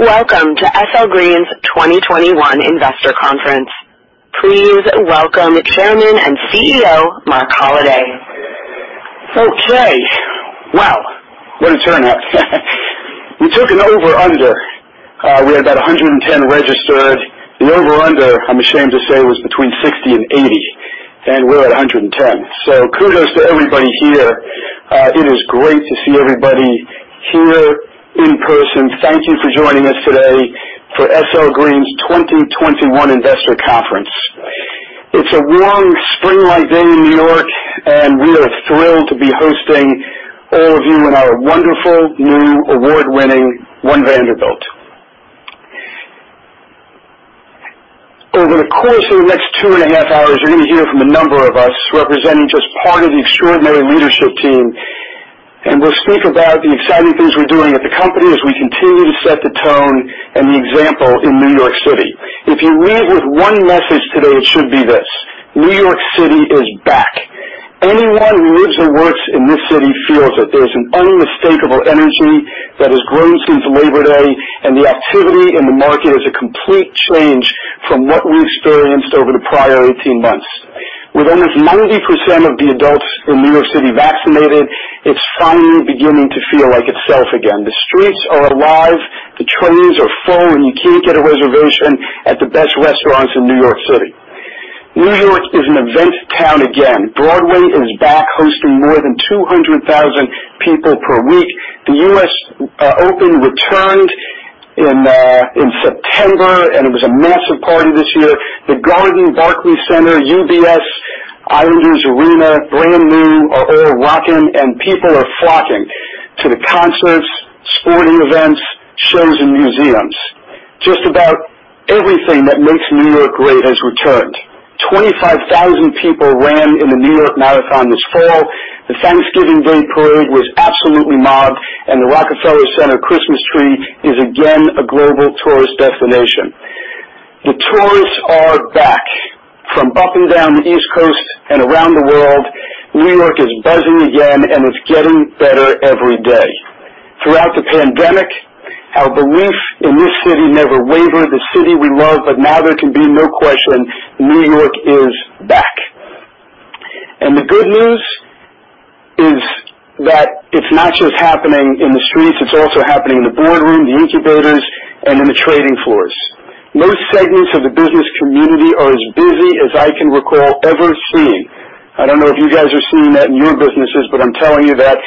Welcome to SL Green's 2021 investor conference. Please welcome Chairman and CEO, Marc Holliday. Okay. Wow, what a turnout. We took an over-under, we had about 110 registered. The over-under, I'm ashamed to say, was between 60 and 80, and we're at 110. So kudos to everybody here. It is great to see everybody here in person. Thank you for joining us today for SL Green's 2021 investor conference. It's a warm spring-like day in New York, and we are thrilled to be hosting all of you in our wonderful new award-winning One Vanderbilt. Over the course of the next 2.5 hours, you're gonna hear from a number of us representing just part of the extraordinary leadership team, and we'll speak about the exciting things we're doing at the company as we continue to set the tone and the example in New York City. If you leave with one message today, it should be this: New York City is back. Anyone who lives or works in this city feels that there's an unmistakable energy that has grown since Labor Day, and the activity in the market is a complete change from what we experienced over the prior 18 months. With almost 90% of the adults in New York City vaccinated, it's finally beginning to feel like itself again. The streets are alive, the trains are full, and you can't get a reservation at the best restaurants in New York City. New York is an event town again. Broadway is back, hosting more than 200,000 people per week. The U.S. Open returned in September, and it was a massive party this year. The Garden, Barclays Center, UBS Arena, brand new, are all rocking, and people are flocking to the concerts, sporting events, shows and museums. Just about everything that makes New York great has returned. 25,000 people ran in the New York Marathon this fall. The Thanksgiving Day Parade was absolutely mobbed, and the Rockefeller Center Christmas tree is again a global tourist destination. The tourists are back. From up and down the East Coast and around the world, New York is buzzing again, and it's getting better every day. Throughout the pandemic, our belief in this city never wavered, the city we love, but now there can be no question, New York is back. The good news is that it's not just happening in the streets, it's also happening in the boardroom, the incubators, and in the trading floors. No segments of the business community are as busy as I can recall ever seeing. I don't know if you guys are seeing that in your businesses, but I'm telling you that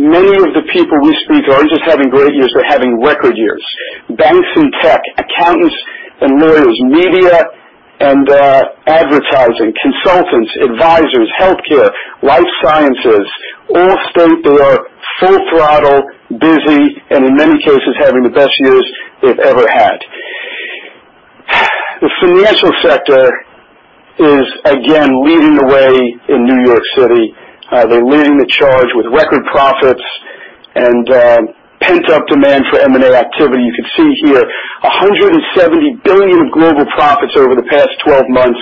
many of the people we speak to aren't just having great years, they're having record years. Banks and tech, accountants and lawyers, media and advertising, consultants, advisors, healthcare, life sciences, all state they are full throttle busy and in many cases, having the best years they've ever had. The financial sector is again leading the way in New York City. They're leading the charge with record profits and pent-up demand for M&A activity. You can see here $170 billion of global profits over the past 12 months.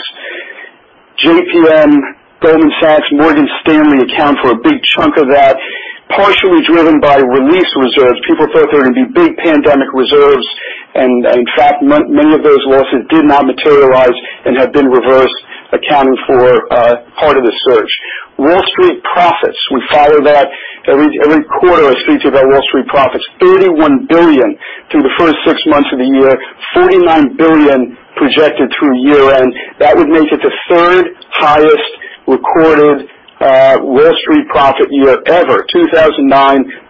JPM, Goldman Sachs, Morgan Stanley account for a big chunk of that, partially driven by released reserves. People thought there were gonna be big pandemic reserves, and in fact, many of those losses did not materialize and have been reversed, accounting for part of the surge. Wall Street profits, we follow that. Every quarter I speak about Wall Street profits. $81 billion through the first six months of the year. $49 billion projected through year-end. That would make it the third highest recorded Wall Street profit year ever. 2009,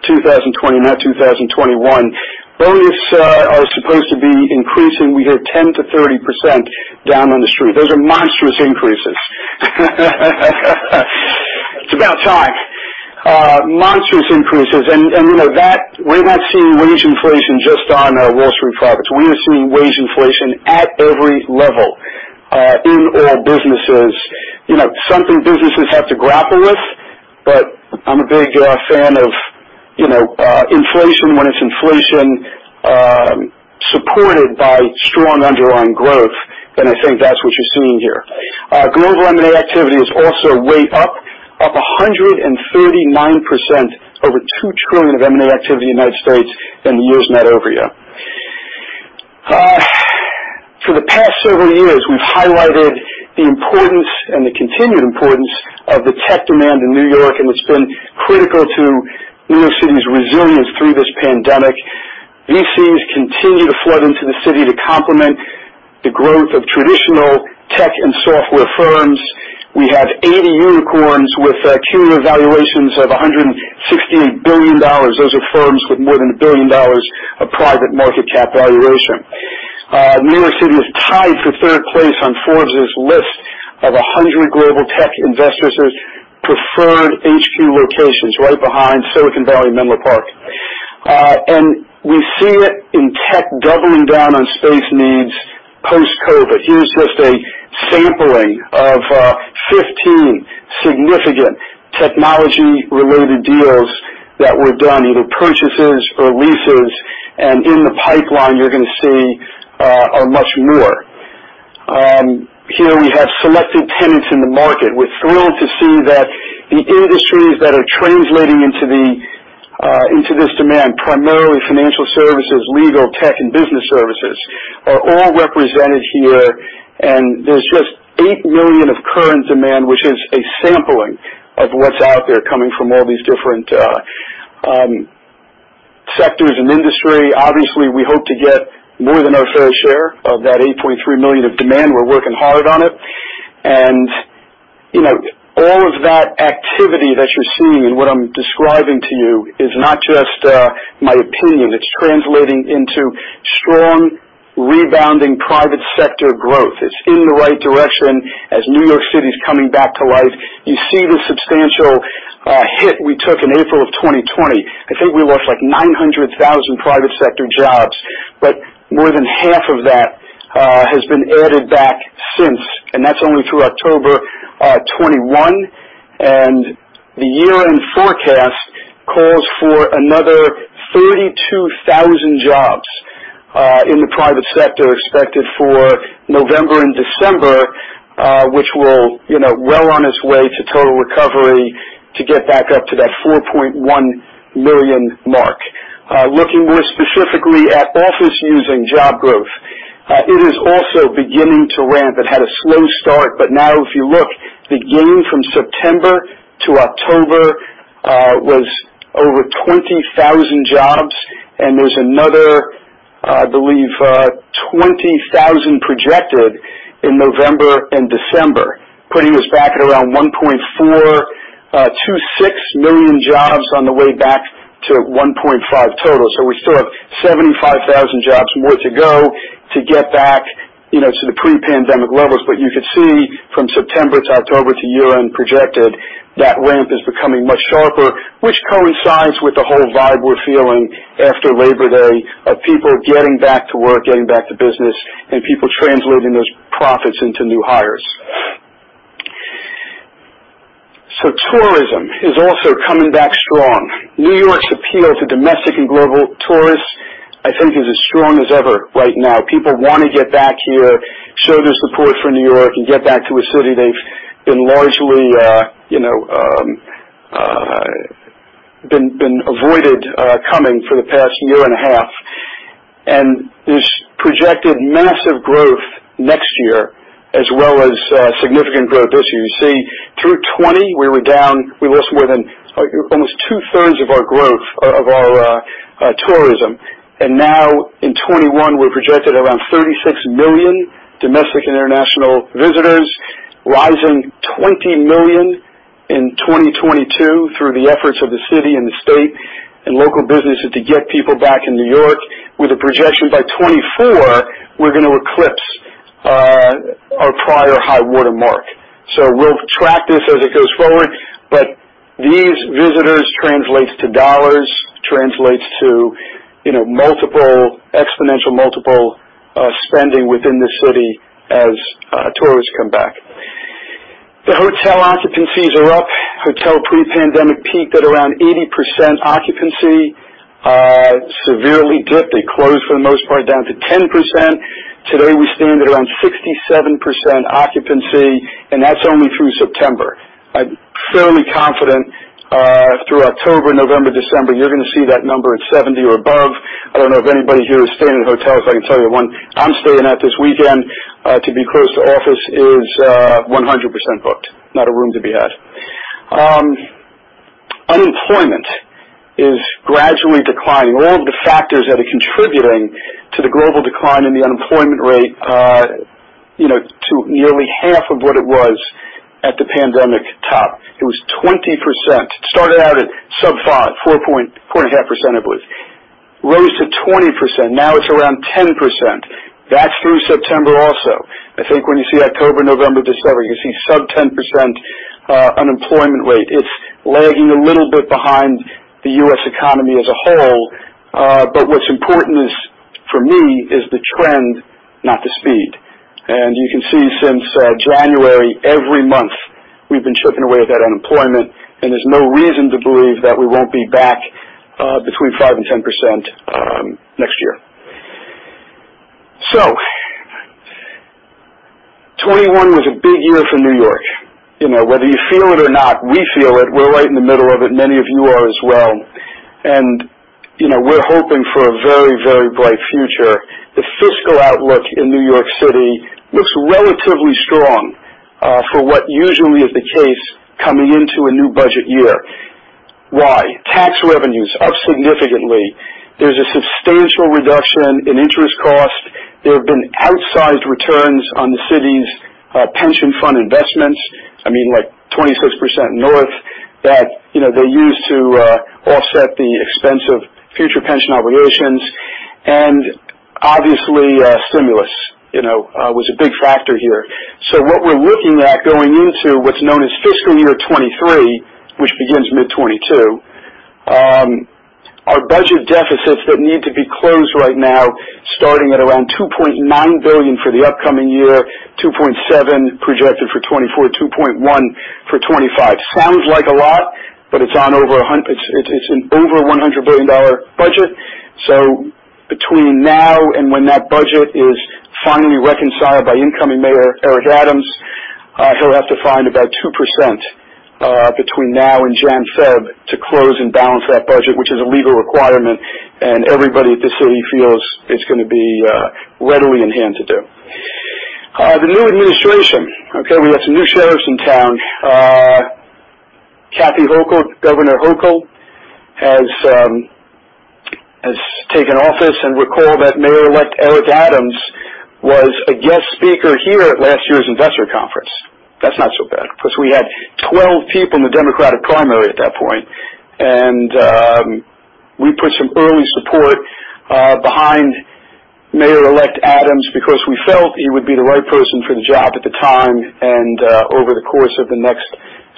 2020, now 2021. Bonuses are supposed to be increasing. We hear 10%-30% down on the street. Those are monstrous increases. It's about time. Monstrous increases and you know that we're not seeing wage inflation just on Wall Street profits. We are seeing wage inflation at every level in all businesses. You know, something businesses have to grapple with, but I'm a big fan of, you know, inflation when it's inflation supported by strong underlying growth, and I think that's what you're seeing here. Global M&A activity is also way up 139%, over $2 trillion of M&A activity in the United States, and the year's not over yet. For the past several years, we've highlighted the importance and the continued importance of the tech demand in New York, and it's been critical to New York City's resilience through this pandemic. VCs continue to flood into the city to complement the growth of traditional tech and software firms. We have 80 unicorns with cumulative valuations of $168 billion. Those are firms with more than $1 billion of private market cap valuation. New York City is tied for 3rd place on Forbes' list of 100 global tech investors' preferred HQ locations, right behind Silicon Valley and Menlo Park. We see it in tech doubling down on space needs post-COVID. Here's just a sampling of 15 significant technology related deals that were done, either purchases or leases. In the pipeline you're gonna see are much more. Here we have selected tenants in the market. We're thrilled to see that the industries that are translating into this demand, primarily financial services, legal tech and business services, are all represented here. There's just eight million of current demand, which is a sampling of what's out there coming from all these different sectors and industry. Obviously, we hope to get more than our fair share of that 8.3 million of demand. We're working hard on it. You know, all of that activity that you're seeing and what I'm describing to you is not just my opinion. It's translating into strong rebounding private sector growth. It's in the right direction. As New York City is coming back to life, you see the substantial hit we took in April of 2020. I think we lost like 900,000 private sector jobs, but more than half of that has been added back since, and that's only through October 2021. The year-end forecast calls for another 32,000 jobs in the private sector expected for November and December, which will, you know, well on its way to total recovery to get back up to that 4.1 million mark. Looking more specifically at office-using job growth, it is also beginning to ramp. It had a slow start, but now if you look, the gain from September to October was over 20,000 jobs. There's another, I believe, 20,000 projected in November and December, putting us back at around 1.426 million jobs on the way back to 1.5 total. We still have 75,000 jobs more to go to get back, you know, to the pre-pandemic levels. You could see from September to October to year-end projected, that ramp is becoming much sharper, which coincides with the whole vibe we're feeling after Labor Day of people getting back to work, getting back to business, and people translating those profits into new hires. Tourism is also coming back strong. New York's appeal to domestic and global tourists, I think, is as strong as ever right now. People wanna get back here, show their support for New York, and get back to a city they've been largely, you know, been avoided coming for the past year and a half. There's projected massive growth next year as well as significant growth this year. You see, through 2020 we were down. We lost more than almost two-thirds of our growth, of our tourism. Now in 2021, we're projected around 36 million domestic and international visitors, rising 20 million in 2022 through the efforts of the city and the state and local businesses to get people back in New York with a projection by 2024, we're gonna eclipse our prior high watermark. We'll track this as it goes forward. These visitors translate to dollars, translate to, you know, multiple exponential multiple spending within the city as tourists come back. The hotel occupancies are up. Hotel pre-pandemic peaked at around 80% occupancy, severely dipped. They closed, for the most part, down to 10%. Today, we stand at around 67% occupancy, and that's only through September. I'm fairly confident through October, November, December, you're gonna see that number at 70% or above. I don't know if anybody here is staying in hotels. I can tell you the one I'm staying at this weekend to be close to office is one hundred percent booked, not a room to be had. Unemployment is gradually declining. All of the factors that are contributing to the global decline in the unemployment rate, you know, to nearly half of what it was at the pandemic top. It was 20%. Started out at sub-five, 4.4 and a half percent, I believe. Rose to 20%. Now it's around 10%. That's through September also. I think when you see October, November, December, you're gonna see sub-10% unemployment rate. It's lagging a little bit behind the U.S. economy as a whole. But what's important for me is the trend, not the speed. You can see since January, every month we've been chipping away at that unemployment, and there's no reason to believe that we won't be back between 5%-10% next year. 2021 was a big year for New York. You know, whether you feel it or not, we feel it. We're right in the middle of it. Many of you are as well. You know, we're hoping for a very, very bright future. The fiscal outlook in New York City looks relatively strong for what usually is the case coming into a new budget year. Why? Tax revenues up significantly. There's a substantial reduction in interest costs. There have been outsized returns on the city's pension fund investments, I mean, like 26% north of that, you know, they use to offset the expense of future pension obligations. Obviously, stimulus, you know, was a big factor here. What we're looking at going into what's known as FY 2023, which begins mid-2022, our budget deficits that need to be closed right now starting at around $2.9 billion for the upcoming year, $2.7 billion projected for 2024, $2.1 billion for 2025. Sounds like a lot, but it's an over $100 billion budget. Between now and when that budget is finally reconciled by incoming Mayor Eric Adams, he'll have to find about 2%, between now and January, February to close and balance that budget, which is a legal requirement, and everybody at the city feels it's gonna be readily in hand to do. The new administration. Okay, we have some new sheriffs in town. Kathy Hochul, Governor Hochul has taken office. Recall that Mayor-elect Eric Adams was a guest speaker here at last year's investor conference. That's not so bad 'cause we had 12 people in the Democratic primary at that point. We put some early support behind Mayor-elect Adams because we felt he would be the right person for the job at the time. Over the course of the next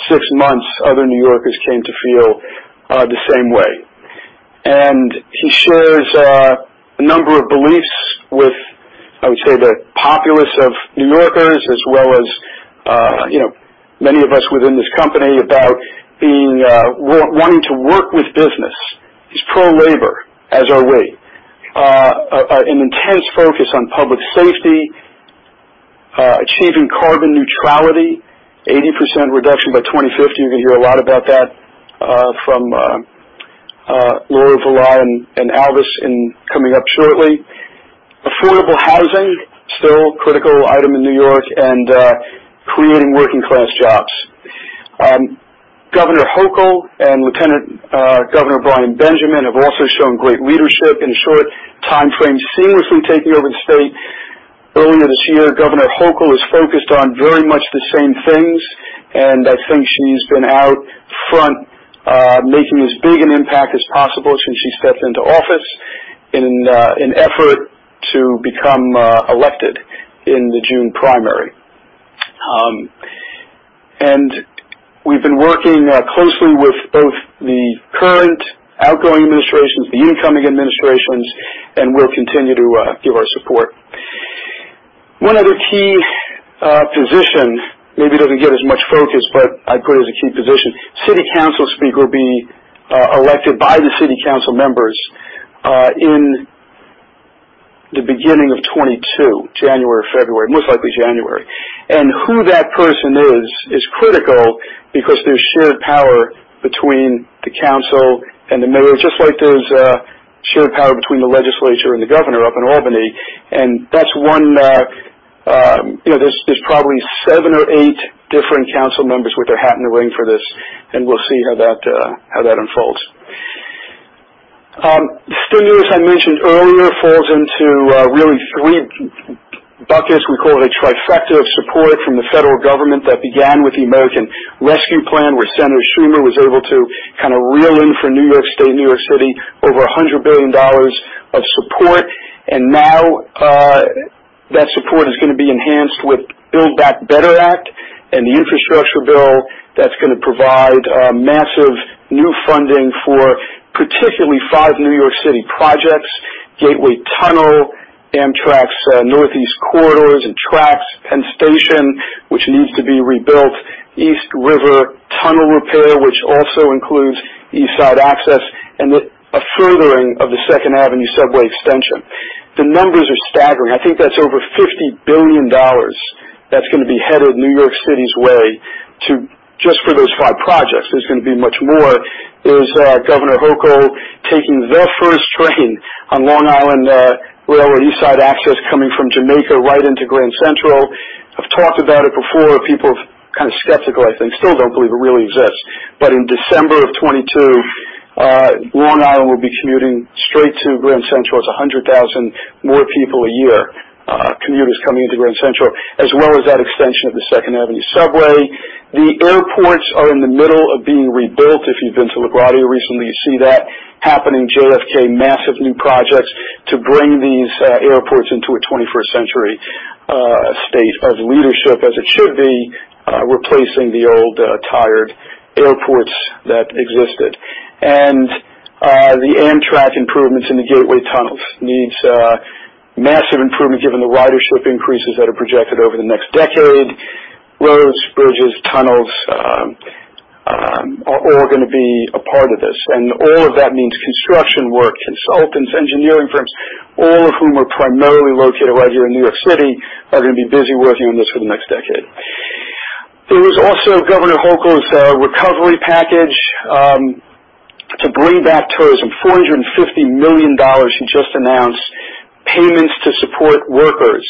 six months, other New Yorkers came to feel the same way. He shares a number of beliefs with, I would say, the populace of New Yorkers, as well as, you know, many of us within this company about being wanting to work with business. He's pro-labor, as are we, an intense focus on public safety, achieving carbon neutrality, 80% reduction by 2050. You're gonna hear a lot about that from Laura Vulaj and Alvis coming up shortly. Affordable housing, still a critical item in New York and creating working class jobs. Governor Hochul and Lieutenant Governor Brian Benjamin have also shown great leadership in a short timeframe, seamlessly taking over the state earlier this year. Governor Hochul is focused on very much the same things, and I think she's been out front making as big an impact as possible since she stepped into office in an effort to become elected in the June primary. We've been working closely with both the current outgoing administrations, the incoming administrations, and we'll continue to give our support. One other key position, maybe it doesn't get as much focus, but I put it as a key position. City Council Speaker will be elected by the city council members in the beginning of 2022, January, February, most likely January. Who that person is is critical because there's shared power between the council and the mayor, just like there's shared power between the legislature and the governor up in Albany. That's one. You know, there's probably seven or eight different council members with their hat in the ring for this, and we'll see how that unfolds. Stimulus I mentioned earlier falls into really three buckets. We call it a trifecta of support from the federal government that began with the American Rescue Plan, where Senator Schumer was able to kinda reel in for New York State, New York City, over $100 billion of support. Now, that support is gonna be enhanced with Build Back Better Act and the infrastructure bill that's gonna provide massive new funding for particularly five New York City projects, Gateway Tunnel, Amtrak's Northeast Corridor and tracks, Penn Station, which needs to be rebuilt, East River Tunnel repair, which also includes East Side Access, and a furthering of the Second Avenue subway extension. The numbers are staggering. I think that's over $50 billion that's gonna be headed New York City's way to just for those five projects. There's gonna be much more. There's Governor Hochul taking the first train on Long Island Rail Road or East Side Access coming from Jamaica right into Grand Central. I've talked about it before. People are kind of skeptical, I think. Still don't believe it really exists. In December of 2022, Long Island will be commuting straight to Grand Central. It's 100,000 more people a year, commuters coming into Grand Central, as well as that extension of the Second Avenue subway. The airports are in the middle of being rebuilt. If you've been to LaGuardia recently, you see that happening. JFK, massive new projects to bring these, airports into a 21st century, state of leadership, as it should be, replacing the old, tired airports that existed. The Amtrak improvements in the Gateway tunnels needs massive improvement given the ridership increases that are projected over the next decade. Roads, bridges, tunnels, are all gonna be a part of this. All of that means construction work, consultants, engineering firms, all of whom are primarily located right here in New York City, are gonna be busy working on this for the next decade. There is also Governor Hochul's recovery package to bring back tourism, $450 million she just announced, payments to support workers,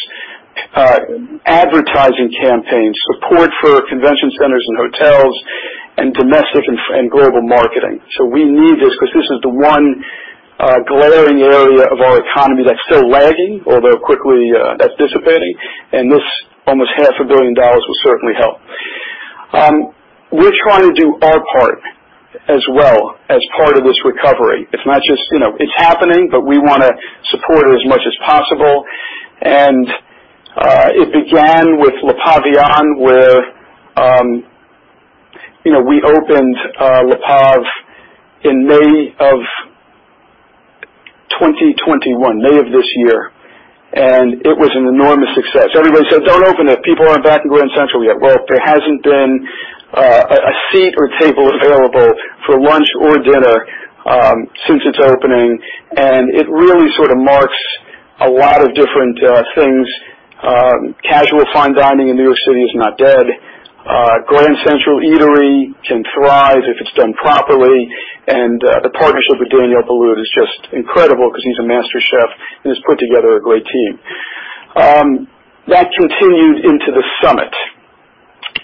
advertising campaigns, support for convention centers and hotels, and domestic and global marketing. We need this because this is the one glaring area of our economy that's still lagging, although quickly that's dissipating, and this almost half a billion dollars will certainly help. We're trying to do our part as well as part of this recovery. It's not just, you know, it's happening, but we wanna support it as much as possible. It began with Le Pavillon, where you know, we opened Le Pav in May 2021, May of this year. It was an enormous success. Everybody said, "Don't open it. People aren't back in Grand Central yet." Well, there hasn't been a seat or table available for lunch or dinner since its opening, and it really sort of marks a lot of different things. Casual fine dining in New York City is not dead. Grand Central Eatery can thrive if it's done properly, and the partnership with Daniel Boulud is just incredible 'cause he's a master chef, and he's put together a great team. That continued into the summit.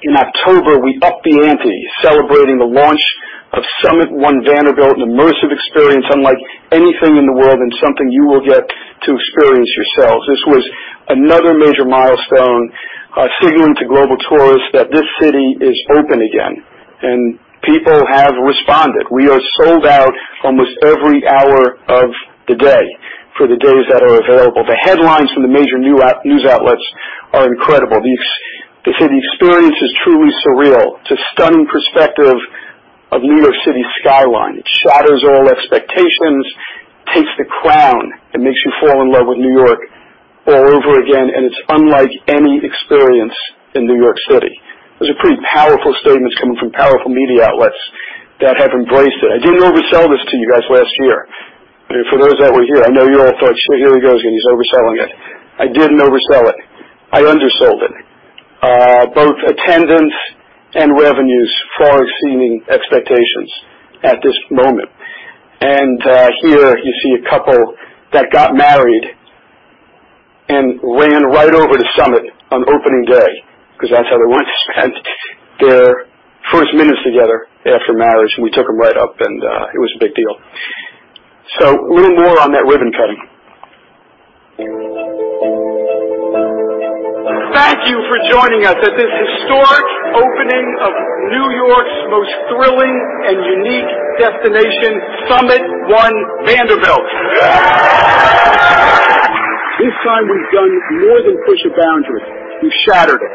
In October, we upped the ante, celebrating the launch of SUMMIT One Vanderbilt, an immersive experience unlike anything in the world and something you will get to experience yourselves. This was another major milestone, signaling to global tourists that this city is open again, and people have responded. We are sold out almost every hour of the day for the days that are available. The headlines from the major news outlets are incredible. They say the experience is truly surreal. It's a stunning perspective of New York City skyline. It shatters all expectations, takes the crown, and makes you fall in love with New York all over again, and it's unlike any experience in New York City. Those are pretty powerful statements coming from powerful media outlets that have embraced it. I didn't oversell this to you guys last year. I mean, for those that were here, I know you all thought, "So here he goes again. He's overselling it." I didn't oversell it. I undersold it. Both attendance and revenues far exceeding expectations at this moment. Here you see a couple that got married and ran right over to SUMMIT One Vanderbilt on opening day 'cause that's how they wanted to spend their first minutes together after marriage, and we took them right up, and it was a big deal. A little more on that ribbon cutting. Thank you for joining us at this historic opening of New York's most thrilling and unique destination, SUMMIT One Vanderbilt. This time we've done more than push a boundary. We've shattered it.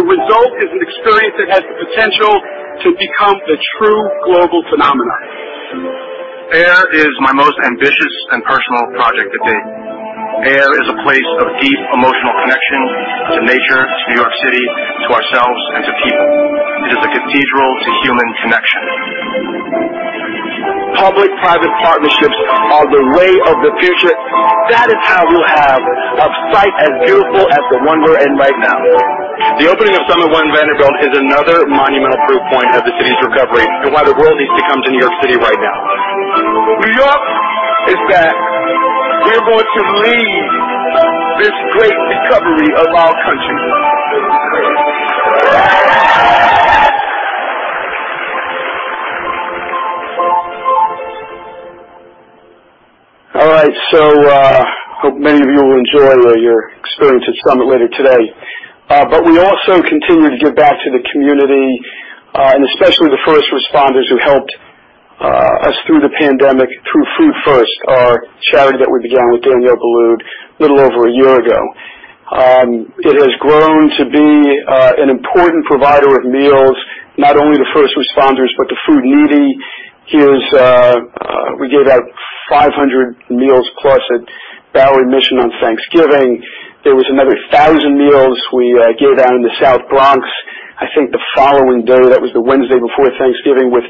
The result is an experience that has the potential to become the true global phenomenon. It is my most ambitious and personal project to date. Air is a place of deep emotional connection to nature, to New York City, to ourselves, and to people. It is a cathedral to human connection. Public-private partnerships are the way of the future. That is how you'll have a site as beautiful as the one we're in right now. The opening of SUMMIT One Vanderbilt is another monumental proof point of the city's recovery and why the world needs to come to New York City right now. New York is back. We're going to lead this great recovery of our country. All right, hope many of you will enjoy your experience at SUMMIT later today. We also continue to give back to the community and especially the first responders who helped us through the pandemic through Food1st, our charity that we began with Daniel Boulud a little over a year ago. It has grown to be an important provider of meals, not only the first responders, but the food needy. Here's we gave out 500 meals plus at The Bowery Mission on Thanksgiving. There was another 1,000 meals we gave out in the South Bronx, I think the following day. That was the Wednesday before Thanksgiving with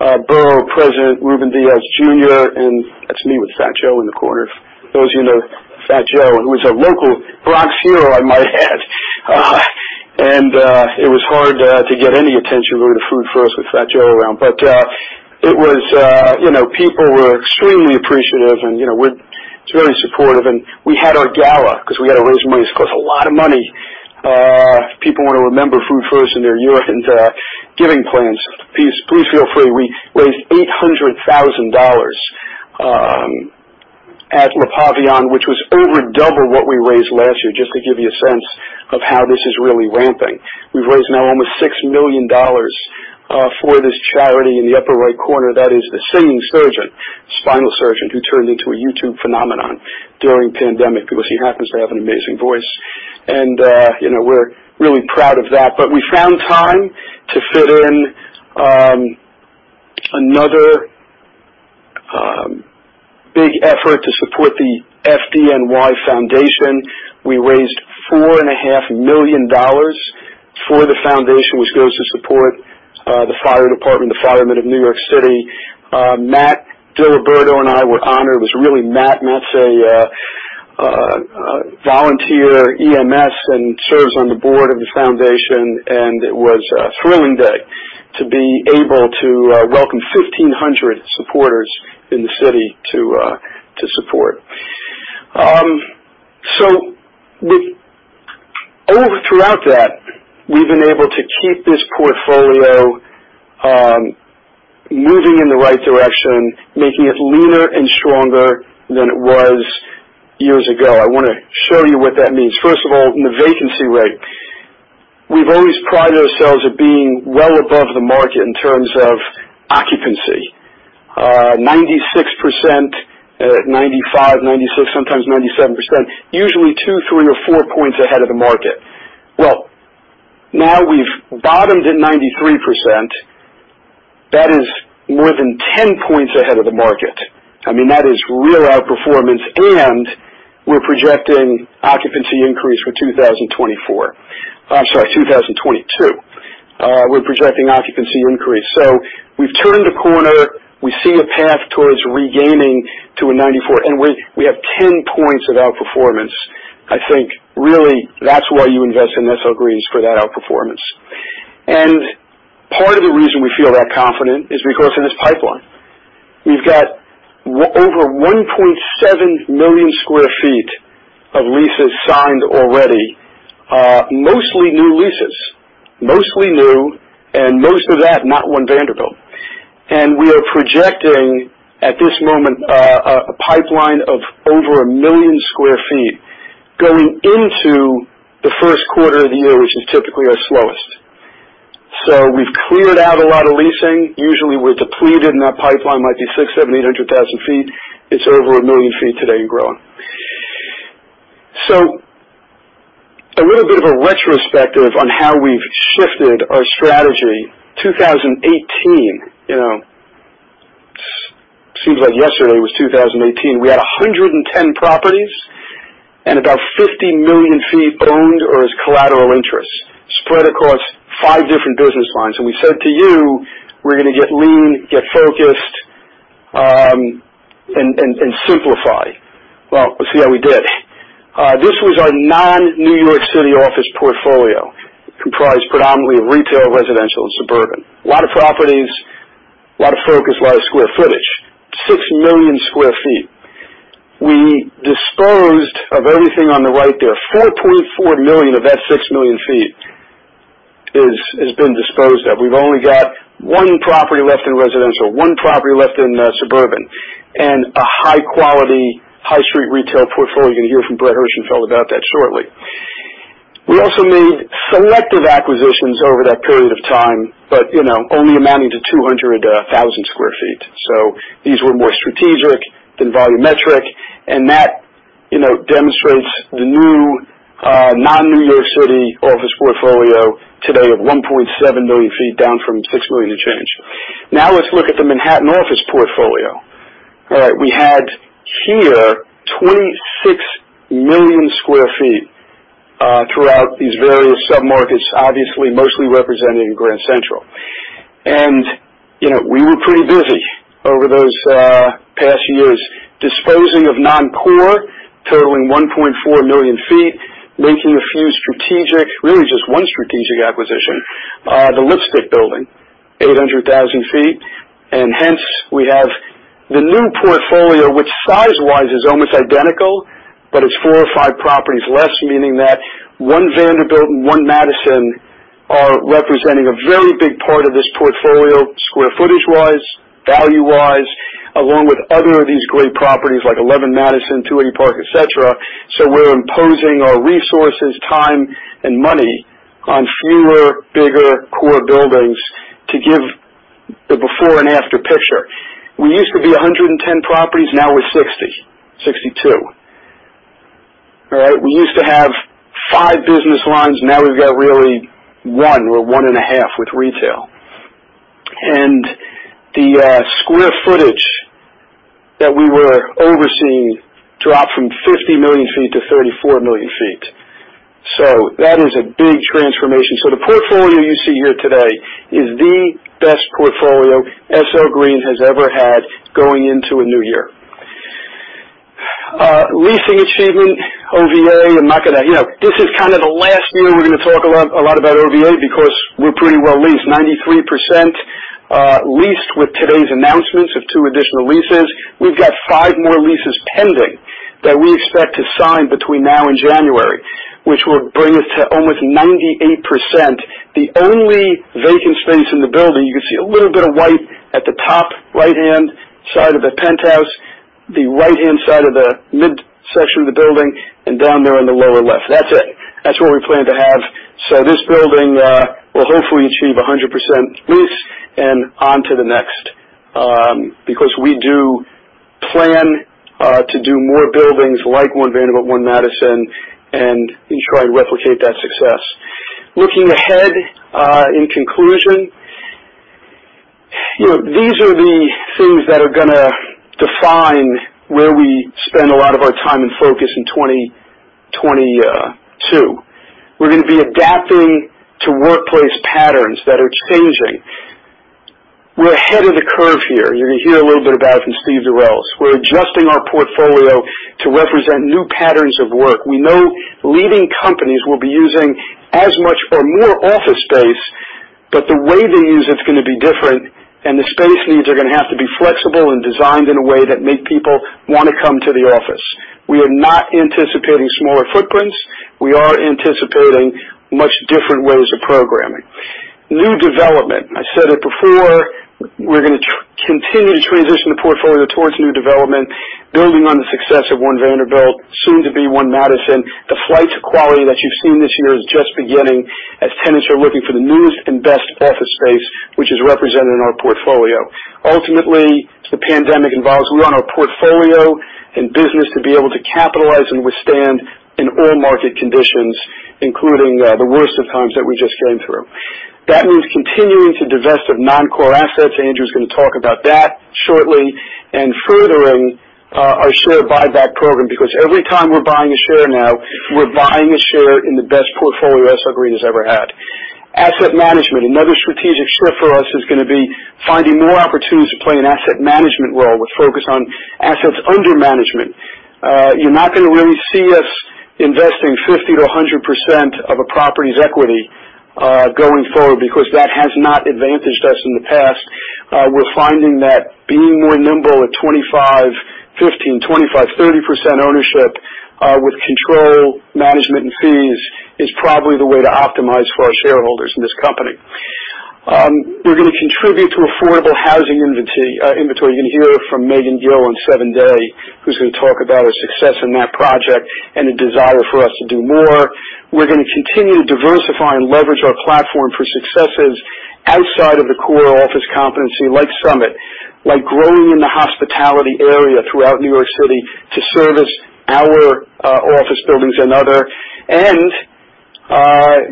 Borough President Rubén Díaz Jr. That's me with Fat Joe in the corner. Those of you who know Fat Joe, who is a local Bronx hero, I might add. It was hard to get any attention going to Food1st with Fat Joe around. It was, you know, people were extremely appreciative, and, you know, it's really supportive. We had our gala 'cause we gotta raise money. This costs a lot of money. If people wanna remember Food1st in their year-end giving plans, please feel free. We raised $800,000 at Le Pavillon, which was over double what we raised last year, just to give you a sense of how this is really ramping. We've raised now almost $6 million for this charity. In the upper right corner, that is the singing surgeon, spinal surgeon, who turned into a YouTube phenomenon during pandemic because he happens to have an amazing voice. You know, we're really proud of that. We found time to fit in another big effort to support the FDNY Foundation. We raised $4.5 million for the foundation, which goes to support the fire department, the firemen of New York City. Matt DiLiberto and I were honored. It was really Matt. Matt's a volunteer EMS and serves on the board of the foundation, and it was a thrilling day to be able to welcome 1,500 supporters in the city to support. All throughout that, we've been able to keep this portfolio moving in the right direction, making it leaner and stronger than it was years ago. I wanna show you what that means. First of all, in the vacancy rate, we've always prided ourselves of being well above the market in terms of occupancy. 95%, 96%, sometimes 97%, usually two, three, or four points ahead of the market. Well, now we've bottomed at 93%. That is more than 10 points ahead of the market. I mean, that is real outperformance. We're projecting occupancy increase for 2024. I'm sorry, 2022, we're projecting occupancy increase. We've turned a corner. We see a path towards regaining to a 94, and we have 10 points of outperformance. I think, really, that's why you invest in SL Green, is for that outperformance. Part of the reason we feel that confident is because in this pipeline. We've got over 1.7 million sq ft of leases signed already, mostly new leases. Mostly new, and most of that, not One Vanderbilt. We are projecting, at this moment, a pipeline of over one million sq ft going into the first quarter of the year, which is typically our slowest. We've cleared out a lot of leasing. Usually we're depleted, and that pipeline might be 600,000, 700,000, 800,000 sq ft. It's over one million sq ft today and growing. A little bit of a retrospective on how we've shifted our strategy. 2018, you know, seems like yesterday was 2018. We had 110 properties and about 50 million sq ft owned or as collateral interests spread across five different business lines. We said to you, we're gonna get lean, get focused, and simplify. Well, let's see how we did. This was our non-New York City office portfolio, comprised predominantly of retail, residential, suburban. A lot of properties, a lot of focus, a lot of square footage. Six million sq ft. We disposed of everything on the right there. 4.4 million of that six million sq ft has been disposed of. We've only got one property left in residential, one property left in suburban, and a high quality, high street retail portfolio. You're gonna hear from Brett Herschenfeld about that shortly. We also made selective acquisitions over that period of time, but, you know, only amounting to 200,000 sq ft. So these were more strategic than volumetric. That, you know, demonstrates the new non-New York City office portfolio today of 1.7 million sq ft, down from six million and change. Now let's look at the Manhattan office portfolio. All right. We had here 26 million sq ft throughout these various submarkets, obviously mostly represented in Grand Central. You know, we were pretty busy over those past years disposing of non-core, totaling 1.4 million sq ft, making really just one strategic acquisition, the Lipstick Building, 800,000 sq ft. Hence, we have the new portfolio, which size-wise is almost identical, but it's four or five properties less, meaning that One Vanderbilt and One Madison are representing a very big part of this portfolio square footage-wise, value-wise, along with other of these great properties like 11 Madison, 280 Park, etc. We're imposing our resources, time, and money on fewer, bigger core buildings to give the before and after picture. We used to be 110 properties, now we're 62. We used to have five business lines, now we've got really one. We're 1.5 with retail. The square footage that we were overseeing dropped from 50 million sq ft to 34 million sq ft. That is a big transformation. The portfolio you see here today is the best portfolio SL Green has ever had going into a new year. Leasing achievement, OVA. You know, this is kind of the last year we're gonna talk a lot about OVA because we're pretty well leased. 93%, leased with today's announcements of two additional leases. We've got five more leases pending that we expect to sign between now and January, which will bring us to almost 98%. The only vacant space in the building, you can see a little bit of white at the top right-hand side of the penthouse, the right-hand side of the midsection of the building, and down there on the lower left. That's it. That's what we plan to have. This building will hopefully achieve 100% lease and on to the next, because we do plan to do more buildings like One Vanderbilt, One Madison, and each try and replicate that success. Looking ahead, in conclusion, you know, these are the things that are gonna define where we spend a lot of our time and focus in 2022. We're gonna be adapting to workplace patterns that are changing. We're ahead of the curve here. You're gonna hear a little bit about it from Steven Durels. We're adjusting our portfolio to represent new patterns of work. We know leading companies will be using as much or more office space, but the way they use it is gonna be different, and the space needs are gonna have to be flexible and designed in a way that make people wanna come to the office. We are not anticipating smaller footprints. We are anticipating much different ways of programming. New development. I said it before, we're gonna continue to transition the portfolio towards new development, building on the success of One Vanderbilt, soon to be One Madison. The flight to quality that you've seen this year is just beginning as tenants are looking for the newest and best office space, which is represented in our portfolio. Ultimately, the pandemic involves we want our portfolio and business to be able to capitalize and withstand in all market conditions, including the worst of times that we just came through. That means continuing to divest of non-core assets. Andrew's gonna talk about that shortly, and furthering our share buyback program, because every time we're buying a share now, we're buying a share in the best portfolio SL Green has ever had. Asset management. Another strategic shift for us is gonna be finding more opportunities to play an asset management role with focus on assets under management. You're not gonna really see us investing 50%-100% of a property's equity going forward because that has not advantaged us in the past. We're finding that being more nimble at 25, 15, 25, 30% ownership with control, management and fees is probably the way to optimize for our shareholders in this company. We're gonna contribute to affordable housing inventory. You're gonna hear from Meghann Gill on 7 Dey, who's gonna talk about her success in that project and a desire for us to do more. We're gonna continue to diversify and leverage our platform for successes outside of the core office competency like Summit, like growing in the hospitality area throughout New York City to service our office buildings and other.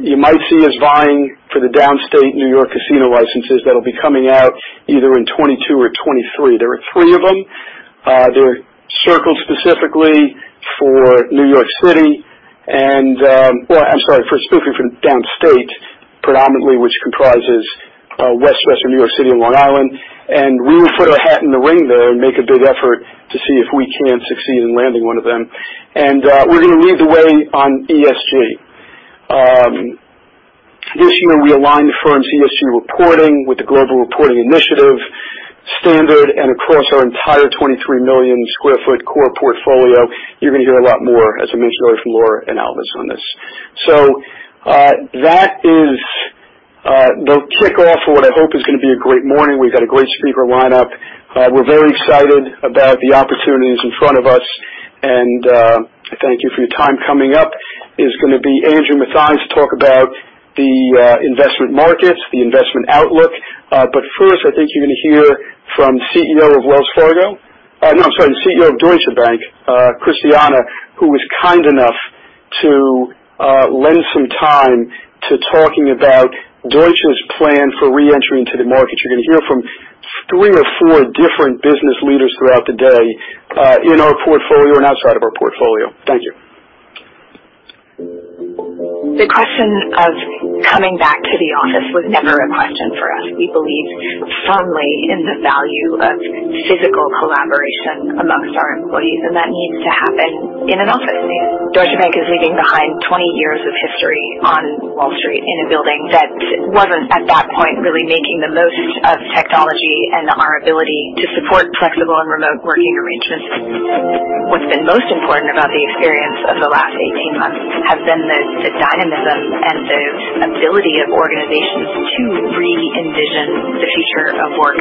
You might see us vying for the downstate New York casino licenses that'll be coming out either in 2022 or 2023. There are three of them. They're earmarked specifically for downstate, predominantly, which comprises western New York City and Long Island. We will put our hat in the ring there and make a big effort to see if we can succeed in landing one of them. We're gonna lead the way on ESG. This year we aligned the firm's ESG reporting with the Global Reporting Initiative standard and across our entire 23 million sq ft core portfolio. You're gonna hear a lot more, as I mentioned earlier, from Laura and Elvis on this. That is the kickoff for what I hope is gonna be a great morning. We've got a great speaker lineup. We're very excited about the opportunities in front of us, and thank you for your time. Coming up is gonna be Andrew Mathias talk about the investment markets, the investment outlook. But first, I think you're gonna hear from CEO of Wells Fargo. No, I'm sorry, the CEO of Deutsche Bank, Christiana, who was kind enough to lend some time to talking about Deutsche's plan for re-entry into the market. You're gonna hear from three or four different business leaders throughout the day in our portfolio and outside of our portfolio. Thank you. The question of coming back to the office was never a question for us. We believe firmly in the value of physical collaboration amongst our employees, and that needs to happen in an office. Deutsche Bank is leaving behind 20 years of history on Wall Street in a building that wasn't, at that point, really making the most of technology and our ability to support flexible and remote working arrangements. What's been most important about the experience of the last 18 months has been the dynamism and the ability of organizations to re-envision the future of work.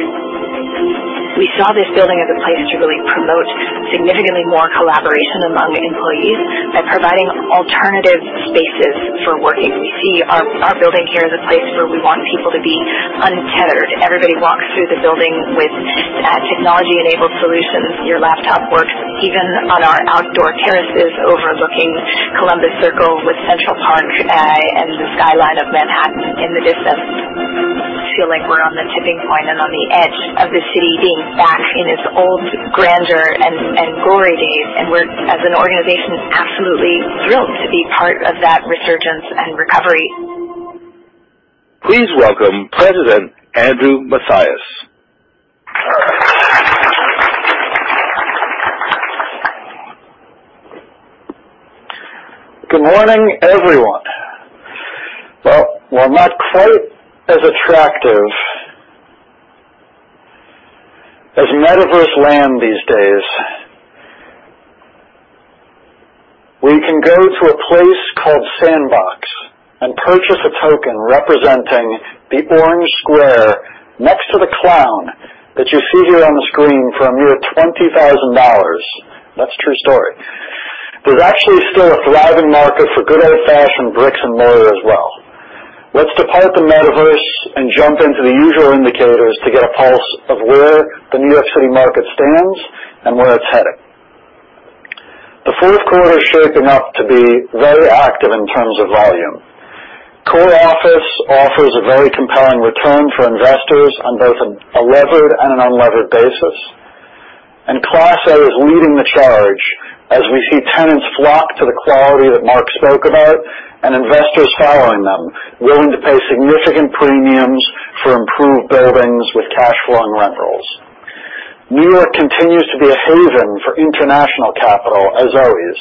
We saw this building as a place to really promote significantly more collaboration among employees by providing alternative spaces for working. We see our building here as a place where we want people to be untethered. Everybody walks through the building with technology-enabled solutions. Your laptop works even on our outdoor terraces overlooking Columbus Circle with Central Park and the skyline of Manhattan in the distance. I feel like we're on the tipping point and on the edge of the city being back in its old grandeur and glory days, and we're, as an organization, absolutely thrilled to be part of that resurgence and recovery. Please welcome President Andrew Mathias. Good morning, everyone. Well, we're not quite as attractive as metaverse land these days, where you can go to a place called Sandbox and purchase a token representing the orange square next to the clown that you see here on the screen for a mere $20,000. That's a true story. There's actually still a thriving market for good old-fashioned bricks and mortar as well. Let's depart the metaverse and jump into the usual indicators to get a pulse of where the New York City market stands and where it's heading. The fourth quarter is shaping up to be very active in terms of volume. Core office offers a very compelling return for investors on both a levered and an unlevered basis. Class A is leading the charge as we see tenants flock to the quality that Marc spoke about and investors following them, willing to pay significant premiums for improved buildings with cash flowing rentals. New York continues to be a haven for international capital, as always,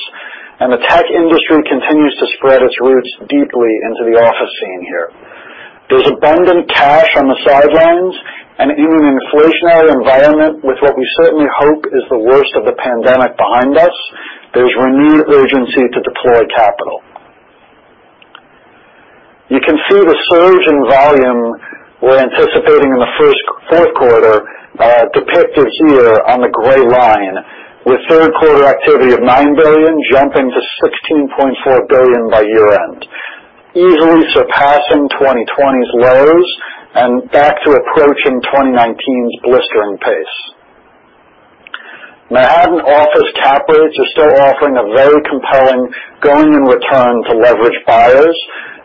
and the tech industry continues to spread its roots deeply into the office scene here. There's abundant cash on the sidelines and in an inflationary environment with what we certainly hope is the worst of the pandemic behind us, there's renewed urgency to deploy capital. You can see the surge in volume we're anticipating in the fourth quarter depicted here on the gray line, with third quarter activity of $9 billion jumping to $16.4 billion by year-end. Easily surpassing 2020's lows and back to approaching 2019's blistering pace. Manhattan office cap rates are still offering a very compelling going-in return to leverage buyers,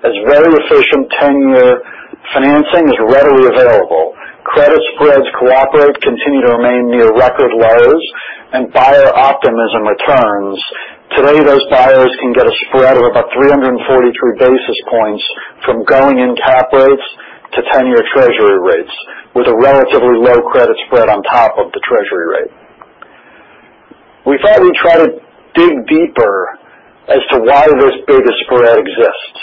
as very efficient ten-year financing is readily available. Credit spreads cooperate, continue to remain near record lows, and buyer optimism returns. Today, those buyers can get a spread of about 343 basis points from going in cap rates to ten-year treasury rates, with a relatively low credit spread on top of the treasury rate. We thought we'd try to dig deeper as to why this bigger spread exists.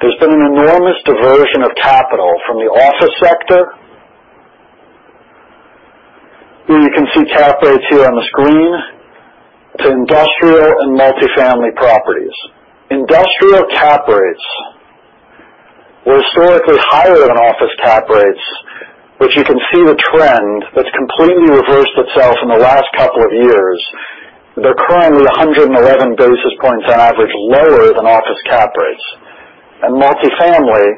There's been an enormous diversion of capital from the office sector. Here, you can see cap rates here on the screen to industrial and multi-family properties. Industrial cap rates were historically higher than office cap rates, which you can see the trend that's completely reversed itself in the last couple of years. They're currently 111 basis points on average lower than office cap rates. Multi-family,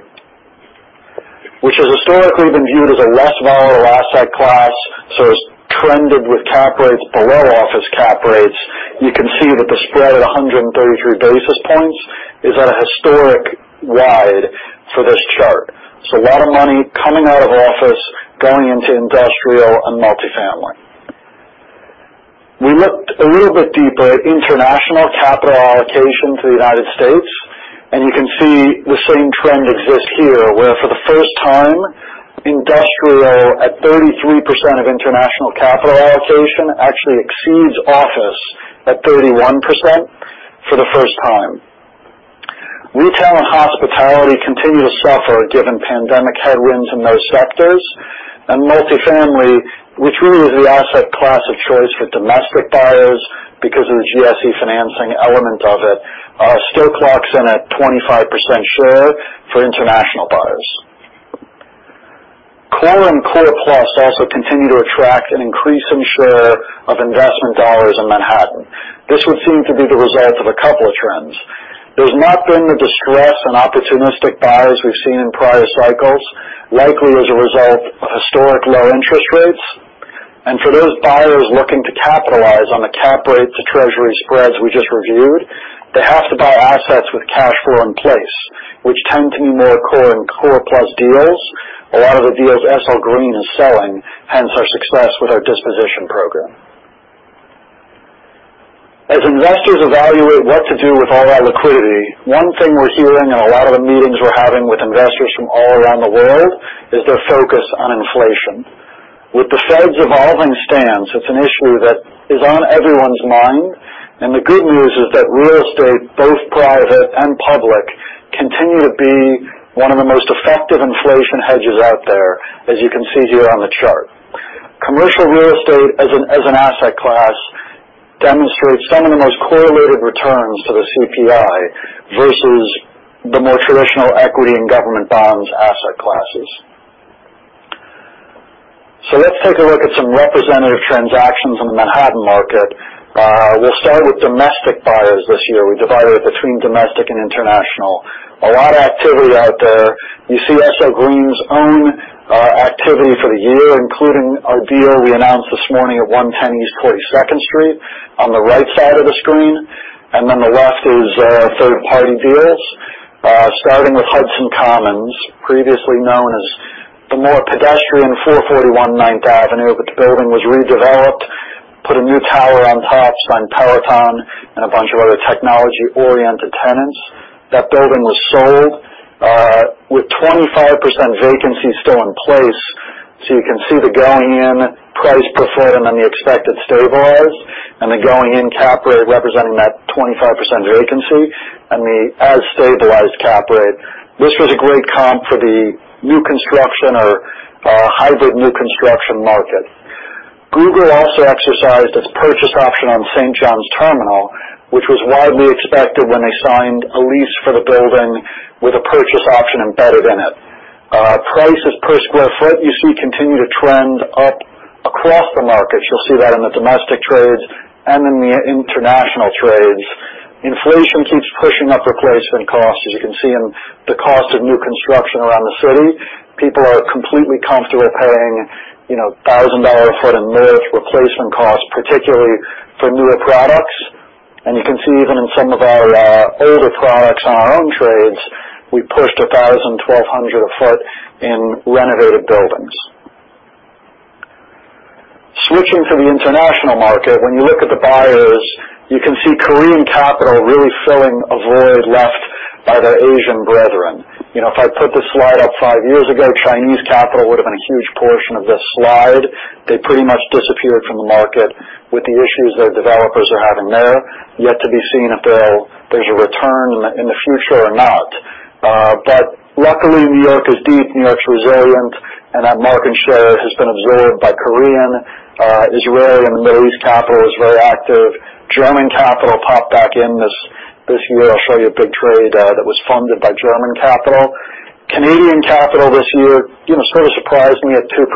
which has historically been viewed as a less volatile asset class, so it's trended with cap rates below office cap rates, you can see that the spread at 133 basis points is at a historic wide for this chart. A lot of money coming out of office, going into industrial and multi-family. We looked a little bit deeper at international capital allocation to the United States, and you can see the same trend exists here, where for the first time, industrial, at 33% of international capital allocation, actually exceeds office at 31% for the first time. Retail and hospitality continue to suffer given pandemic headwinds in those sectors. Multi-family, which really is the asset class of choice for domestic buyers because of the GSE financing element of it, still clocks in at 25% share for international buyers. Core and core plus also continue to attract an increasing share of investment dollars in Manhattan. This would seem to be the result of a couple of trends. There's not been the distress in opportunistic buyers we've seen in prior cycles, likely as a result of historic low interest rates. For those buyers looking to capitalize on the cap rate to treasury spreads we just reviewed, they have to buy assets with cash flow in place, which tend to be more core and core plus deals. A lot of the deals SL Green is selling, hence our success with our disposition program. As investors evaluate what to do with all our liquidity, one thing we're hearing in a lot of the meetings we're having with investors from all around the world is their focus on inflation. With the Fed's evolving stance, it's an issue that is on everyone's mind, and the good news is that real estate, both private and public, continue to be one of the most effective inflation hedges out there, as you can see here on the chart. Commercial real estate as an asset class demonstrates some of the most correlated returns to the CPI versus the more traditional equity and government bonds asset classes. Let's take a look at some representative transactions in the Manhattan market. We'll start with domestic buyers this year. We divided it between domestic and international. A lot of activity out there. You see SL Green's own activity for the year, including our deal we announced this morning at 110 East 42nd Street on the right side of the screen. On the left is our third-party deals starting with Hudson Commons, previously known as the more pedestrian 441 Ninth Avenue, but the building was redeveloped, put a new tower on top, signed Peloton and a bunch of other technology-oriented tenants. That building was sold with 25% vacancy still in place. You can see the going-in price per foot and then the expected stabilized, and the going-in cap rate representing that 25% vacancy, and the as-stabilized cap rate. This was a great comp for the new construction or hybrid new construction market. Google also exercised its purchase option on St. John's Terminal. Which was widely expected when they signed a lease for the building with a purchase option embedded in it. Prices per square foot, you see, continue to trend up across the market. You'll see that in the domestic trades and in the international trades. Inflation keeps pushing up replacement costs, as you can see in the cost of new construction around the city. People are completely comfortable paying, you know, $1,000 a foot in such replacement costs, particularly for newer products. You can see even in some of our older products on our own trades, we pushed $1,000, $1,200 a foot in renovated buildings. Switching to the international market, when you look at the buyers, you can see Korean capital really filling a void left by their Asian brethren. You know, if I put this slide up five years ago, Chinese capital would've been a huge portion of this slide. They pretty much disappeared from the market with the issues their developers are having there. Yet to be seen if there's a return in the future or not. But luckily, New York is deep, New York's resilient, and that market share has been absorbed by Korean, Israeli, and the Middle East capital is very active. German capital popped back in this year. I'll show you a big trade that was funded by German capital. Canadian capital this year, you know, sort of surprised me at 2%.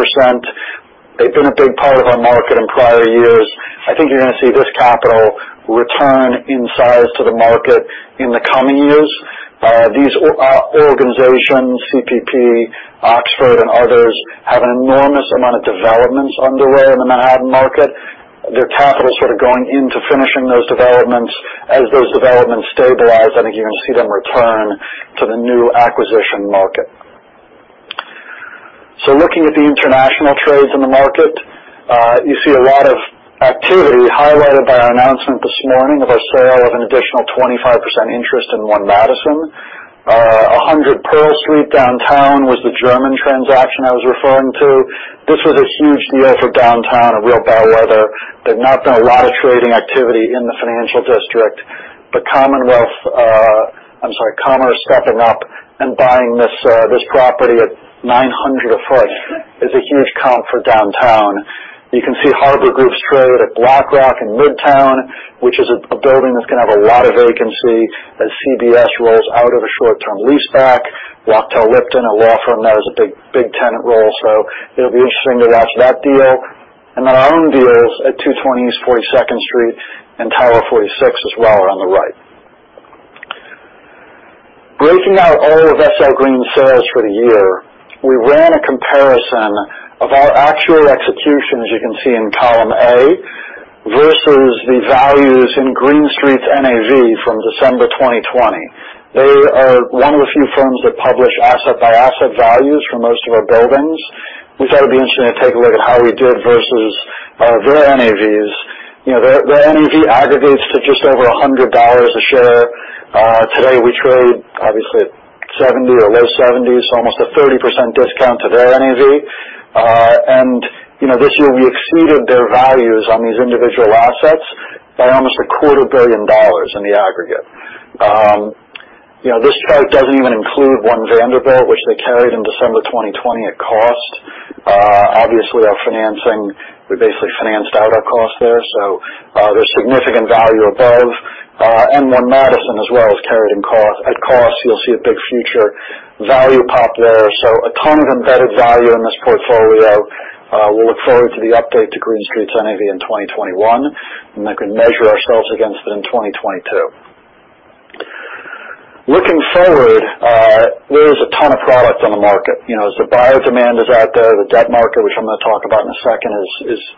They've been a big part of our market in prior years. I think you're gonna see this capital return in size to the market in the coming years. These organizations, CPP, Oxford, and others, have an enormous amount of developments underway in the Manhattan market. Their capital sort of going into finishing those developments. As those developments stabilize, I think you're gonna see them return to the new acquisition market. Looking at the international trades in the market, you see a lot of activity highlighted by our announcement this morning of our sale of an additional 25% interest in One Madison. 100 Pearl Street downtown was the German transaction I was referring to. This was a huge deal for downtown, a real bellwether. There's not been a lot of trading activity in the financial district, but Commerz stepping up and buying this property at $900 a foot is a huge comp for downtown. You can see Harbor Group's trade at Black Rock in Midtown, which is a building that's gonna have a lot of vacancy as CBS rolls out of a short-term leaseback. Wachtell Lipton, a law firm there, is a big tenant roll, so it'll be interesting to watch that deal. Our own deals at 220 East 42nd Street and Tower 46 as well are on the right. Breaking out all of SL Green's sales for the year, we ran a comparison of our actual execution, as you can see in column A, versus the values in Green Street's NAV from December 2020. They are one of the few firms that publish asset-by-asset values for most of our buildings. We thought it'd be interesting to take a look at how we did versus their NAVs. You know, their NAV aggregates to just over $100 a share. Today, we trade obviously at 70 or low 70s, so almost a 30% discount to their NAV. This year we exceeded their values on these individual assets by almost a quarter billion dollars in the aggregate. This chart doesn't even include One Vanderbilt, which they carried in December 2020 at cost. Obviously, our financing, we basically financed out our cost there, so there's significant value above. One Madison as well is carried at cost. You'll see a big future value pop there. A ton of embedded value in this portfolio. We'll look forward to the update to Green Street's NAV in 2021, and then we can measure ourselves against it in 2022. Looking forward, there is a ton of product on the market. You know, as the buyer demand is out there, the debt market, which I'm gonna talk about in a second,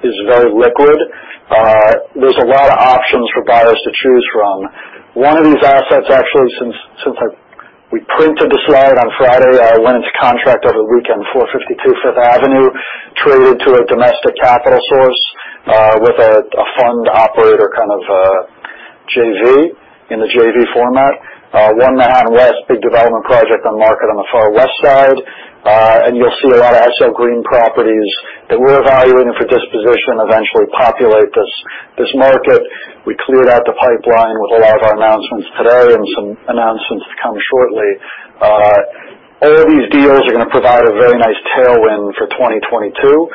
is very liquid. There's a lot of options for buyers to choose from. One of these assets actually, since we printed the slide on Friday, went into contract over the weekend. 452 Fifth Avenue traded to a domestic capital source, with a fund operator kind of JV, in the JV format. One Manhattan West, big development project on market on the far West Side. You'll see a lot of SL Green properties that we're evaluating for disposition eventually populate this market. We cleared out the pipeline with a lot of our announcements today and some announcements to come shortly. All these deals are gonna provide a very nice tailwind for 2022,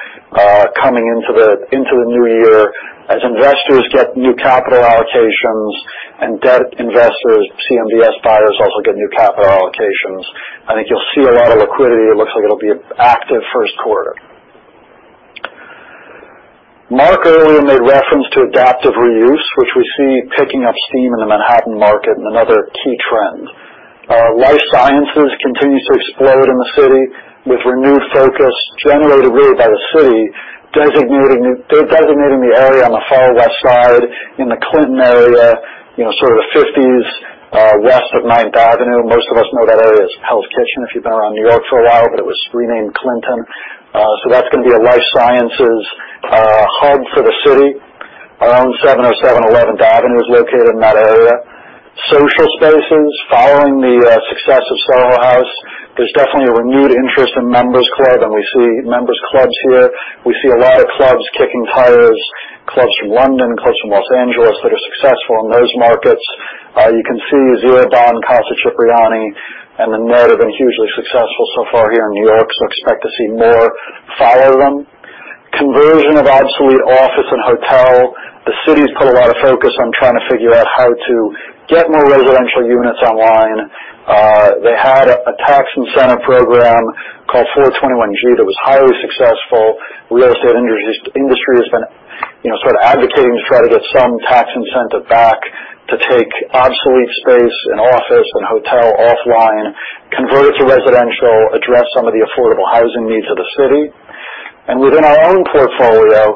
coming into the new year. As investors get new capital allocations and debt investors, CMBS buyers also get new capital allocations, I think you'll see a lot of liquidity. It looks like it'll be an active first quarter. Marc earlier made reference to adaptive reuse, which we see picking up steam in the Manhattan market and another key trend. Life sciences continues to explode in the city with renewed focus generated really by the city designating the area on the far West Side in the Clinton area, you know, sort of the fifties, west of Ninth Avenue. Most of us know that area as Hell's Kitchen if you've been around New York for a while, but it was renamed Clinton. That's gonna be a life sciences hub for the city. Our own 707 Eleventh Avenue is located in that area. Social spaces, following the success of Soho House, there's definitely a renewed interest in members club, and we see members clubs here. We see a lot of clubs kicking tires, clubs from London, clubs from Los Angeles that are successful in those markets. You can see Zero Bond, Casa Cipriani, and The Ned have been hugely successful so far here in New York, so expect to see more follow them. Conversion of obsolete office and hotel. The city's put a lot of focus on trying to figure out how to get more residential units online. They had a tax incentive program called 421-g that was highly successful. Real estate industry has been, you know, sort of advocating to try to get some tax incentive back to take obsolete space and office and hotel offline, convert it to residential, address some of the affordable housing needs of the city. Within our own portfolio,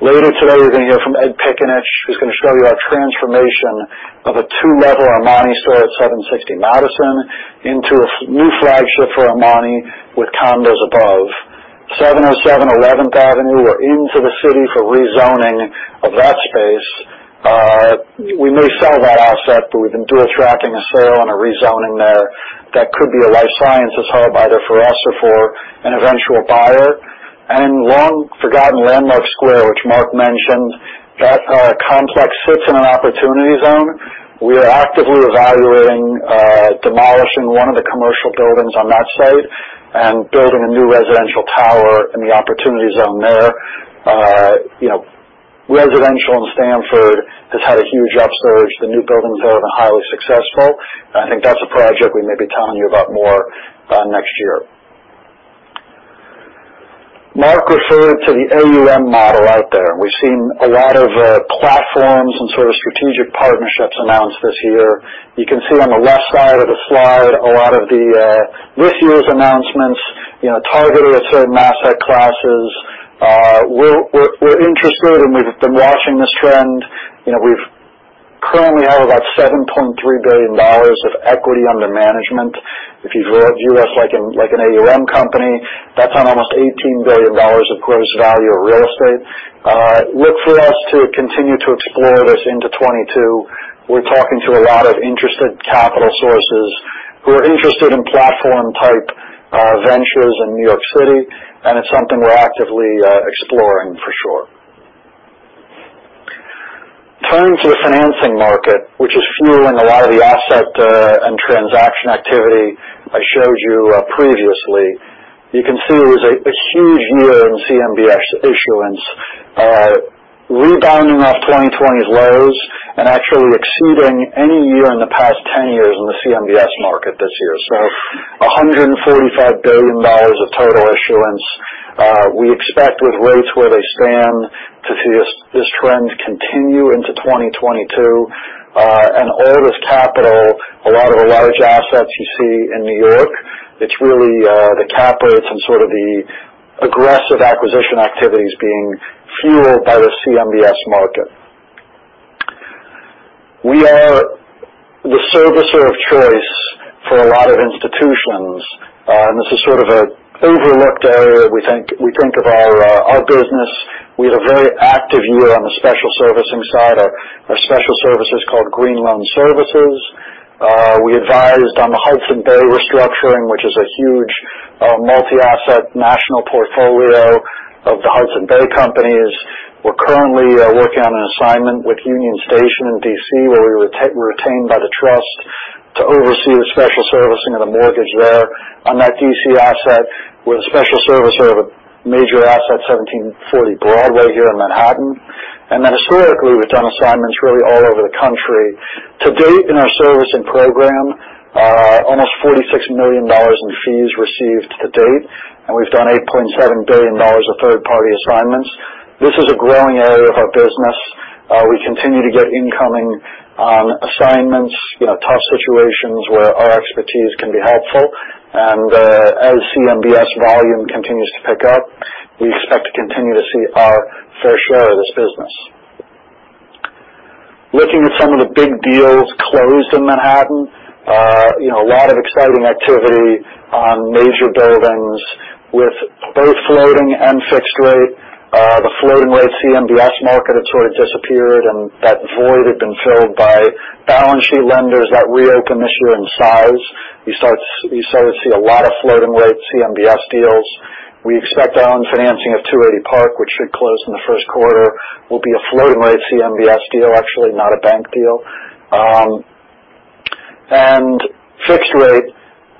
later today, you're gonna hear from Ed Piccinich, who's gonna show you our transformation of a two-level Armani store at 760 Madison into a new flagship for Armani with condos above. 707 Eleventh Avenue, we're into the city for rezoning of that space. We may sell that asset, but we've been dual tracking a sale and a rezoning there that could be a life sciences hub either for us or for an eventual buyer. Long-forgotten Landmark Square, which Marc mentioned, that complex sits in an opportunity zone. We are actively evaluating demolishing one of the commercial buildings on that site and building a new residential tower in the opportunity zone there. You know, residential in Stamford has had a huge upsurge. The new building there have been highly successful. I think that's a project we may be telling you about more next year. Marc referred to the AUM model out there, and we've seen a lot of platforms and sort of strategic partnerships announced this year. You can see on the left side of the slide a lot of this year's announcements, you know, targeted at certain asset classes. We're interested, and we've been watching this trend. You know, we currently have about $7.3 billion of equity under management. If you view us like an AUM company, that's on almost $18 billion of gross value of real estate. Look for us to continue to explore this into 2022. We're talking to a lot of interested capital sources who are interested in platform-type ventures in New York City, and it's something we're actively exploring for sure. Turning to the financing market, which is fueling a lot of the asset and transaction activity I showed you previously. You can see it was a huge year in CMBS issuance, rebounding off 2020's lows and actually exceeding any year in the past 10 years in the CMBS market this year. A hundred and forty-five billion dollars of total issuance. We expect with rates where they stand to see this trend continue into 2022. All this capital, a lot of the large assets you see in New York, it's really the cap rates and sort of the aggressive acquisition activities being fueled by the CMBS market. We are the servicer of choice for a lot of institutions, and this is sort of an overlooked area we think of our business. We had a very active year on the special servicing side. Our special service is called Green Loan Services. We advised on the Hudson's Bay restructuring, which is a huge multi-asset national portfolio of the Hudson's Bay companies. We're currently working on an assignment with Union Station in D.C., where we were retained by the trust to oversee the special servicing of the mortgage there. On that D.C. asset, we're the special servicer of a major asset, 1740 Broadway, here in Manhattan. Historically, we've done assignments really all over the country. To date, in our servicing program, almost $46 million in fees received to date, and we've done $8.7 billion of third-party assignments. This is a growing area of our business. We continue to get incoming assignments, you know, tough situations where our expertise can be helpful. As CMBS volume continues to pick up, we expect to continue to see our fair share of this business. Looking at some of the big deals closed in Manhattan, a lot of exciting activity on major buildings with both floating and fixed rate. The floating rate CMBS market had sort of disappeared, and that void had been filled by balance sheet lenders that reopened this year in size. You started to see a lot of floating rate CMBS deals. We expect our own financing of 280 Park Avenue, which should close in the first quarter, will be a floating rate CMBS deal, actually, not a bank deal. Fixed rate,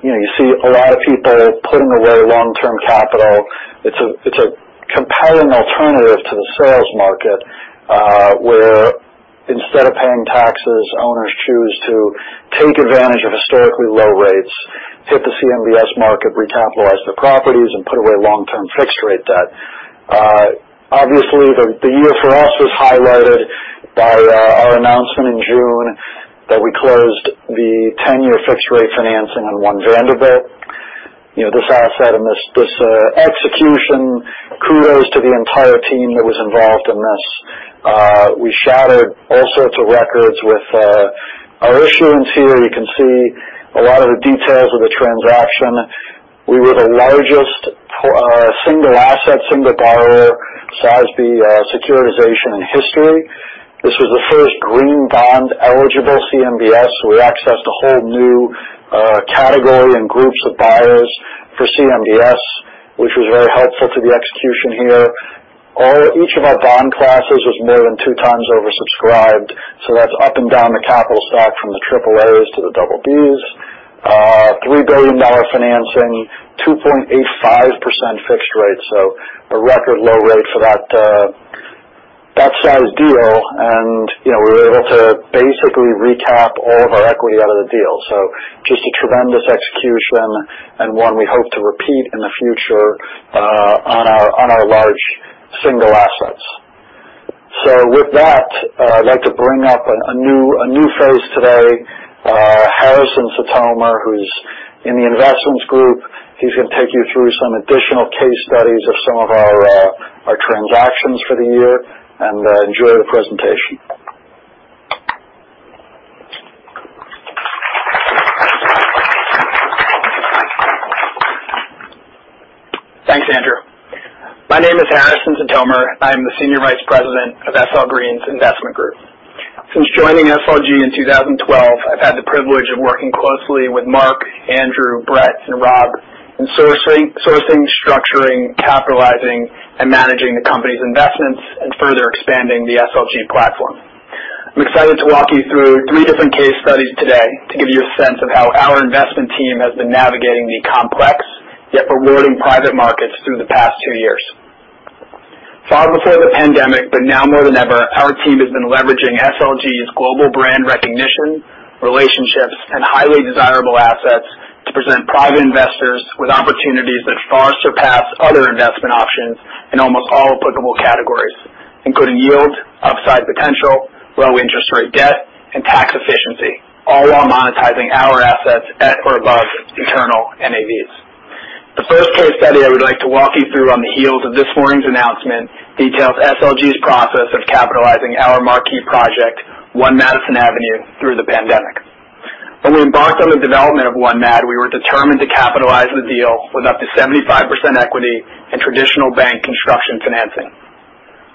you know, you see a lot of people putting away long-term capital. It's a compelling alternative to the sales market, where instead of paying taxes, owners choose to take advantage of historically low rates, hit the CMBS market, recapitalize their properties, and put away long-term fixed rate debt. Obviously the year for us was highlighted by our announcement in June that we closed the 10-year fixed rate financing on One Vanderbilt. You know, this asset and this execution, kudos to the entire team that was involved in this. We shattered all sorts of records with our issuance here. You can see a lot of the details of the transaction. We were the largest single asset, single borrower, SASB securitization in history. This was the first green bond-eligible CMBS. We accessed a whole new category and groups of buyers for CMBS, which was very helpful to the execution here. Each of our bond classes was more than two times oversubscribed, so that's up and down the capital stack from the AAAs to the BBs. $3 billion financing, 2.85% fixed rate, so a record low rate for that size deal. You know, we were able to basically recap all of our equity out of the deal. Just a tremendous execution and one we hope to repeat in the future on our large single assets. With that, I'd like to bring up a new face today, Harrison Sitomer, who's in the investments group. He's gonna take you through some additional case studies of some of our transactions for the year, and enjoy the presentation. Thanks, Andrew. My name is Harrison Sitomer. I am the Senior Vice President of SL Green's Investment Group. Since joining SLG in 2012, I've had the privilege of working closely with Marc, Andrew, Brett, and Rob in sourcing, structuring, capitalizing, and managing the company's investments and further expanding the SLG platform. I'm excited to walk you through three different case studies today to give you a sense of how our investment team has been navigating the complex yet rewarding private markets through the past two years. Far before the pandemic, but now more than ever, our team has been leveraging SLG's global brand recognition, relationships, and highly desirable assets to present private investors with opportunities that far surpass other investment options in almost all applicable categories, including yield, upside potential, low interest rate debt, and tax efficiency, all while monetizing our assets at or above internal NAVs. The first case study I would like to walk you through on the heels of this morning's announcement details SLG's process of capitalizing our marquee project, One Madison Avenue, through the pandemic. When we embarked on the development of One Mad, we were determined to capitalize the deal with up to 75% equity in traditional bank construction financing.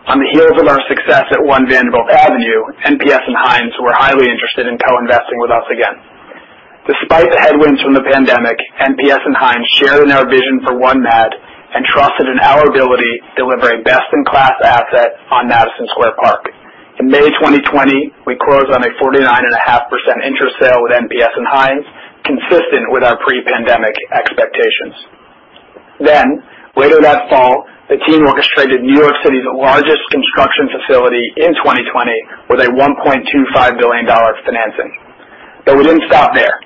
On the heels of our success at One Vanderbilt Avenue, NPS and Hines were highly interested in co-investing with us again. Despite the headwinds from the pandemic, NPS and Hines shared in our vision for One Mad and trusted in our ability to deliver a best-in-class asset on Madison Square Park. In May 2020, we closed on a 49.5% interest sale with NPS and Hines, consistent with our pre-pandemic expectations. Later that fall, the team orchestrated New York City's largest construction facility in 2020 with a $1.25 billion financing. We didn't stop there.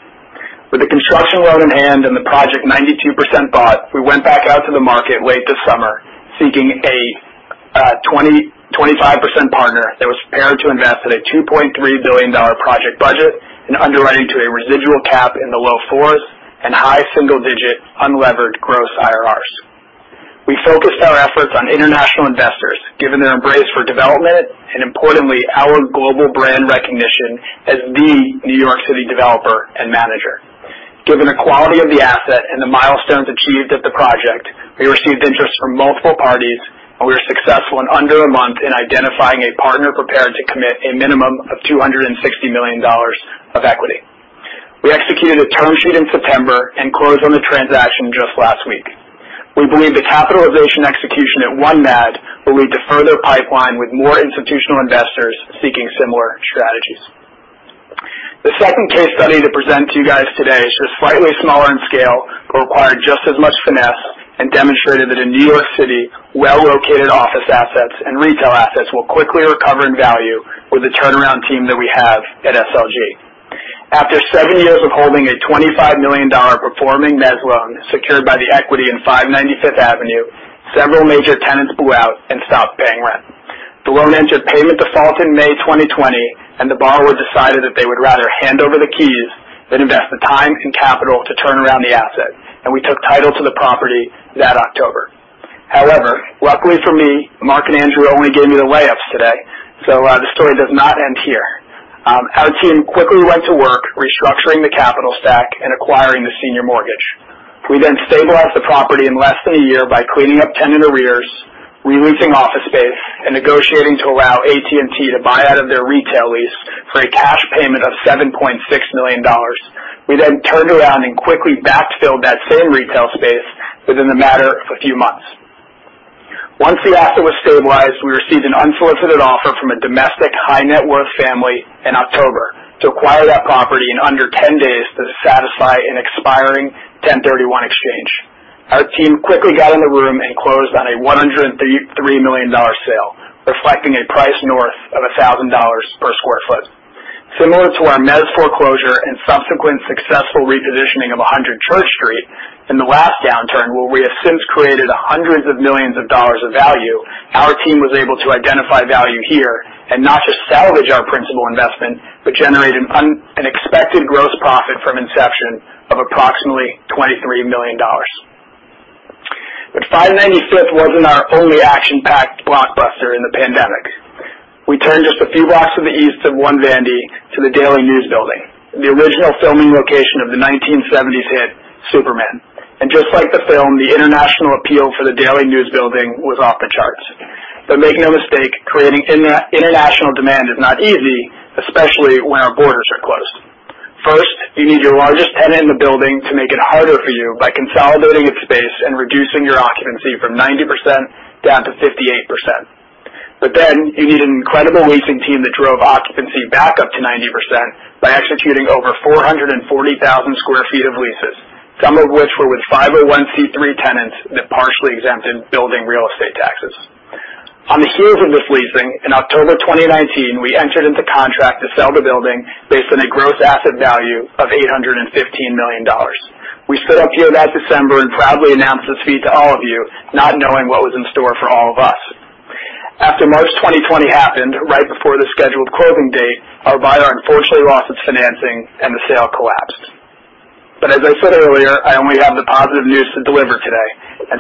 With the construction loan in hand and the project 92% bought, we went back out to the market late this summer seeking a 25% partner that was prepared to invest at a $2.3 billion project budget and underwriting to a residual cap in the low 4s and high single-digit unlevered gross IRRs. We focused our efforts on international investors, given their embrace for development and importantly, our global brand recognition as the New York City developer and manager. Given the quality of the asset and the milestones achieved at the project, we received interest from multiple parties, and we were successful in under a month in identifying a partner prepared to commit a minimum of $260 million of equity. We executed a term sheet in September and closed on the transaction just last week. We believe the capitalization execution at One Madison Avenue will lead to further pipeline with more institutional investors seeking similar strategies. The second case study to present to you guys today is slightly smaller in scale, but required just as much finesse and demonstrated that in New York City, well-located office assets and retail assets will quickly recover in value with the turnaround team that we have at SLG. After seven years of holding a $25 million performing mezz loan secured by the equity in 595 Fifth Avenue, several major tenants blew out and stopped paying rent. The loan entered payment default in May 2020, and the borrower decided that they would rather hand over the keys than invest the time and capital to turn around the asset, and we took title to the property that October. However, luckily for me, Marc and Andrew only gave me the layups today, so, the story does not end here. Our team quickly went to work restructuring the capital stack and acquiring the senior mortgage. We then stabilized the property in less than a year by cleaning up tenant arrears, re-leasing office space, and negotiating to allow AT&T to buy out of their retail lease for a cash payment of $7.6 million. We then turned around and quickly backfilled that same retail space within the matter of a few months. Once the asset was stabilized, we received an unsolicited offer from a domestic high net worth family in October to acquire that property in under 10 days to satisfy an expiring 1031 exchange. Our team quickly got in the room and closed on a $133 million sale, reflecting a price north of $1,000 per sq ft. Similar to our mezz foreclosure and subsequent successful repositioning of 100 Church Street in the last downturn, where we have since created hundreds of millions of dollars of value, our team was able to identify value here and not just salvage our principal investment, but generate an unexpected gross profit from inception of approximately $23 million. 595 Fifth wasn't our only action-packed blockbuster in the pandemic. We turned just a few blocks to the east of One Vanderbilt to the Daily News building, the original filming location of the 1970s hit Superman. Just like the film, the international appeal for the Daily News building was off the charts. Make no mistake, creating international demand is not easy, especially when our borders are closed. First, you need your largest tenant in the building to make it harder for you by consolidating its space and reducing your occupancy from 90% down to 58%. Then you need an incredible leasing team that drove occupancy back up to 90% by executing over 440,000 sq ft of leases, some of which were with 501C3 tenants that partially exempted building real estate taxes. On the heels of this leasing, in October 2019, we entered into contract to sell the building based on a gross asset value of $815 million. We stood up here that December and proudly announced this feat to all of you, not knowing what was in store for all of us. After March 2020 happened right before the scheduled closing date, our buyer unfortunately lost its financing and the sale collapsed. As I said earlier, I only have the positive news to deliver today.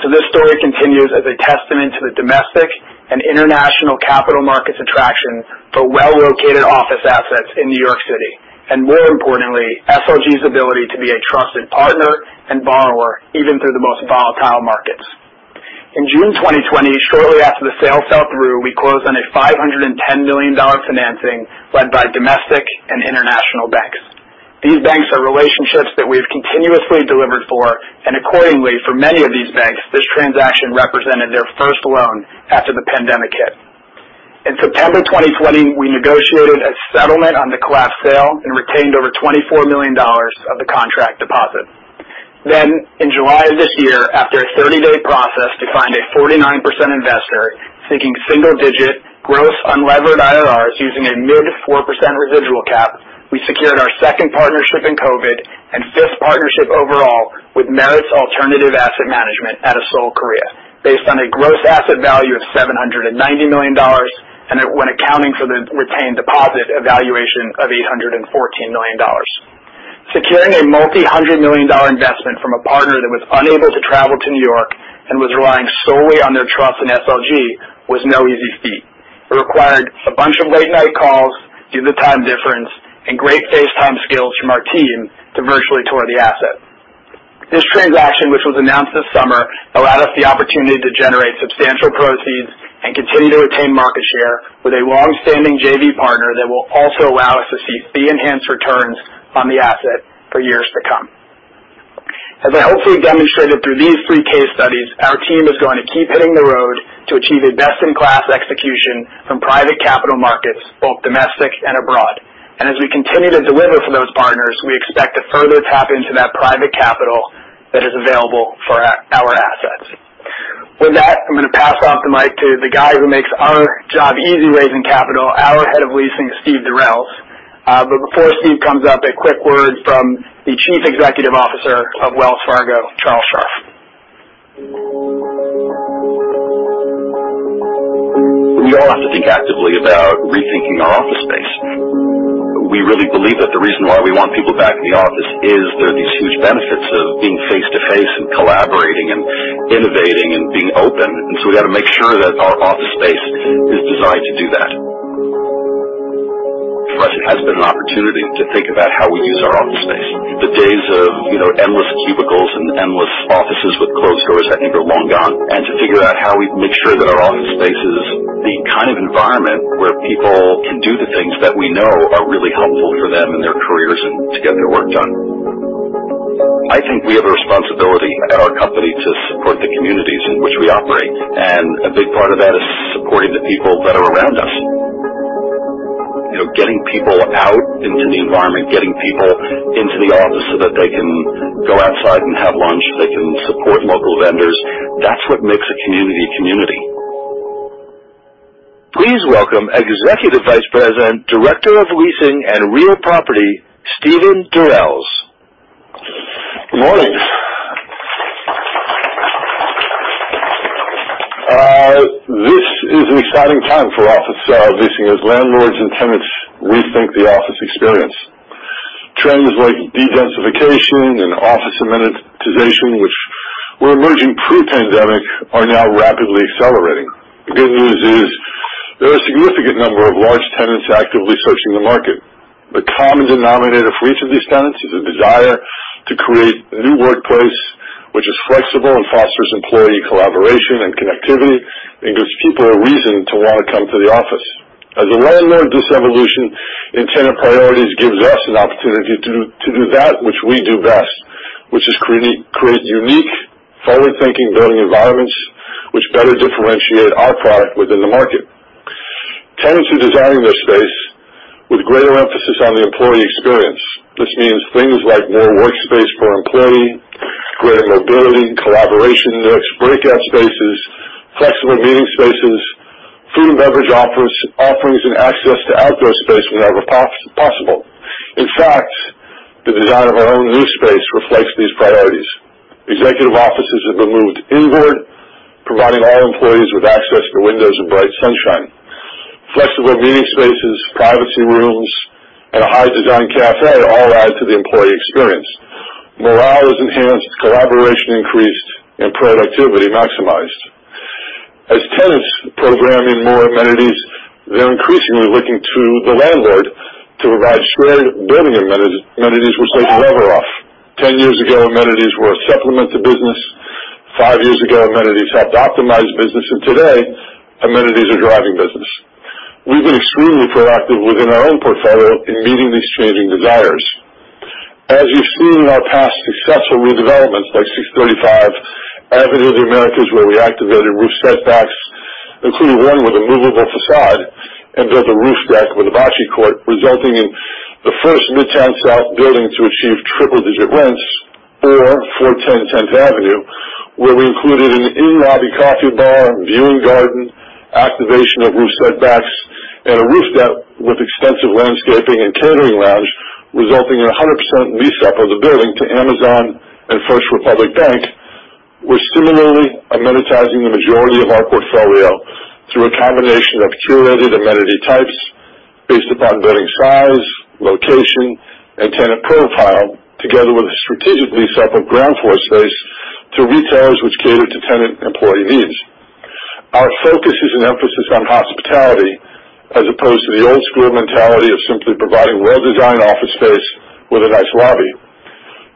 This story continues as a testament to the domestic and international capital markets attraction for well-located office assets in New York City, and more importantly, SLG's ability to be a trusted partner and borrower even through the most volatile markets. In June 2020, shortly after the sale fell through, we closed on a $510 million financing led by domestic and international banks. Accordingly, for many of these banks, this transaction represented their first loan after the pandemic hit. In September 2020, we negotiated a settlement on the collapsed sale and retained over $24 million of the contract deposit. In July of this year, after a 30-day process to find a 49% investor seeking single-digit gross unlevered IRRs using a mid-4% residual cap, we secured our second partnership in COVID and fifth partnership overall with Meritz Alternative Investment Management out of Seoul, Korea, based on a gross asset value of $790 million and, when accounting for the retained deposit, a valuation of $814 million. Securing a $multi-hundred million investment from a partner that was unable to travel to New York and was relying solely on their trust in SLG was no easy feat. It required a bunch of late night calls due to the time difference and great FaceTime skills from our team to virtually tour the asset. This transaction, which was announced this summer, allowed us the opportunity to generate substantial proceeds and continue to attain market share with a long-standing JV partner that will also allow us to see fee enhanced returns on the asset for years to come. As I hopefully demonstrated through these three case studies, our team is going to keep hitting the road to achieve a best-in-class execution from private capital markets, both domestic and abroad. As we continue to deliver for those partners, we expect to further tap into that private capital that is available for our assets. With that, I'm gonna pass off the mic to the guy who makes our job easy raising capital, our Head of Leasing, Steven Durels. Before Steven comes up, a quick word from the Chief Executive Officer of Wells Fargo, Charlie Scharf. We all have to think actively about rethinking our office space. We really believe that the reason why we want people back in the office is there are these huge benefits of being face-to-face and collaborating and innovating and being open. We got to make sure that our office space is designed to do that. For us, it has been an opportunity to think about how we use our office space. The days of, you know, endless cubicles and endless offices with closed doors I think are long gone. To figure out how we make sure that our office space is the kind of environment where people can do the things that we know are really helpful for them in their careers and to get their work done. I think we have a responsibility at our company to support the communities in which we operate, and a big part of that is supporting the people that are around us. You know, getting people out into the environment, getting people into the office so that they can go outside and have lunch, they can support local vendors. That's what makes a community a community. Please welcome Executive Vice President, Director of Leasing and Real Property, Steven Durels. Good morning. This is an exciting time for office leasing as landlords and tenants rethink the office experience. Trends like dedensification and office amenitization, which were emerging pre-pandemic, are now rapidly accelerating. The good news is there are a significant number of large tenants actively searching the market. The common denominator for each of these tenants is a desire to create a new workplace which is flexible and fosters employee collaboration and connectivity and gives people a reason to wanna come to the office. As a landlord, this evolution in tenant priorities gives us an opportunity to do that which we do best, which is create unique, forward-thinking building environments which better differentiate our product within the market. Tenants are designing their space with greater emphasis on the employee experience. This means things like more workspace per employee, greater mobility, collaboration desks, breakout spaces, flexible meeting spaces, food and beverage offerings, and access to outdoor space whenever possible. In fact, the design of our own new space reflects these priorities. Executive offices have been moved inward, providing all employees with access to windows and bright sunshine. Flexible meeting spaces, privacy rooms, and a high-design cafe all add to the employee experience. Morale is enhanced, collaboration increased, and productivity maximized. As tenants programming more amenities, they're increasingly looking to the landlord to provide shared building amenities which they can leverage. Ten years ago, amenities were a supplement to business. Five years ago, amenities helped optimize business. Today, amenities are driving business. We've been extremely proactive within our own portfolio in meeting these changing desires. As you've seen in our past successful redevelopments like 635 Avenue of the Americas, where we activated roof setbacks, including one with a movable facade and built a roof deck with a bocce court, resulting in the first Midtown South building to achieve triple-digit rents, or 410 Tenth Avenue, where we included an in-lobby coffee bar, viewing garden, activation of roof setbacks, and a roof deck with extensive landscaping and catering lounge, resulting in a 100% lease-up of the building to Amazon and First Republic Bank. We're similarly amenitizing the majority of our portfolio through a combination of curated amenity types based upon building size, location, and tenant profile, together with a strategically separate ground floor space to retailers which cater to tenant employee needs. Our focus is an emphasis on hospitality as opposed to the old school mentality of simply providing well-designed office space with a nice lobby.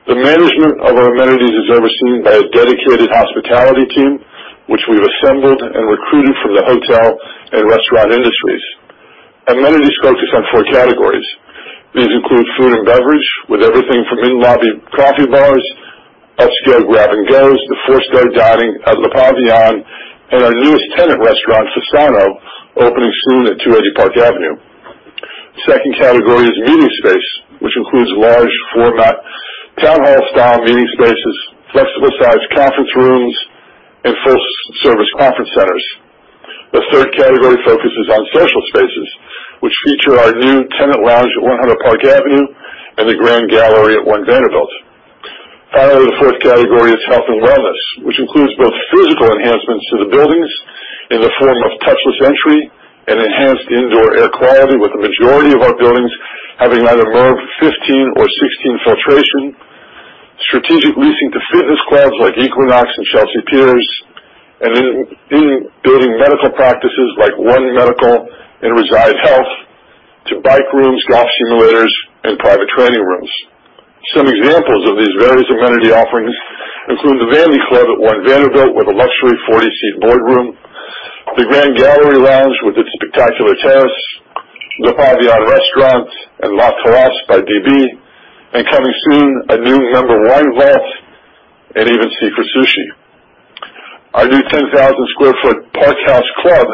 The management of our amenities is overseen by a dedicated hospitality team, which we've assembled and recruited from the hotel and restaurant industries. Amenities focus on four categories include food and beverage with everything from in-lobby coffee bars, upscale grab-and-gos, the four-star dining at Le Pavillon, and our newest tenant restaurant, Fasano, opening soon at 280 Park Avenue. Second category is meeting space, which includes large format town hall style meeting spaces, flexible size conference rooms and full-service conference centers. The third category focuses on social spaces, which feature our new tenant lounge at 100 Park Avenue and the Grand Gallery at One Vanderbilt. Finally, the fourth category is health and wellness, which includes both physical enhancements to the buildings in the form of touchless entry and enhanced indoor air quality, with the majority of our buildings having either MERV 15 or 16 filtration, strategic leasing to fitness clubs like Equinox and Chelsea Piers, and in-building medical practices like One Medical and Reside Health to bike rooms, golf simulators and private training rooms. Some examples of these various amenity offerings include the Vandy Club at One Vanderbilt with a luxury 40-seat boardroom. The Grand Gallery Lounge with its spectacular terrace, Le Pavillon Restaurant, and La Terrace by DB, and coming soon, a new member wine loft and even secret sushi. Our new 10,000 sq ft Park House Club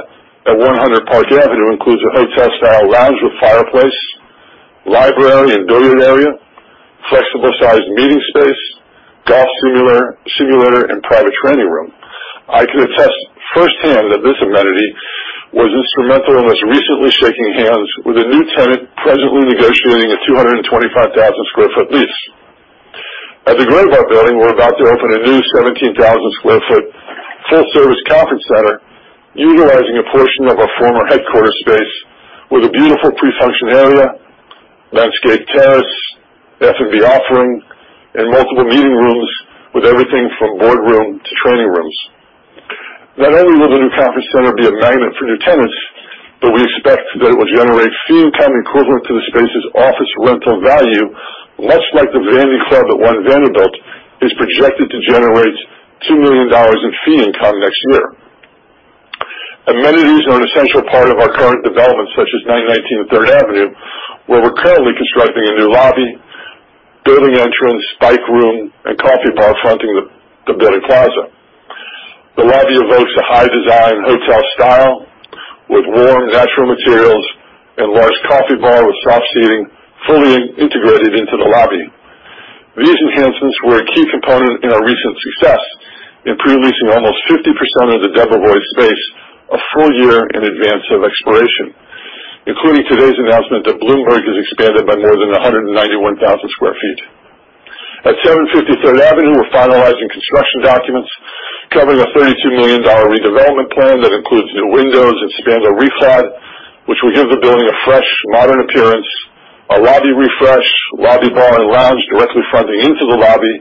at 100 Park Avenue includes a hotel-style lounge with fireplace, library and billing area, flexible size meeting space, golf simulator and private training room. I can attest firsthand that this amenity was instrumental in most recently shaking hands with a new tenant presently negotiating a 225,000 sq ft lease. At the Graybar Building, we're about to open a new 17,000 sq ft full service conference center utilizing a portion of our former headquarters space with a beautiful pre-function area, landscaped terrace, F&B offering, and multiple meeting rooms with everything from boardroom to training rooms. Not only will the new conference center be a magnet for new tenants, but we expect that it will generate fee income equivalent to the space's office rental value. Much like the Vandy Club at One Vanderbilt is projected to generate $2 million in fee income next year. Amenities are an essential part of our current developments, such as 919 Third Avenue, where we're currently constructing a new lobby, building entrance, bike room and coffee bar fronting the building plaza. The lobby evokes a high design hotel style with warm natural materials and large coffee bar with soft seating fully integrated into the lobby. These enhancements were a key component in our recent success in pre-leasing almost 50% of the Debevoise space a full year in advance of expiration, including today's announcement that Bloomberg has expanded by more than 191,000 sq ft. At 750 Third Avenue, we're finalizing construction documents covering a $32 million redevelopment plan that includes new windows and spandrel reclad, which will give the building a fresh, modern appearance. A lobby refresh, lobby bar and lounge directly fronting into the lobby.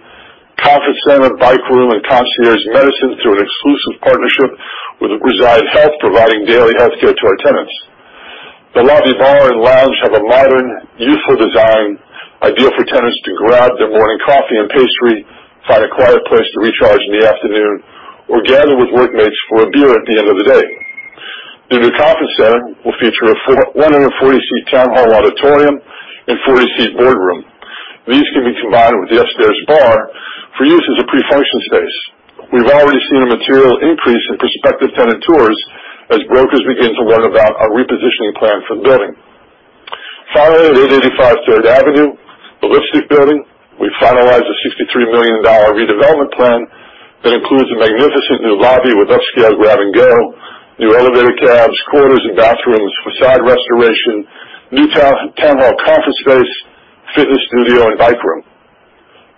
Conference center, bike room and concierge medicine through an exclusive partnership with Reside Health, providing daily health care to our tenants. The lobby, bar and lounge have a modern, youthful design, ideal for tenants to grab their morning coffee and pastry, find a quiet place to recharge in the afternoon, or gather with workmates for a beer at the end of the day. The new conference center will feature a 140-seat town hall auditorium and 40-seat boardroom. These can be combined with the upstairs bar for use as a pre-function space. We've already seen a material increase in prospective tenant tours as brokers begin to learn about our repositioning plan for the building. Finally, at 885 Third Avenue, the Lipstick Building, we finalized a $63 million redevelopment plan that includes a magnificent new lobby with upscale grab-and-go, new elevator cabs, quarters and bathrooms, façade restoration, new town hall conference space, fitness studio and bike room.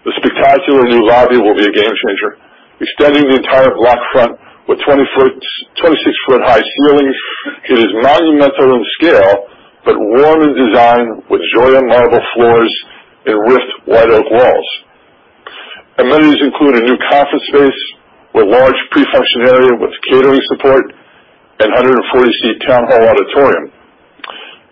The spectacular new lobby will be a game changer, extending the entire block front with 26-foot-high ceilings. It is monumental in scale, but warm in design with Georgia marble floors and rift white oak walls. Amenities include a new conference space with large pre-function area with catering support and a 140-seat town hall auditorium.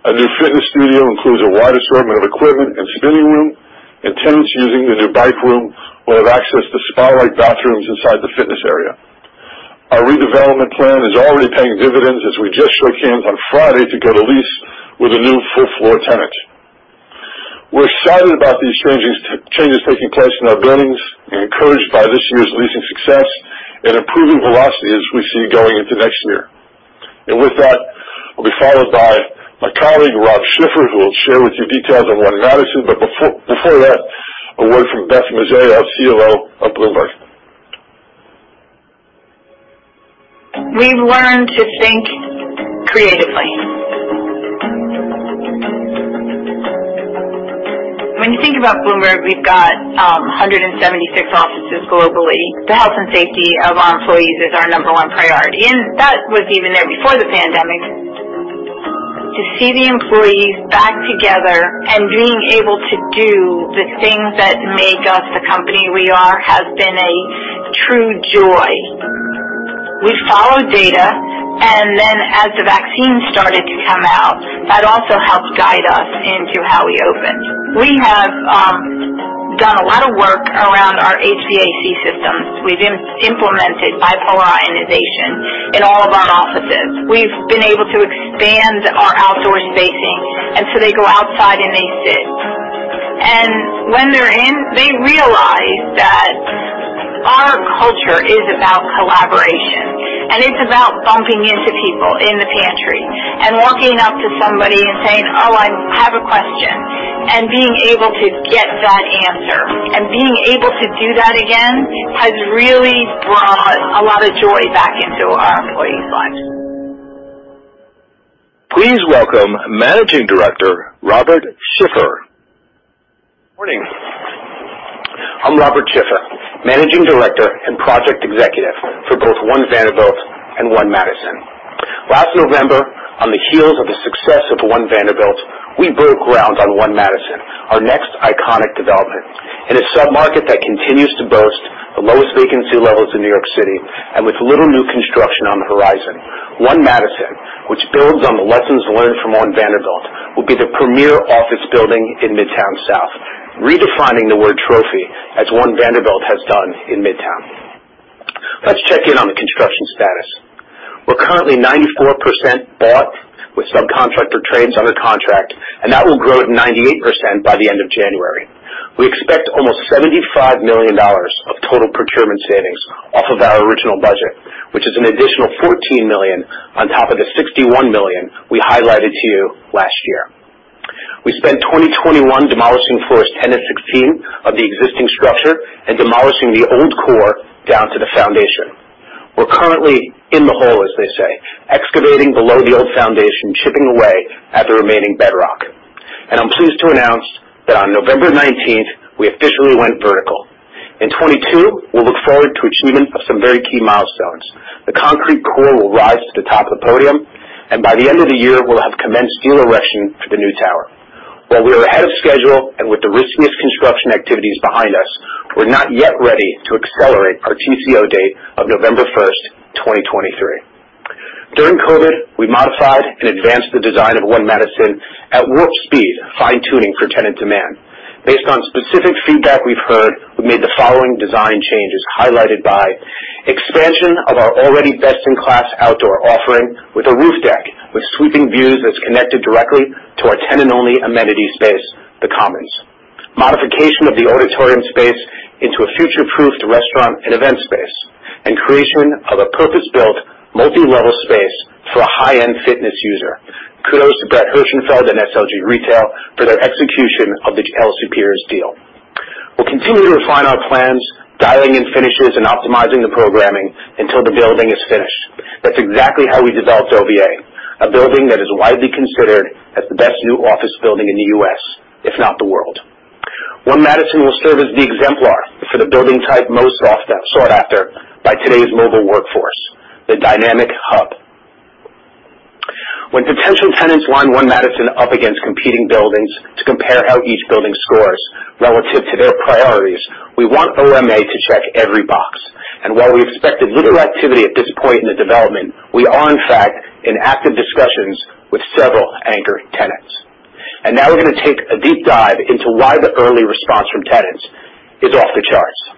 A new fitness studio includes a wide assortment of equipment and spinning room, and tenants using the new bike room will have access to spa-like bathrooms inside the fitness area. Our redevelopment plan is already paying dividends as we just shook hands on Friday to get a lease with a new fourth floor tenant. We're excited about these changes taking place in our buildings and encouraged by this year's leasing success and improving velocity as we see going into next year. With that, I'll be followed by my colleague Rob Schiffer, who will share with you details on One Madison. Before that, a word from Beth Mazzeo, our COO of Bloomberg. We've learned to think creatively. When you think about Bloomberg, we've got 176 offices globally. The health and safety of our employees is our number one priority, and that was even there before the pandemic. To see the employees back together and being able to do the things that make us the company we are has been a true joy. We follow data, and then as the vaccine started to come out, that also helped guide us into how we opened. We have done a lot of work around our HVAC systems. We've implemented bipolar ionization. We've been able to expand our outdoor spacing, and so they go outside and they sit. When they're in, they realize that our culture is about collaboration, and it's about bumping into people in the pantry and walking up to somebody and saying, "Oh, I have a question," and being able to get that answer. Being able to do that again has really brought a lot of joy back into our employees' lives. Please welcome Managing Director Robert Schiffer. Morning. I'm Robert Schiffer, Managing Director and project executive for both One Vanderbilt and One Madison. Last November, on the heels of the success of One Vanderbilt, we broke ground on One Madison, our next iconic development. In a submarket that continues to boast the lowest vacancy levels in New York City, and with little new construction on the horizon, One Madison, which builds on the lessons learned from One Vanderbilt, will be the premier office building in Midtown South, redefining the word trophy as One Vanderbilt has done in Midtown. Let's check in on the construction status. We're currently 94% bought with subcontractor trades under contract, and that will grow to 98% by the end of January. We expect almost $75 million of total procurement savings off of our original budget, which is an additional $14 million on top of the $61 million we highlighted to you last year. We spent 2021 demolishing floors 10-16 of the existing structure and demolishing the old core down to the foundation. We're currently in the hole, as they say, excavating below the old foundation, chipping away at the remaining bedrock. I'm pleased to announce that on November 19, we officially went vertical. In 2022, we'll look forward to achievement of some very key milestones. The concrete core will rise to the top of the podium, and by the end of the year, we'll have commenced steel erection for the new tower. While we are ahead of schedule and with the riskiest construction activities behind us, we're not yet ready to accelerate our TCO date of November 1, 2023. During COVID, we modified and advanced the design of One Madison at warp speed, fine-tuning for tenant demand. Based on specific feedback we've heard, we made the following design changes highlighted by expansion of our already best-in-class outdoor offering with a roof deck with sweeping views that's connected directly to our tenant-only amenity space, The Commons, modification of the auditorium space into a future-proofed restaurant and event space, and creation of a purpose-built multi-level space for a high-end fitness user. Kudos to Brett Herschenfeld and SLG Retail for their execution of the Equinox deal. We'll continue to refine our plans, dialing in finishes and optimizing the programming until the building is finished. That's exactly how we developed OVA, a building that is widely considered as the best new office building in the U.S., if not the world. One Madison will serve as the exemplar for the building type most often sought after by today's mobile workforce, the dynamic hub. When potential tenants line One Madison up against competing buildings to compare how each building scores relative to their priorities, we want OMA to check every box. While we expected little activity at this point in the development, we are in fact in active discussions with several anchor tenants. Now we're gonna take a deep dive into why the early response from tenants is off the charts.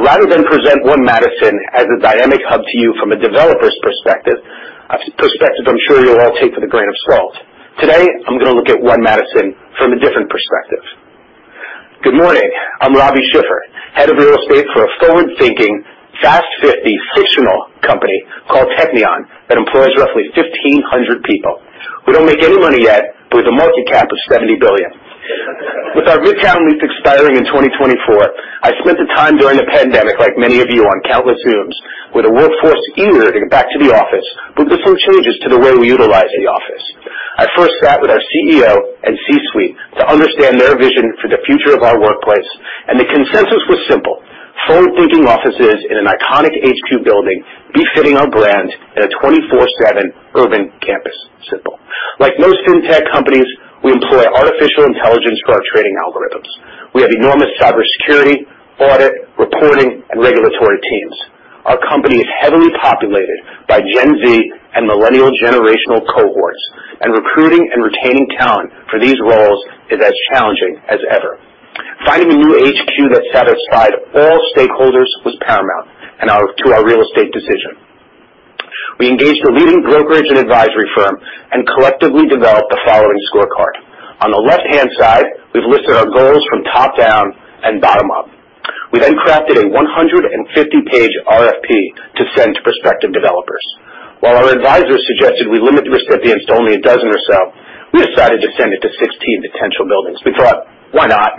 Rather than present One Madison as a dynamic hub to you from a developer's perspective, a perspective I'm sure you'll all take with a grain of salt, today, I'm gonna look at One Madison from a different perspective. Good morning. I'm Robbie Schiffer, head of real estate for a forward-thinking Fast 50 fictional company called Technion that employs roughly 1,500 people. We don't make any money yet, but with a market cap of $70 billion. With our Midtown lease expiring in 2024, I spent the time during the pandemic, like many of you, on countless Zooms with a workforce eager to get back to the office, but different changes to the way we utilize the office. I first sat with our CEO and C-suite to understand their vision for the future of our workplace, and the consensus was simple. Forward thinking offices in an iconic HQ building befitting our brand in a 24/7 urban campus. Simple. Like most fintech companies, we employ artificial intelligence for our trading algorithms. We have enormous cybersecurity, audit, reporting, and regulatory teams. Our company is heavily populated by Gen Z and Millennial generational cohorts, and recruiting and retaining talent for these roles is as challenging as ever. Finding a new HQ that satisfied all stakeholders was paramount to our real estate decision. We engaged a leading brokerage and advisory firm and collectively developed the following scorecard. On the left-hand side, we've listed our goals from top down and bottom up. We then crafted a 150-page RFP to send to prospective developers. While our advisors suggested we limit the recipients to only a dozen or so, we decided to send it to 16 potential buildings. We thought, "Why not?"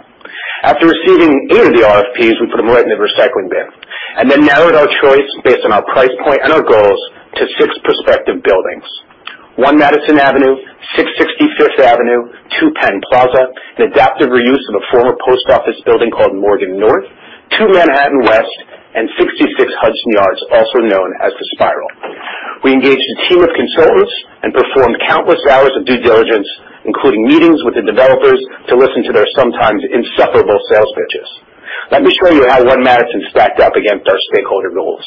After receiving eight of the RFPs, we put them right in the recycling bin and then narrowed our choice based on our price point and our goals to 6 prospective buildings. One Madison Avenue, 660 Fifth Avenue, Two Penn Plaza, an adaptive reuse of a former post office building called Moynihan North, Two Manhattan West, and 66 Hudson Yards, also known as The Spiral. We engaged a team of consultants and performed countless hours of due diligence, including meetings with the developers, to listen to their sometimes insufferable sales pitches. Let me show you how One Madison stacked up against our stakeholder goals.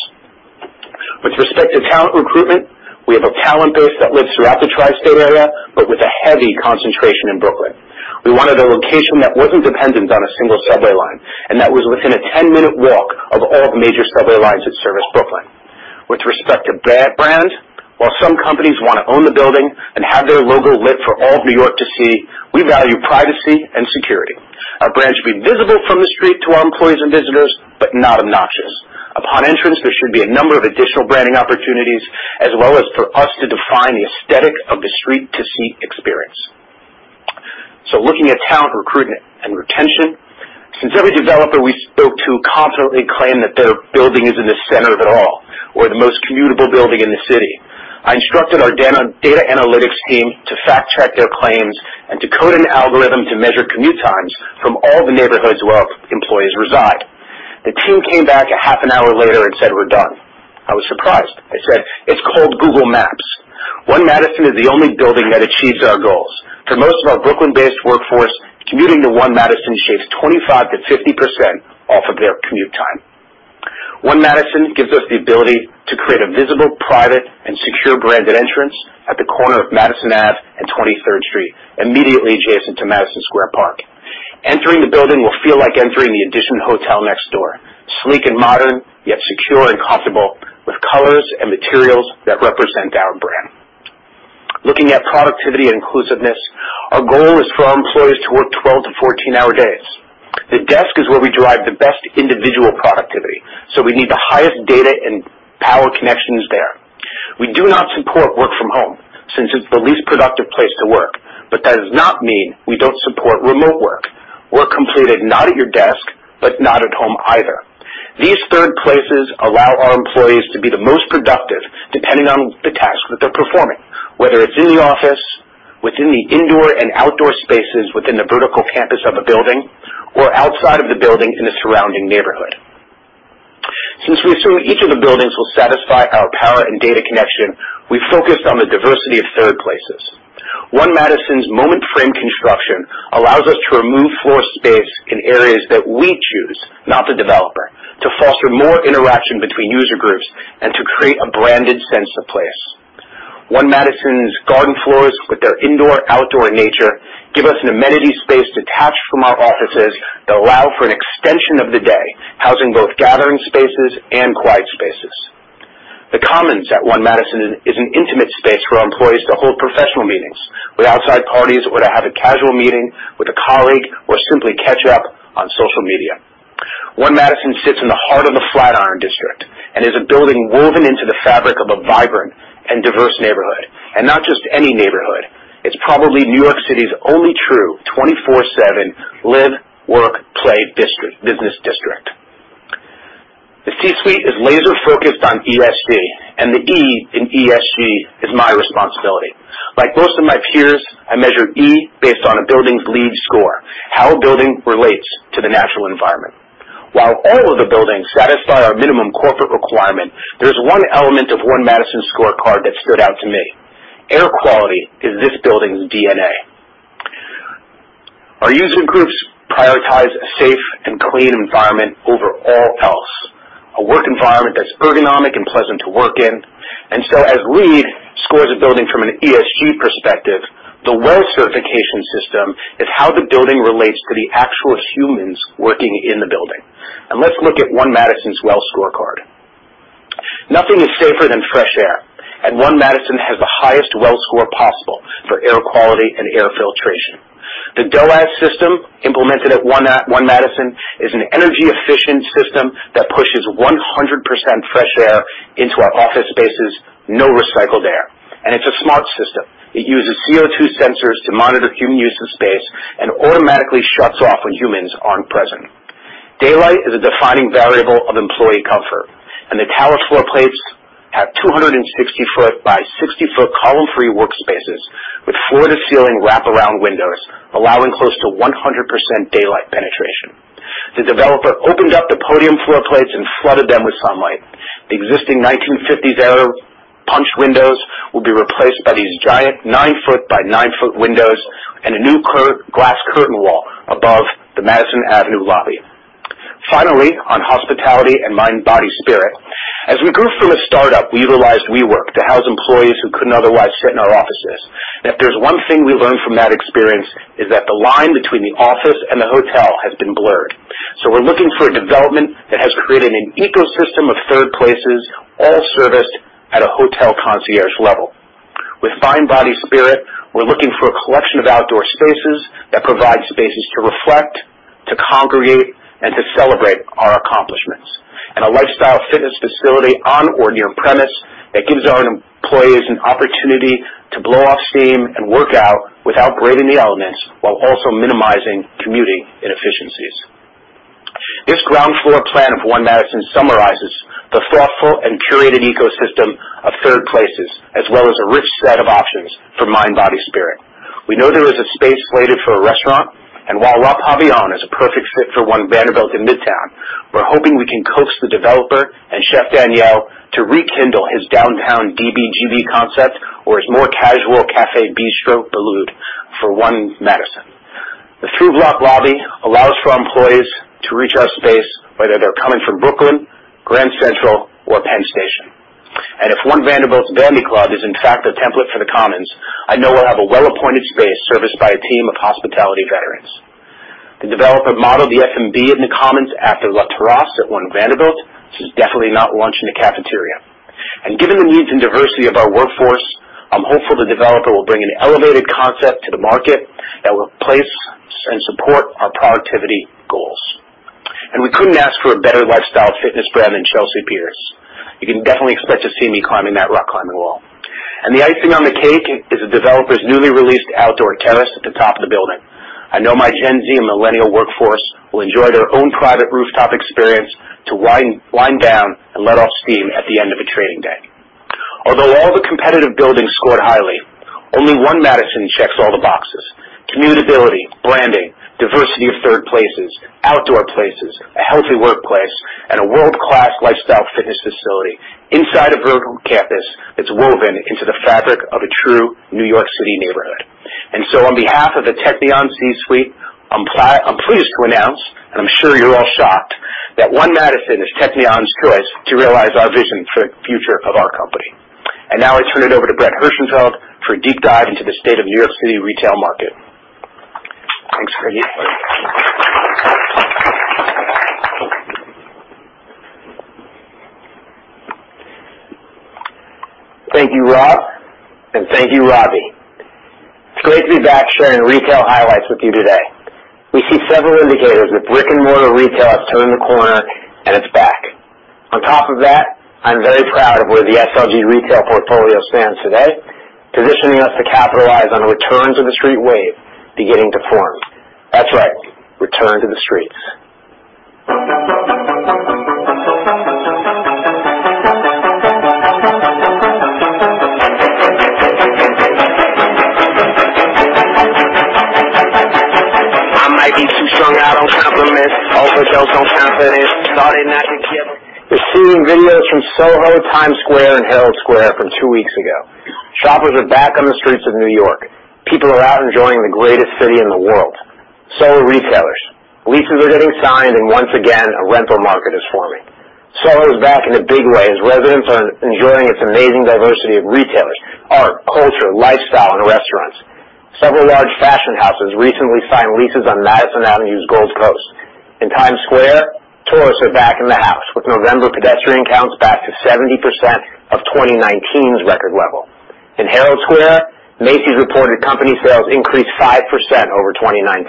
With respect to talent recruitment, we have a talent base that lives throughout the tri-state area. Heavy concentration in Brooklyn. We wanted a location that wasn't dependent on a single subway line, and that was within a 10-minute walk of all the major subway lines that service Brooklyn. With respect to our brand, while some companies wanna own the building and have their logo lit for all of New York to see, we value privacy and security. Our brand should be visible from the street to our employees and visitors, but not obnoxious. Upon entrance, there should be a number of additional branding opportunities, as well as for us to define the aesthetic of the street-to-seat experience. Looking at talent recruitment and retention. Since every developer we spoke to confidently claimed that their building is in the center of it all or the most commutable building in the city, I instructed our data analytics team to fact check their claims and to code an algorithm to measure commute times from all the neighborhoods where our employees reside. The team came back a half an hour later and said, "We're done." I was surprised. I said, "It's called Google Maps." One Madison is the only building that achieves our goals. For most of our Brooklyn-based workforce, commuting to One Madison shaves 25%-50% off of their commute time. One Madison gives us the ability to create a visible, private and secure branded entrance at the corner of Madison Ave and 23rd Street, immediately adjacent to Madison Square Park. Entering the building will feel like entering the EDITION hotel next door. Sleek and modern, yet secure and comfortable, with colors and materials that represent our brand. Looking at productivity and inclusiveness, our goal is for our employees to work 12- to 14-hour days. The desk is where we derive the best individual productivity, so we need the highest data and power connections there. We do not support work from home since it's the least productive place to work, but that does not mean we don't support remote work. Work completed not at your desk, but not at home either. These third places allow our employees to be the most productive depending on the task that they're performing, whether it's in the office, within the indoor and outdoor spaces within the vertical campus of a building or outside of the building in the surrounding neighborhood. Since we assume each of the buildings will satisfy our power and data connection, we focused on the diversity of third places. One Madison's moment frame construction allows us to remove floor space in areas that we choose, not the developer, to foster more interaction between user groups and to create a branded sense of place. One Madison's garden floors with their indoor-outdoor nature give us an amenity space detached from our offices that allow for an extension of the day, housing both gathering spaces and quiet spaces. The Commons at One Madison is an intimate space for our employees to hold professional meetings with outside parties, or to have a casual meeting with a colleague, or simply catch up on social media. One Madison sits in the heart of the Flatiron District and is a building woven into the fabric of a vibrant and diverse neighborhood. Not just any neighborhood. It's probably New York City's only true 24/7 live, work, play district, business district. The C-suite is laser focused on ESG, and the E in ESG is my responsibility. Like most of my peers, I measure E based on a building's LEED score, how a building relates to the natural environment. While all of the buildings satisfy our minimum corporate requirement, there's one element of One Madison's scorecard that stood out to me. Air quality is this building's DNA. Our user groups prioritize a safe and clean environment over all else, a work environment that's ergonomic and pleasant to work in. As LEED scores a building from an ESG perspective, the WELL certification system is how the building relates to the actual humans working in the building. Let's look at One Madison's WELL scorecard. Nothing is safer than fresh air, and One Madison has the highest WELL score possible for air quality and air filtration. The DOAS system implemented at One Madison is an energy efficient system that pushes 100% fresh air into our office spaces, no recycled air. It's a smart system. It uses CO2 sensors to monitor human use of space and automatically shuts off when humans aren't present. Daylight is a defining variable of employee comfort, and the tower floor plates have 260-foot by 60-foot column-free workspaces with floor-to-ceiling wraparound windows, allowing close to 100% daylight penetration. The developer opened up the podium floor plates and flooded them with sunlight. The existing 1950s era punch windows will be replaced by these giant nine-foot by nine-foot windows and a new glass curtain wall above the Madison Avenue lobby. Finally, on hospitality and mind, body, spirit. As we grew from a startup, we utilized WeWork to house employees who couldn't otherwise sit in our offices. If there's one thing we learned from that experience, is that the line between the office and the hotel has been blurred. We're looking for a development that has created an ecosystem of third places, all serviced at a hotel concierge level. With mind, body, spirit, we're looking for a collection of outdoor spaces that provide spaces to reflect, to congregate, and to celebrate our accomplishments. A lifestyle fitness facility on or near premises that gives our employees an opportunity to blow off steam and work out without braving the elements while also minimizing commuting inefficiencies. This ground floor plan of One Madison summarizes the thoughtful and curated ecosystem of third places, as well as a rich set of options for mind, body, spirit. We know there is a space allocated for a restaurant. While Le Pavillon is a perfect fit for One Vanderbilt in Midtown, we're hoping we can coax the developer and Chef Daniel to rekindle his downtown DBGB concept or his more casual cafe bistro, Boulud, for One Madison. Two-block lobby allows for our employees to reach our space whether they're coming from Brooklyn, Grand Central, or Penn Station. If One Vanderbilt's Vandy Club is in fact a template for the Commons, I know we'll have a well-appointed space serviced by a team of hospitality veterans. The developer modeled the F&B in the Commons after La Terrace at One Vanderbilt. This is definitely not lunch in the cafeteria. Given the needs and diversity of our workforce, I'm hopeful the developer will bring an elevated concept to the market that will place and support our productivity goals. We couldn't ask for a better lifestyle fitness brand than Chelsea Piers. You can definitely expect to see me climbing that rock climbing wall. The icing on the cake is the developer's newly released outdoor terrace at the top of the building. I know my Gen Z and millennial workforce will enjoy their own private rooftop experience to wind down and let off steam at the end of a trading day. Although all the competitive buildings scored highly, only One Madison checks all the boxes. Commutability, branding, diversity of third places, outdoor places, a healthy workplace, and a world-class lifestyle fitness facility inside a vertical campus that's woven into the fabric of a true New York City neighborhood. On behalf of the Teknion C-suite, I'm pleased to announce, and I'm sure you're all shocked, that One Madison is Teknion's choice to realize our vision for the future of our company. Now I turn it over to Brett Herschenfeld for a deep dive into the state of New York City retail market. Thank you, Rob, and thank you, Robbie. It's great to be back sharing retail highlights with you today. We see several indicators that brick-and-mortar retail has turned the corner, and it's back. On top of that, I'm very proud of where the SLG retail portfolio stands today, positioning us to capitalize on the returns of the street wave beginning to form. That's right, return to the streets. We're seeing videos from Soho, Times Square, and Herald Square from two weeks ago. Shoppers are back on the streets of New York. People are out enjoying the greatest city in the world. So are retailers. Leases are getting signed, and once again, a rental market is forming. Soho is back in a big way as residents are enjoying its amazing diversity of retailers, art, culture, lifestyle, and restaurants. Several large fashion houses recently signed leases on Madison Avenue's Gold Coast. In Times Square, tourists are back in the house, with November pedestrian counts back to 70% of 2019's record level. In Herald Square, Macy's reported company sales increased 5% over 2019.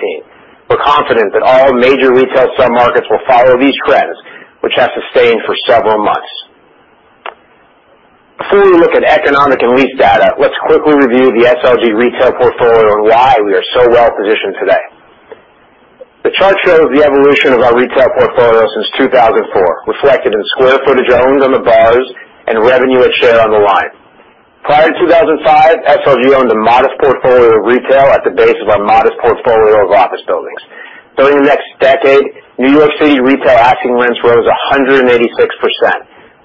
We're confident that all major retail submarkets will follow these trends, which have sustained for several months. Before we look at economic and lease data, let's quickly review the SLG retail portfolio and why we are so well positioned today. The chart shows the evolution of our retail portfolio since 2004, reflected in square footage owned on the bars and revenue per share on the line. Prior to 2005, SLG owned a modest portfolio of retail at the base of our modest portfolio of office buildings. During the next decade, New York City retail asking rents rose 186%.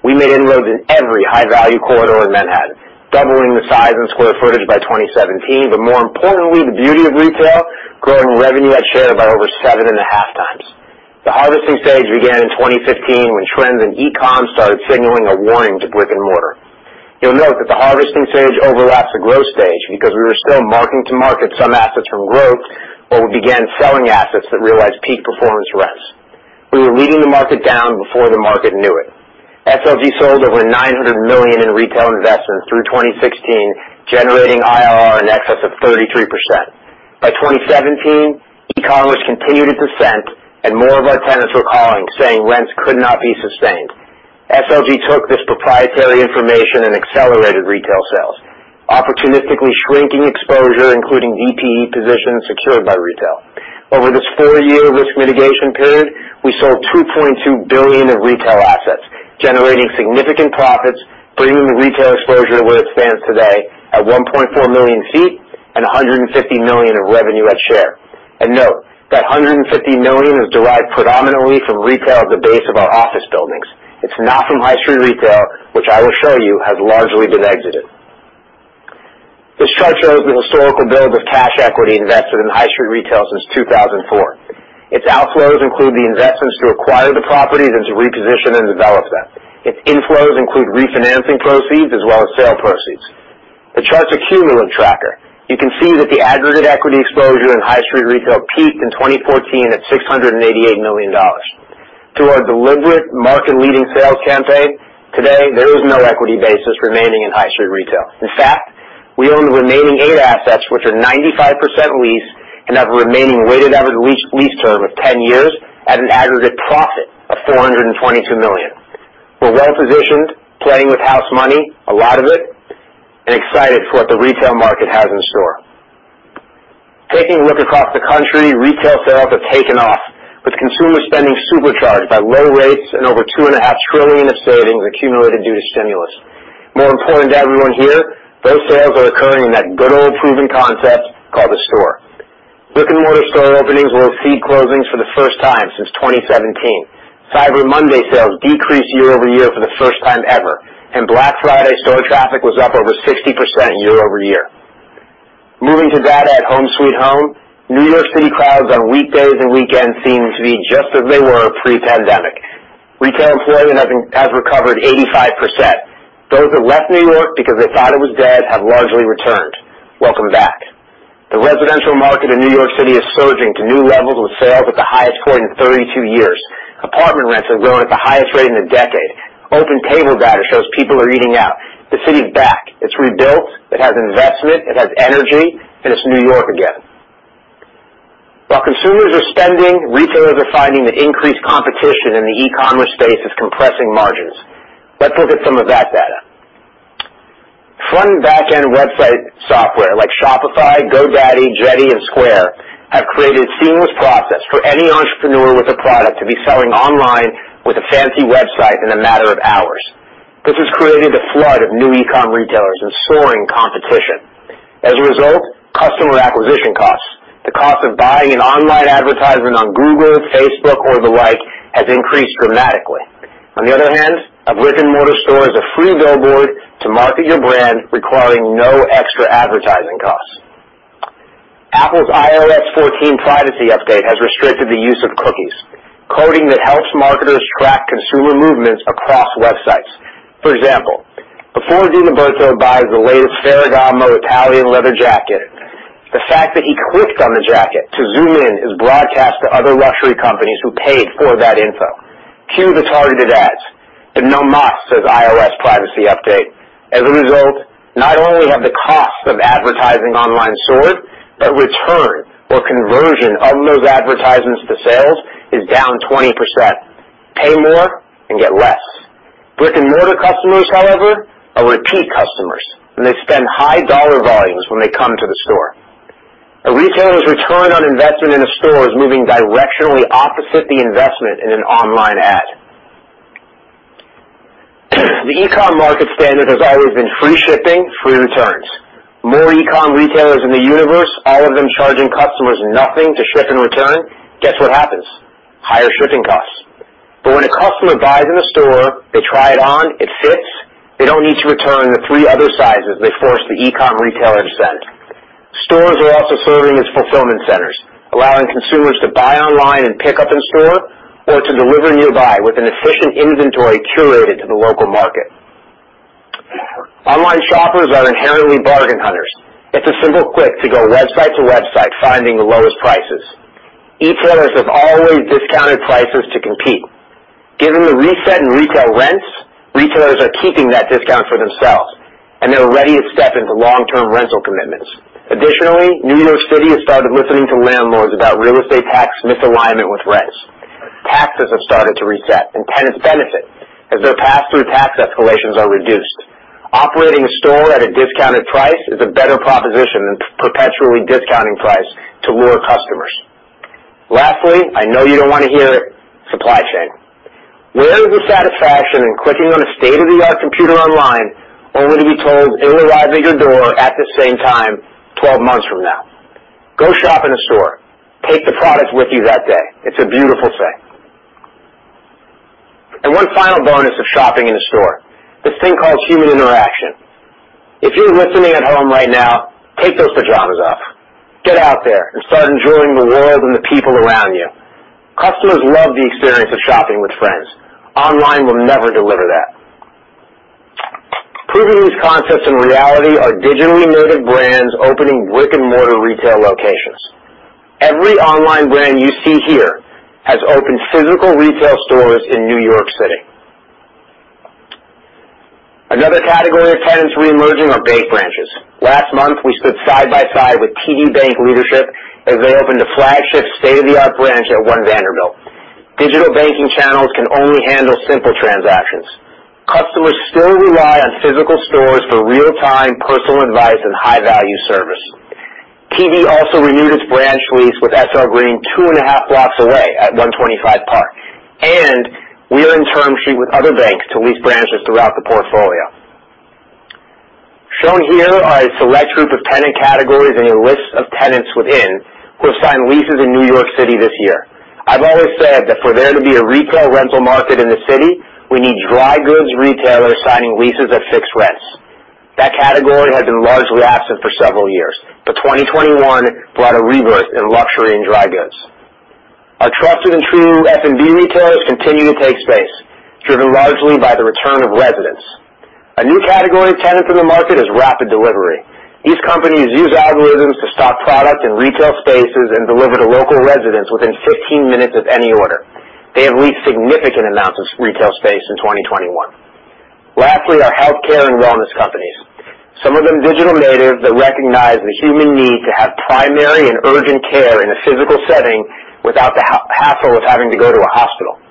We made inroads in every high-value corridor in Manhattan, doubling the size and square footage by 2017, but more importantly, the beauty of retail, growing revenue per share by over 7.5 times. The harvesting stage began in 2015 when trends in e-com started signaling a warning to brick-and-mortar. You'll note that the harvesting stage overlaps the growth stage because we were still marking to market some assets from growth, but we began selling assets that realized peak performance rents. We were leading the market down before the market knew it. SLG sold over $900 million in retail investments through 2016, generating IRR in excess of 33%. By 2017, e-commerce continued its descent and more of our tenants were calling, saying rents could not be sustained. SLG took this proprietary information and accelerated retail sales, opportunistically shrinking exposure, including EPE positions secured by retail. Over this four-year risk mitigation period, we sold $2.2 billion in retail assets, generating significant profits, bringing the retail exposure to where it stands today at 1.4 million sq ft and $150 million in revenue at share. Note that $150 million is derived predominantly from retail at the base of our office buildings. It's not from high street retail, which I will show you has largely been exited. This chart shows the historical build of cash equity invested in high street retail since 2004. Its outflows include the investments to acquire the properties and to reposition and develop them. Its inflows include refinancing proceeds as well as sale proceeds. The chart's a cumulative tracker. You can see that the aggregate equity exposure in high street retail peaked in 2014 at $688 million. Through our deliberate market-leading sales campaign, today, there is no equity basis remaining in high street retail. In fact, we own the remaining eight assets, which are 95% leased and have a remaining weighted average lease term of 10 years at an aggregate profit of $422 million. We're well positioned, playing with house money, a lot of it, and excited for what the retail market has in store. Taking a look across the country, retail sales have taken off, with consumer spending supercharged by low rates and over $2.5 trillion in savings accumulated due to stimulus. More important to everyone here, those sales are occurring in that good old proven concept called the store. Brick-and-mortar store openings will exceed closings for the first time since 2017. Cyber Monday sales decreased year-over-year for the first time ever, and Black Friday store traffic was up over 60% year-over-year. Moving to data at Home Sweet Home, New York City crowds on weekdays and weekends seem to be just as they were pre-pandemic. Retail employment has recovered 85%. Those who left New York because they thought it was dead have largely returned. Welcome back. The residential market in New York City is surging to new levels, with sales at the highest point in 32 years. Apartment rents are growing at the highest rate in a decade. OpenTable data shows people are eating out. The city's back. It's rebuilt. It has investment, it has energy, and it's New York again. While consumers are spending, retailers are finding that increased competition in the e-commerce space is compressing margins. Let's look at some of that data. Front-and-backend website software like Shopify, GoDaddy, Jedi, and Square have created seamless process for any entrepreneur with a product to be selling online with a fancy website in a matter of hours. This has created a flood of new e-com retailers and soaring competition. As a result, customer acquisition costs, the cost of buying an online advertisement on Google, Facebook, or the like has increased dramatically. On the other hand, a brick-and-mortar store is a free billboard to market your brand, requiring no extra advertising costs. Apple's iOS 14 privacy update has restricted the use of cookies, coding that helps marketers track consumer movements across websites. For example, before DiLiberto buys the latest Ferragamo Italian leather jacket, the fact that he clicked on the jacket to zoom in is broadcast to other luxury companies who paid for that info. Cue the targeted ads, but no más, says iOS privacy update. As a result, not only have the costs of advertising online soared, but return or conversion of those advertisements to sales is down 20%. Pay more and get less. Brick-and-mortar customers, however, are repeat customers, and they spend high dollar volumes when they come to the store. A retailer's return on investment in a store is moving directionally opposite the investment in an online ad. The e-com market standard has always been free shipping, free returns. More e-com retailers in the universe, all of them charging customers nothing to ship and return, guess what happens? Higher shipping costs. When a customer buys in a store, they try it on, it fits, they don't need to return the three other sizes they force the e-com retailer to send. Stores are also serving as fulfillment centers, allowing consumers to buy online and pick up in store or to deliver nearby with an efficient inventory curated to the local market. Online shoppers are inherently bargain hunters. It's a simple click to go website to website, finding the lowest prices. E-tailers have always discounted prices to compete. Given the reset in retail rents, retailers are keeping that discount for themselves, and they're ready to step into long-term rental commitments. Additionally, New York City has started listening to landlords about real estate tax misalignment with rents. Taxes have started to reset, and tenants benefit as their pass-through tax escalations are reduced. Operating a store at a discounted price is a better proposition than perpetually discounting price to lure customers. Lastly, I know you don't want to hear it, supply chain. Where is the satisfaction in clicking on a state-of-the-art computer online only to be told it'll arrive at your door at the same time 12 months from now? Go shop in a store. Take the product with you that day. It's a beautiful thing. One final bonus of shopping in a store, this thing called human interaction. If you're listening at home right now, take those pajamas off, get out there, and start enjoying the world and the people around you. Customers love the experience of shopping with friends. Online will never deliver that. Proving these concepts in reality are digitally native brands opening brick-and-mortar retail locations. Every online brand you see here has opened physical retail stores in New York City. Another category of tenants reemerging are bank branches. Last month, we stood side by side with TD Bank leadership as they opened a flagship state-of-the-art branch at One Vanderbilt. Digital banking channels can only handle simple transactions. Customers still rely on physical stores for real-time personal advice and high-value service. TD also renewed its branch lease with SL Green two and a half blocks away at 125 Park Avenue, and we are in term sheet with other banks to lease branches throughout the portfolio. Shown here are a select group of tenant categories and a list of tenants within who have signed leases in New York City this year. I've always said that for there to be a retail rental market in the city, we need dry goods retailers signing leases at fixed rents. That category had been largely absent for several years, but 2021 brought a rebirth in luxury and dry goods. Our trusted and true F&B retailers continue to take space, driven largely by the return of residents. A new category of tenant in the market is rapid delivery. These companies use algorithms to stock product in retail spaces and deliver to local residents within 15 minutes of any order. They have leased significant amounts of retail space in 2021. Lastly, our healthcare and wellness companies, some of them digital natives that recognize the human need to have primary and urgent care in a physical setting without the hassle of having to go to a hospital.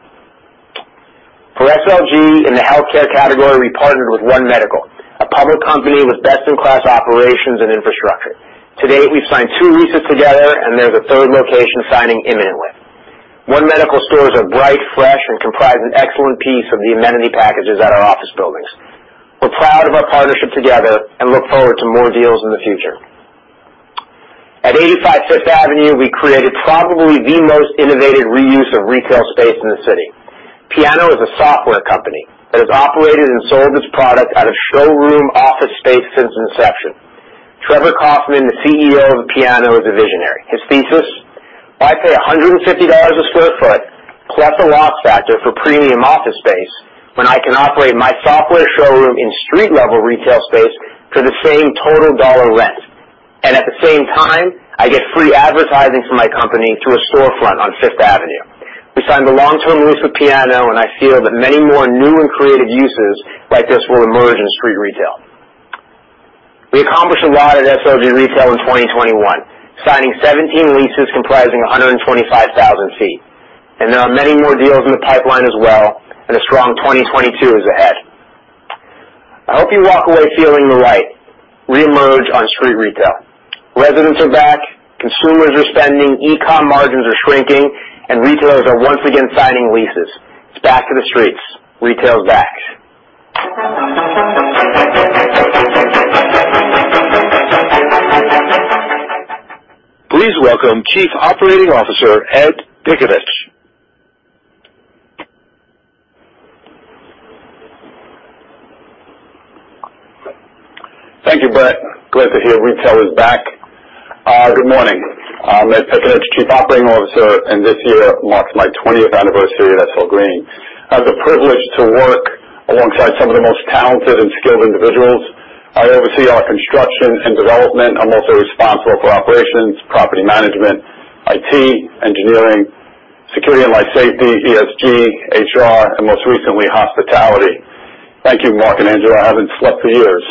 For SLG in the healthcare category, we partnered with One Medical, a public company with best-in-class operations and infrastructure. To date, we've signed two leases together and there's a third location signing imminently. One Medical stores are bright, fresh, and comprise an excellent piece of the amenity packages at our office buildings. We're proud of our partnership together and look forward to more deals in the future. 55 Fifth Avenue, we created probably the most innovative reuse of retail space in the city. Piano is a software company that has operated and sold its product at a showroom office space since inception. Trevor Kaufman, the CEO of Piano, is a visionary. His thesis, why pay $150/sq ft plus a loss factor for premium office space when I can operate my software showroom in street level retail space for the same total dollar rent? At the same time, I get free advertising for my company through a storefront on Fifth Avenue. We signed the long-term lease with Piano, and I feel that many more new and creative uses like this will emerge in street retail. We accomplished a lot at SLG Retail in 2021, signing 17 leases comprising 125,000 sq ft. There are many more deals in the pipeline as well, and a strong 2022 is ahead. I hope you walk away feeling the light reemerge on street retail. Residents are back, consumers are spending, e-com margins are shrinking, and retailers are once again signing leases. It's back to the streets. Retail is back. Please welcome Chief Operating Officer, Ed Piccinich. Thank you, Brett. Glad to hear retail is back. Good morning. I'm Ed Piccinich, Chief Operating Officer, and this year marks my 20th anniversary at SL Green. I have the privilege to work alongside some of the most talented and skilled individuals. I oversee our construction and development. I'm also responsible for operations, property management, IT, engineering, security and life safety, ESG, HR, and most recently, hospitality. Thank you, Marc and Angela. I haven't slept for years.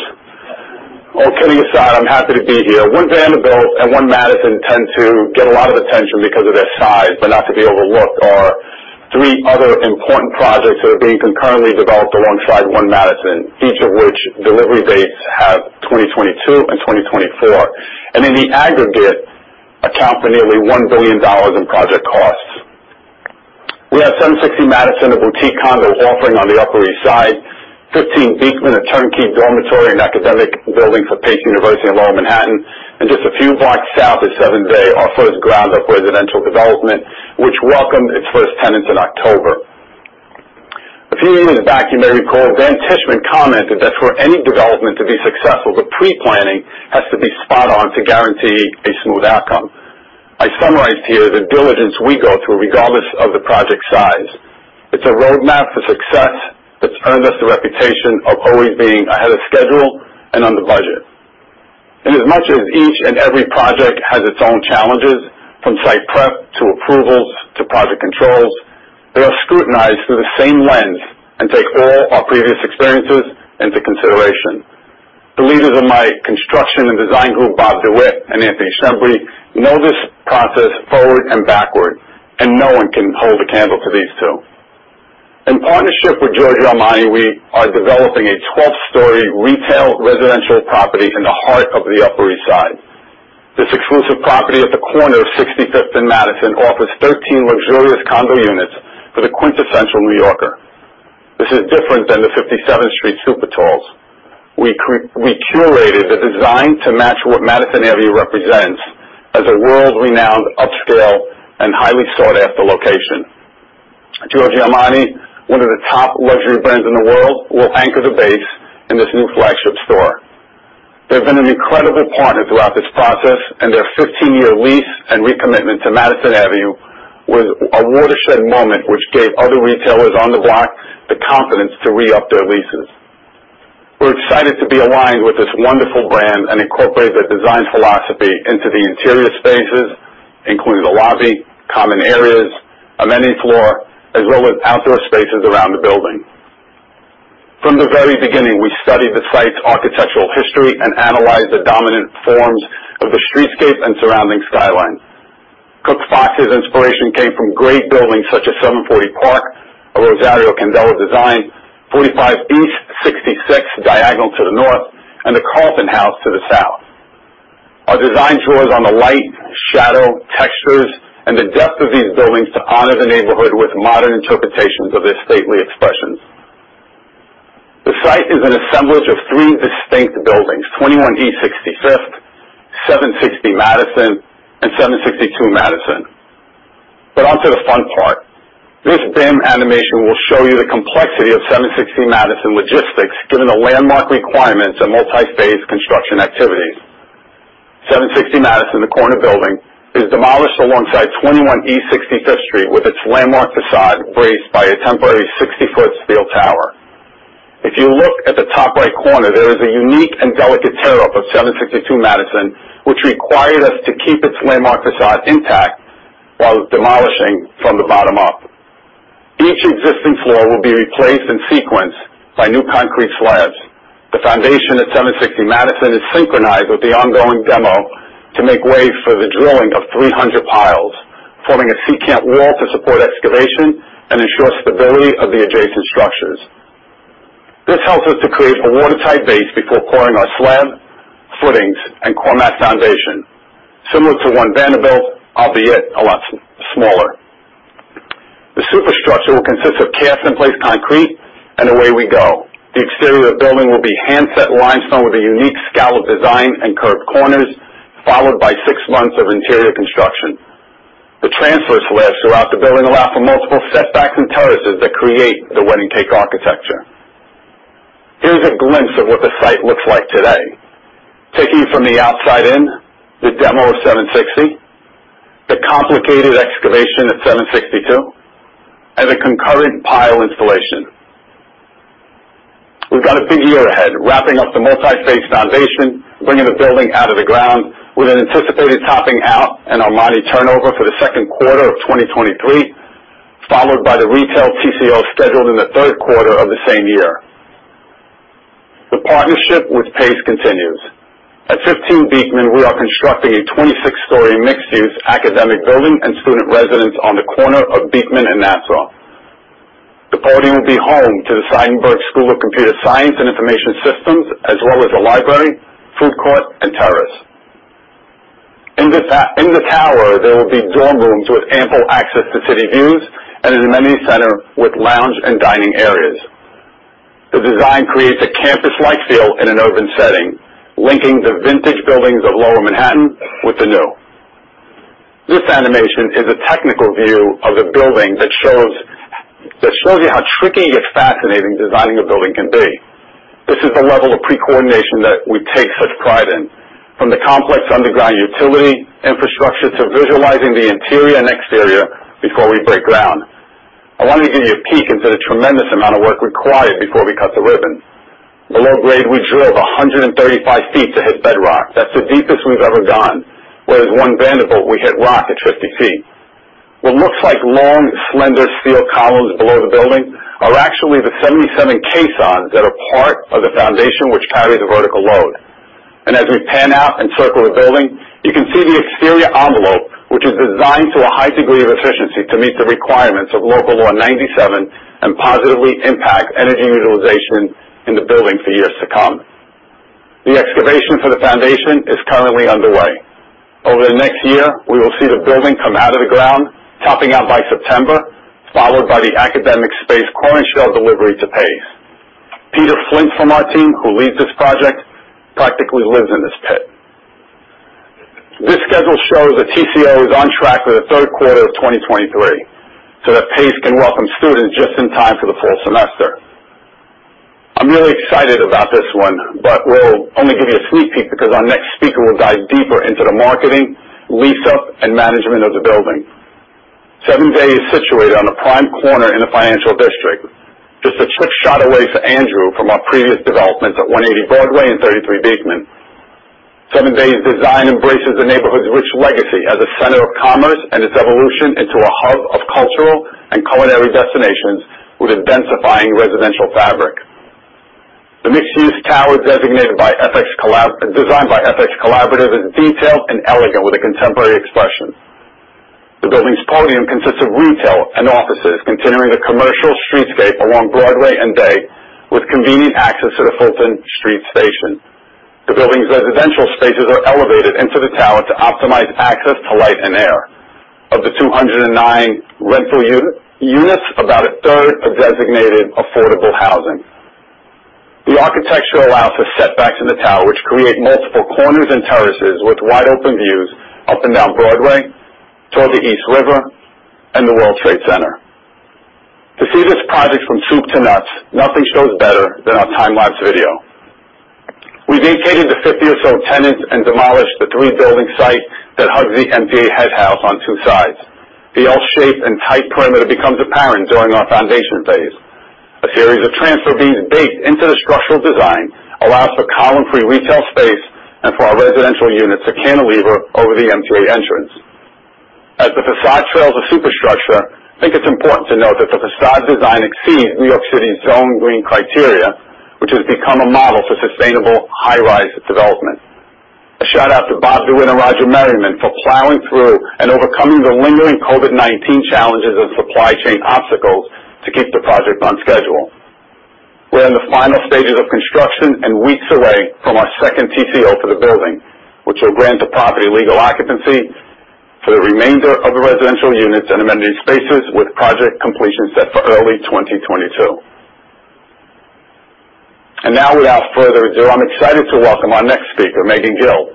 All kidding aside, I'm happy to be here. One Vanderbilt and One Madison tend to get a lot of attention because of their size, but not to be overlooked are three other important projects that are being concurrently developed alongside One Madison, each of which delivery dates have 2022 and 2024, and in the aggregate, account for nearly $1 billion in project costs. We have 760 Madison, a boutique condo offering on the Upper East Side, 15 Beekman, a turnkey dormitory and academic building for Pace University in Lower Manhattan, and just a few blocks south at 7 Dey, our first ground up residential development, which welcomed its first tenants in October. A few years back, you may recall Dan Tishman commented that for any development to be successful, the pre-planning has to be spot on to guarantee a smooth outcome. I summarized here the diligence we go through regardless of the project size. It's a roadmap for success that's earned us the reputation of always being ahead of schedule and under budget. As much as each and every project has its own challenges, from site prep to approvals to project controls, they are scrutinized through the same lens and take all our previous experiences into consideration. The leaders of my construction and design group, Bob DeWitt and Anthony Sembrie, know this process forward and backward, and no one can hold a candle to these two. In partnership with Giorgio Armani, we are developing a 12-storey retail residential property in the heart of the Upper East Side. This exclusive property at the corner of 65th and Madison offers 13 luxurious condo units for the quintessential New Yorker. This is different than the 57th Street super talls. We curated the design to match what Madison Avenue represents as a world-renowned, upscale, and highly sought-after location. Giorgio Armani, one of the top luxury brands in the world, will anchor the base in this new flagship store. They've been an incredible partner throughout this process, and their 15-year lease and recommitment to Madison Avenue was a watershed moment which gave other retailers on the block the confidence to re-up their leases. We're excited to be aligned with this wonderful brand and incorporate their design philosophy into the interior spaces, including the lobby, common areas, amenity floor, as well as outdoor spaces around the building. From the very beginning, we studied the site's architectural history and analyzed the dominant forms of the streetscape and surrounding skyline. CookFox's inspiration came from great buildings such as 740 Park, a Rosario Candela design, 45 East 66th diagonally to the north, and the Carlton House to the south. Our design draws on the light, shadow, textures, and the depth of these buildings to honor the neighborhood with modern interpretations of their stately expressions. The site is an assemblage of three distinct buildings, 21 East 65th, 760 Madison, and 762 Madison. Onto the fun part. This BIM animation will show you the complexity of 760 Madison logistics, given the landmark requirements and multi-phase construction activities. 760 Madison, the corner building, is demolished alongside 21 East 65th Street, with its landmark facade raised by a temporary 60-foot steel tower. If you look at the top right corner, there is a unique and delicate tear up of 762 Madison, which required us to keep its landmark facade intact while demolishing from the bottom up. Each existing floor will be replaced in sequence by new concrete slabs. The foundation at 760 Madison is synchronized with the ongoing demo to make way for the drilling of 300 piles, forming a secant wall to support excavation and ensure stability of the adjacent structures. This helps us to create a watertight base before pouring our slab, footings, and core mat foundation. Similar to One Vanderbilt, albeit a lot smaller. Put in place concrete and away we go. The exterior of the building will be handset limestone with a unique scallop design and curved corners, followed by six months of interior construction. The transfer slabs throughout the building allow for multiple setbacks and terraces that create the wedding cake architecture. Here's a glimpse of what the site looks like today. Taking you from the outside in, the demo of 760, the complicated excavation at 762, and the concurrent pile installation. We've got a big year ahead, wrapping up the multi-phase foundation, bringing the building out of the ground with an anticipated topping out and Armani turnover for the second quarter of 2023, followed by the retail TCO scheduled in the third quarter of the same year. The partnership with Pace continues. At 15 Beekman, we are constructing a 26-storey mixed-use academic building and student residence on the corner of Beekman and Nassau. The podium will be home to the Seidenberg School of Computer Science and Information Systems, as well as a library, food court, and terrace. In the tower, there will be dorm rooms with ample access to city views and an amenity center with lounge and dining areas. The design creates a campus-like feel in an urban setting, linking the vintage buildings of lower Manhattan with the new. This animation is a technical view of the building that shows you how tricky yet fascinating designing a building can be. This is the level of pre-coordination that we take such pride in. From the complex underground utility infrastructure to visualizing the interior and exterior before we break ground. I want to give you a peek into the tremendous amount of work required before we cut the ribbon. Below grade, we drove 135 feet to hit bedrock. That's the deepest we've ever gone. Whereas One Vanderbilt, we hit rock at 50 feet. What looks like long, slender steel columns below the building are actually the 77 caissons that are part of the foundation which carry the vertical load. As we pan out and circle the building, you can see the exterior envelope, which is designed to a high degree of efficiency to meet the requirements of Local Law 97 and positively impact energy utilization in the building for years to come. The excavation for the foundation is currently underway. Over the next year, we will see the building come out of the ground, topping out by September, followed by the academic space core and shell delivery to Pace. Peter Flint from our team, who leads this project, practically lives in this pit. This schedule shows the TCO is on track for the third quarter of 2023 so that Pace can welcome students just in time for the fall semester. I'm really excited about this one, but we'll only give you a sneak peek because our next speaker will dive deeper into the marketing, lease up, and management of the building. 7 Dey is situated on a prime corner in the Financial District, just a quick shot away for Andrew from our previous developments at 180 Broadway and 33 Beekman. 7 Dey's design embraces the neighborhood's rich legacy as a center of commerce and its evolution into a hub of cultural and culinary destinations with a densifying residential fabric. The mixed-use tower designed by FX Collaborative is detailed and elegant with a contemporary expression. The building's podium consists of retail and offices, continuing the commercial streetscape along Broadway and Dey, with convenient access to the Fulton Street Station. The building's residential spaces are elevated into the tower to optimize access to light and air. Of the 209 rental units, about a third are designated affordable housing. The architecture allows for setbacks in the tower which create multiple corners and terraces with wide open views up and down Broadway, toward the East River, and the World Trade Center. To see this project from soup to nuts, nothing shows better than our time lapse video. We vacated the 50 or so tenants and demolished the three-building site that hugs the MTA head house on two sides. The L shape and tight perimeter becomes apparent during our foundation phase. A series of transfer beams baked into the structural design allows for column-free retail space and for our residential units to cantilever over the MTA entrance. As the facade trails the superstructure, I think it's important to note that the facade design exceeds New York City's own green criteria, which has become a model for sustainable high-rise development. A shout out to Bob DeWitt and Roger Merriman for plowing through and overcoming the lingering COVID-19 challenges and supply chain obstacles to keep the project on schedule. We're in the final stages of construction and weeks away from our second TCO for the building, which will grant the property legal occupancy for the remainder of the residential units and amenity spaces, with project completion set for early 2022. Now without further ado, I'm excited to welcome our next speaker, Meghann Gill,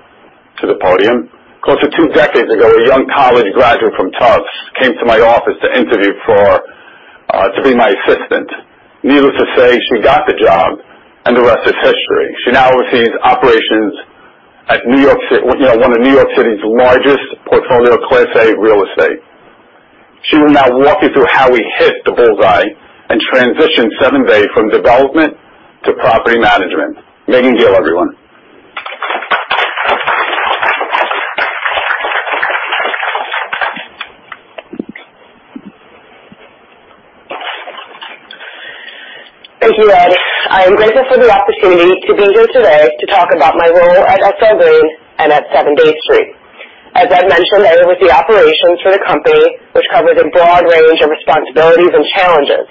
to the podium. Close to two decades ago, a young college graduate from Tufts came to my office to interview for, to be my assistant. Needless to say, she got the job and the rest is history. She now oversees operations at New York City, you know, one of New York City's largest portfolio of class A real estate. She will now walk you through how we hit the bullseye and transition 7 Dey from development to property management. Meghann Gill, everyone. Thank you, Ed. I am grateful for the opportunity to be here today to talk about my role at SL Green and at 7 Dey. As Ed mentioned, I am with the operations for the company, which covers a broad range of responsibilities and challenges.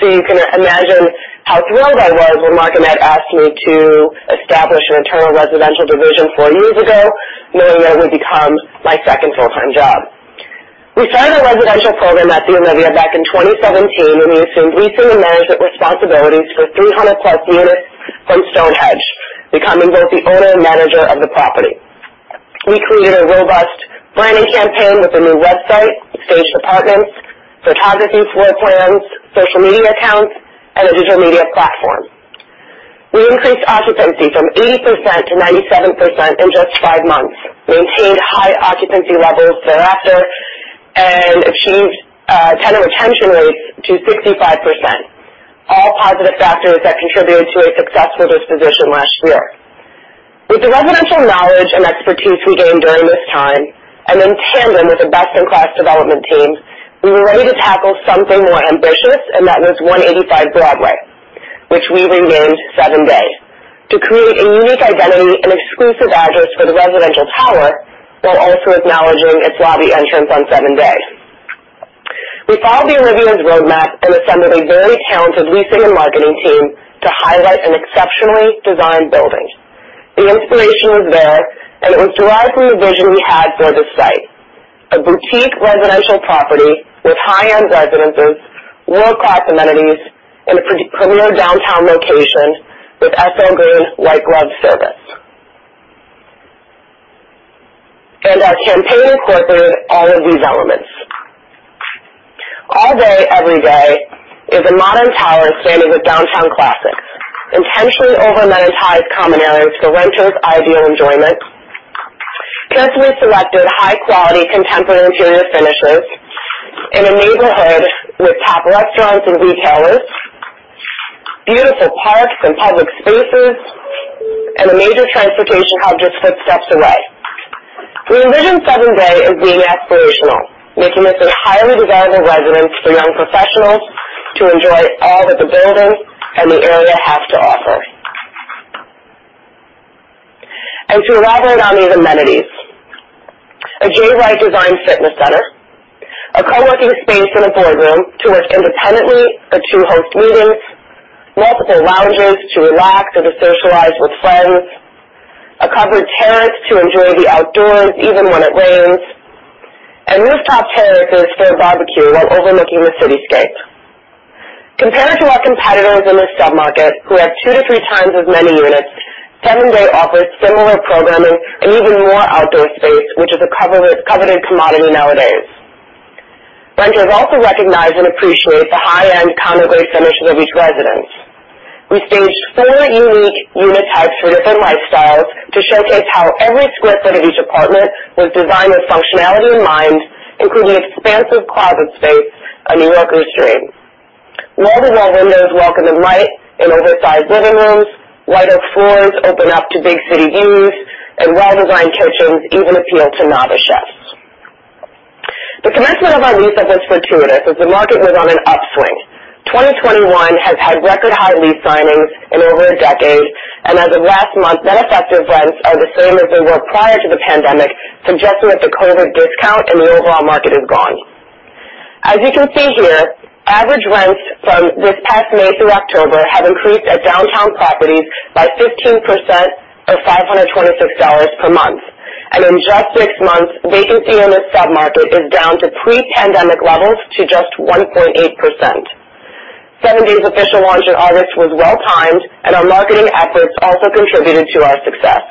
You can imagine how thrilled I was when Marc and Ed asked me to establish an internal residential division four years ago, knowing that it would become my second full-time job. We started a residential program at The Olivia back in 2017, when we assumed leasing and management responsibilities for 300+ units from Stonehenge, becoming both the owner and manager of the property. We created a robust branding campaign with a new website, staged apartments, photography floor plans, social media accounts, and a digital media platform. We increased occupancy from 80% to 97% in just five months, maintained high occupancy levels thereafter, and achieved tenant retention rates to 65%. All positive factors that contributed to a successful disposition last year. With the residential knowledge and expertise we gained during this time, and in tandem with a best-in-class development team, we were ready to tackle something more ambitious, and that was 185 Broadway, which we renamed 7 Dey, to create a unique identity and exclusive address for the residential tower, while also acknowledging its lobby entrance on 7 Dey. We followed The Olivia's roadmap and assembled a very talented leasing and marketing team to highlight an exceptionally designed building. The inspiration was there, and it was derived from the vision we had for this site. A boutique residential property with high-end residences, world-class amenities in a premier downtown location with SL Green white glove service. Our campaign incorporated all of these elements. All day, every day is a modern tower standing with downtown classics. Intentionally over 95 common areas for renters' ideal enjoyment. Carefully selected high-quality contemporary interior finishes in a neighborhood with top restaurants and retailers, beautiful parks and public spaces, and a major transportation hub just footsteps away. We envision 7 Dey as being aspirational, making this a highly desirable residence for young professionals to enjoy all that the building and the area has to offer. To elaborate on these amenities, a Wright esign fitness center, a co-working space, and a boardroom to work independently or to host meetings, multiple lounges to relax or to socialize with friends, a covered terrace to enjoy the outdoors even when it rains, and rooftop terraces for a barbecue while overlooking the cityscape. Compared to our competitors in the sub-market who have two to three times as many units, 7 Dey offers similar programming and even more outdoor space, which is a coveted commodity nowadays. Renters also recognize and appreciate the high-end condo-grade finishes of each residence. We staged four unique unit types for different lifestyles to showcase how every square foot of each apartment was designed with functionality in mind, including expansive closet space, a New Yorker's dream. Wall-to-wall windows welcome the light in oversized living rooms, white oak floors open up to big city views, and well-designed kitchens even appeal to novice chefs. The commencement of our lease-up was fortuitous as the market was on an upswing. 2021 has had record high lease signings in over a decade, and as of last month, net effective rents are the same as they were prior to the pandemic, suggesting that the COVID discount in the overall market is gone. As you can see here, average rents from this past May through October have increased at downtown properties by 15% or $526 per month. In just six months, vacancy in this sub-market is down to pre-pandemic levels to just 1.8%. 7 Dey's official launch in August was well timed, and our marketing efforts also contributed to our success.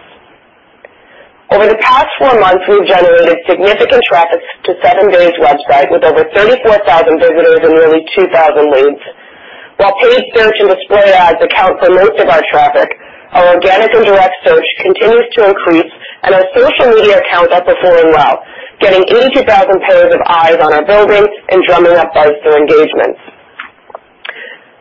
Over the past four months, we've generated significant traffic to 7 Dey's website with over 34,000 visitors and nearly 2,000 leads. While paid search and display ads account for most of our traffic, our organic and direct search continues to increase, and our social media accounts are performing well, getting 82,000 pairs of eyes on our buildings and drumming up buzz through engagements.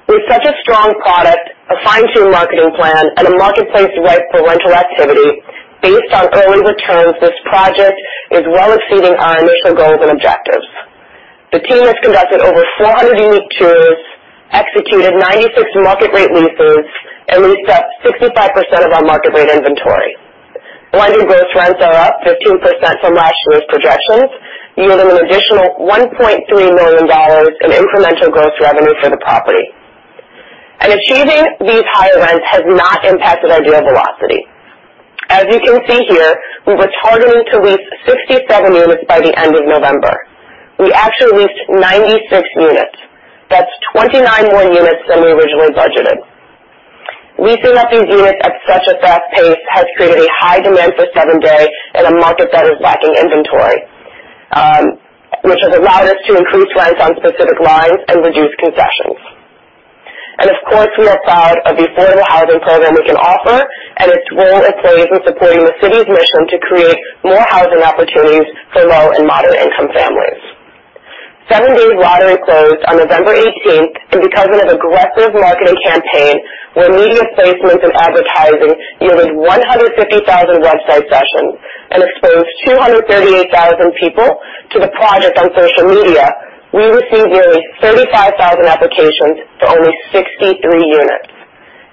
With such a strong product, a fine-tuned marketing plan, and a marketplace ripe for rental activity based on early returns, this project is well exceeding our initial goals and objectives. The team has conducted over 400 unique tours, executed 96 market rate leases, and leased up 65% of our market rate inventory. Blended gross rents are up 15% from last year's projections, yielding an additional $1.3 million in incremental gross revenue for the property. Achieving these higher rents has not impacted our deal velocity. As you can see here, we were targeting to lease 67 units by the end of November. We actually leased 96 units. That's 29 more units than we originally budgeted. Leasing up these units at such a fast pace has created a high demand for 7 Dey in a market that is lacking inventory, which has allowed us to increase rents on specific lines and reduce concessions. Of course, we are proud of the affordable housing program we can offer and its role it plays in supporting the city's mission to create more housing opportunities for low and moderate-income families. 7 Days' lottery closed on November 18, and because of an aggressive marketing campaign where media placements and advertising yielded 150,000 website sessions and exposed 238,000 people to the project on social media, we received nearly 35,000 applications to only 63 units.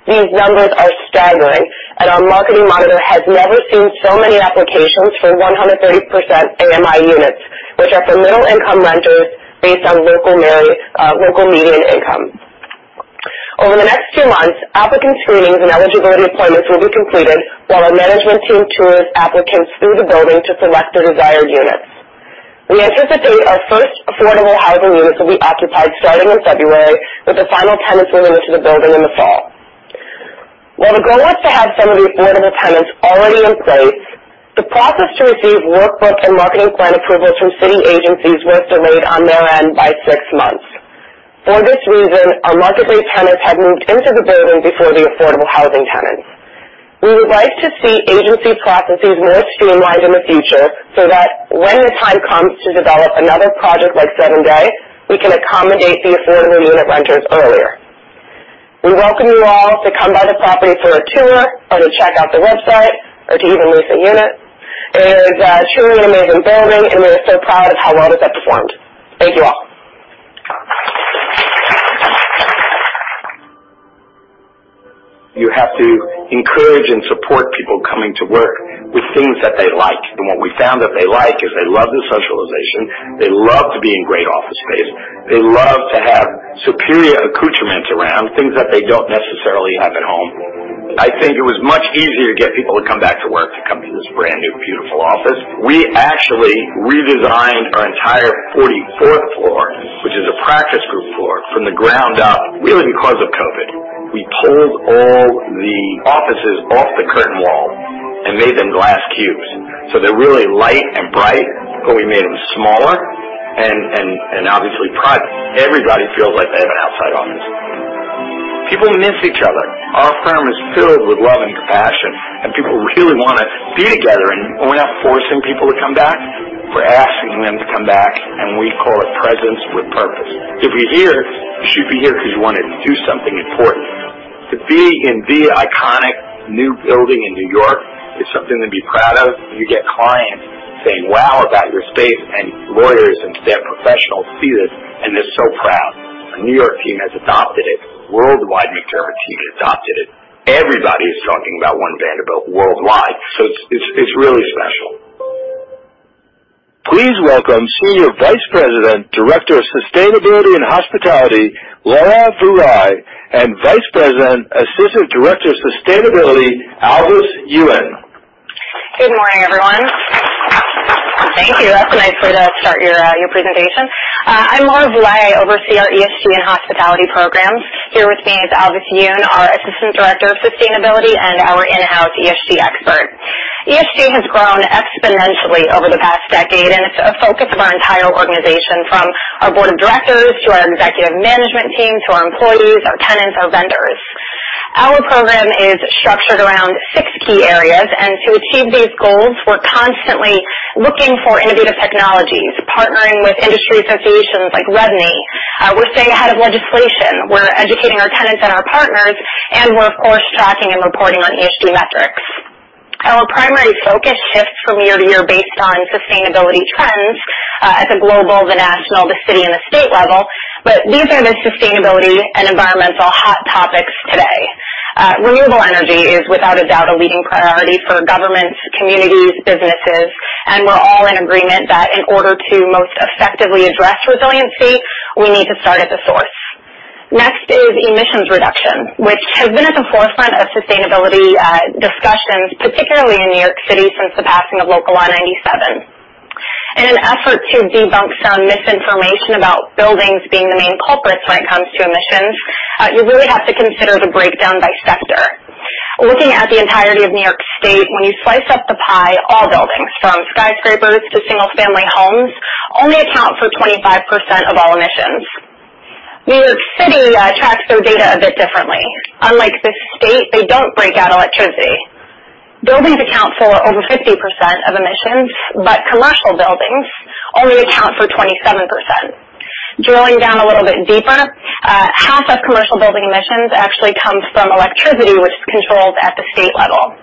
These numbers are staggering, and our marketing monitor has never seen so many applications for 130% AMI units, which are for middle income renters based on local median income. Over the next two months, applicant screenings and eligibility appointments will be completed while our management team tours applicants through the building to select their desired units. We anticipate our first affordable housing units will be occupied starting in February, with the final tenants moving into the building in the fall. While the goal is to have some of the affordable tenants already in place, the process to receive workbook and marketing plan approvals from city agencies was delayed on their end by six months. For this reason, our marketplace tenants have moved into the building before the affordable housing tenants. We would like to see agency processes more streamlined in the future so that when the time comes to develop another project like 7 Dey, we can accommodate the affordable unit renters earlier. We welcome you all to come by the property for a tour or to check out the website or to even lease a unit. It is truly an amazing building, and we are so proud of how well it has performed. Thank you all. You have to encourage and support people coming to work with things that they like. What we found that they like is they love the socialization. They love to be in great office space. They love to have superior accoutrements around, things that they don't necessarily have at home. I think it was much easier to get people to come back to work, to come to this brand-new, beautiful office. We actually redesigned our entire 44th floor, which is a practice group floor, from the ground up, really because of COVID. We pulled all the offices off the curtain wall and made them glass cubes, so they're really light and bright, but we made them smaller and obviously private. Everybody feels like they have an outside office. People miss each other. Our firm is filled with love and compassion, and people really wanna be together. We're not forcing people to come back. We're asking them to come back, and we call it Presence with Purpose. If you're here, you should be here because you want to do something important. To be in the iconic new building in New York is something to be proud of. You get clients saying, "Wow," about your space. Lawyers and staff professionals see this, and they're so proud. Our New York team has adopted it. Worldwide Wachtell team has adopted it. Everybody is talking about One Vanderbilt worldwide, so it's really special. Please welcome Senior Vice President, Director of Sustainability and Hospitality, Laura Vulaj, and Vice President, Assistant Director of Sustainability, Alvis Yuen. Good morning, everyone. Thank you. That's great way to start your presentation. I'm Laura Vulaj. I oversee our ESG and hospitality programs. Here with me is Alvis Yuen, our Assistant Director of Sustainability and our in-house ESG expert. ESG has grown exponentially over the past decade, and it's a focus of our entire organization, from our Board of Directors to our executive management team to our employees, our tenants, our vendors. Our program is structured around six key areas, and to achieve these goals, we're constantly looking for innovative technologies, partnering with industry associations like REBNY. We're staying ahead of legislation. We're educating our tenants and our partners, and we're, of course, tracking and reporting on ESG metrics. Our primary focus shifts from year to year based on sustainability trends, at the global, national, city, and state level, but these are the sustainability and environmental hot topics today. Renewable energy is without a doubt a leading priority for governments, communities, businesses, and we're all in agreement that in order to most effectively address resiliency, we need to start at the source. Next is emissions reduction, which has been at the forefront of sustainability discussions, particularly in New York City, since the passing of Local Law 97. In an effort to debunk some misinformation about buildings being the main culprit when it comes to emissions, you really have to consider the breakdown by sector. Looking at the entirety of New York State, when you slice up the pie, all buildings, from skyscrapers to single-family homes, only account for 25% of all emissions. New York City tracks their data a bit differently. Unlike the state, they don't break out electricity. Buildings account for over 50% of emissions, but commercial buildings only account for 27%. Drilling down a little bit deeper, half of commercial building emissions actually comes from electricity, which is controlled at the state level.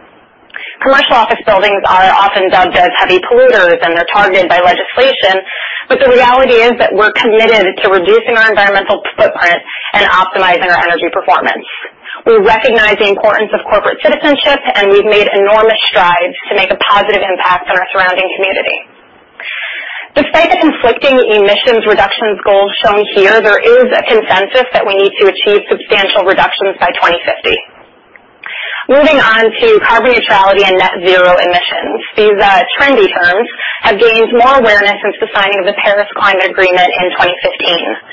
Commercial office buildings are often dubbed as heavy polluters, and they're targeted by legislation. The reality is that we're committed to reducing our environmental footprint and optimizing our energy performance. We recognize the importance of corporate citizenship, and we've made enormous strides to make a positive impact on our surrounding community. Despite the conflicting emissions reductions goals shown here, there is a consensus that we need to achieve substantial reductions by 2050. Moving on to carbon neutrality and net zero emissions. These trendy terms have gained more awareness since the signing of the Paris Agreement in 2015.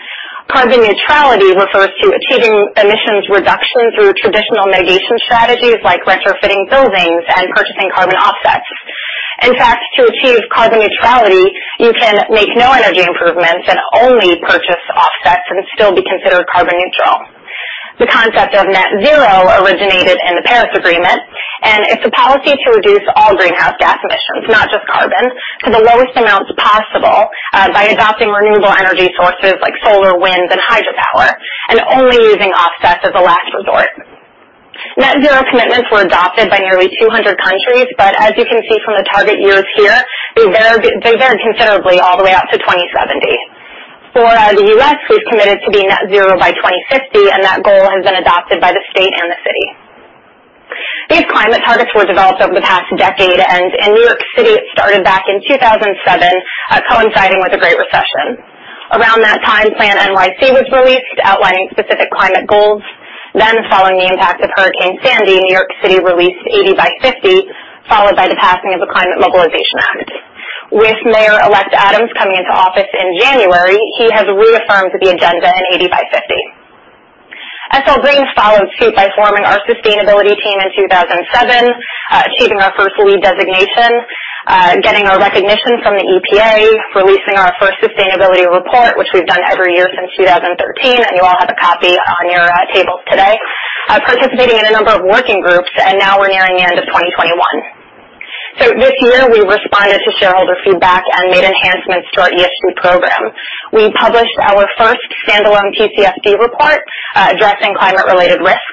Carbon neutrality refers to achieving emissions reduction through traditional mitigation strategies like retrofitting buildings and purchasing carbon offsets. In fact, to achieve carbon neutrality, you can make no energy improvements and only purchase offsets and still be considered carbon neutral. The concept of net zero originated in the Paris Agreement, and it's a policy to reduce all greenhouse gas emissions, not just carbon, to the lowest amounts possible by adopting renewable energy sources like solar, wind, and hydropower, and only using offsets as a last resort. Net zero commitments were adopted by nearly 200 countries, but as you can see from the target years here, they vary considerably all the way out to 2070. For the U.S., we've committed to being net zero by 2050, and that goal has been adopted by the state and the city. These climate targets were developed over the past decade, and in New York City, it started back in 2007, coinciding with the Great Recession. Around that time PlaNYC was released outlining specific climate goals. Then following the impact of Hurricane Sandy, New York City released 80x50, followed by the passing of the Climate Mobilization Act. With Mayor-elect Adams coming into office in January, he has reaffirmed the agenda in 80x50. SL Green followed suit by forming our sustainability team in 2007, achieving our first LEED designation, getting our recognition from the EPA, releasing our first sustainability report, which we've done every year since 2013, and you all have a copy on your tables today, participating in a number of working groups, and now we're nearing the end of 2021. This year we responded to shareholder feedback and made enhancements to our ESG program. We published our first standalone TCFD report, addressing climate-related risk.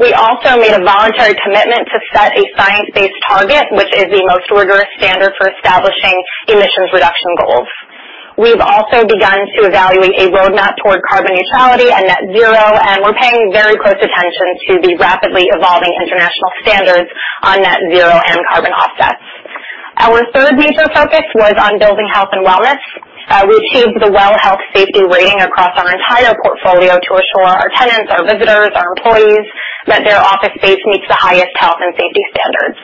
We also made a voluntary commitment to set a science-based target, which is the most rigorous standard for establishing emissions reduction goals. We've also begun to evaluate a roadmap toward carbon neutrality and net zero, and we're paying very close attention to the rapidly evolving international standards on net zero and carbon offsets. Our third major focus was on building health and wellness. We achieved the WELL Health-Safety Rating across our entire portfolio to assure our tenants, our visitors, our employees that their office space meets the highest health and safety standards.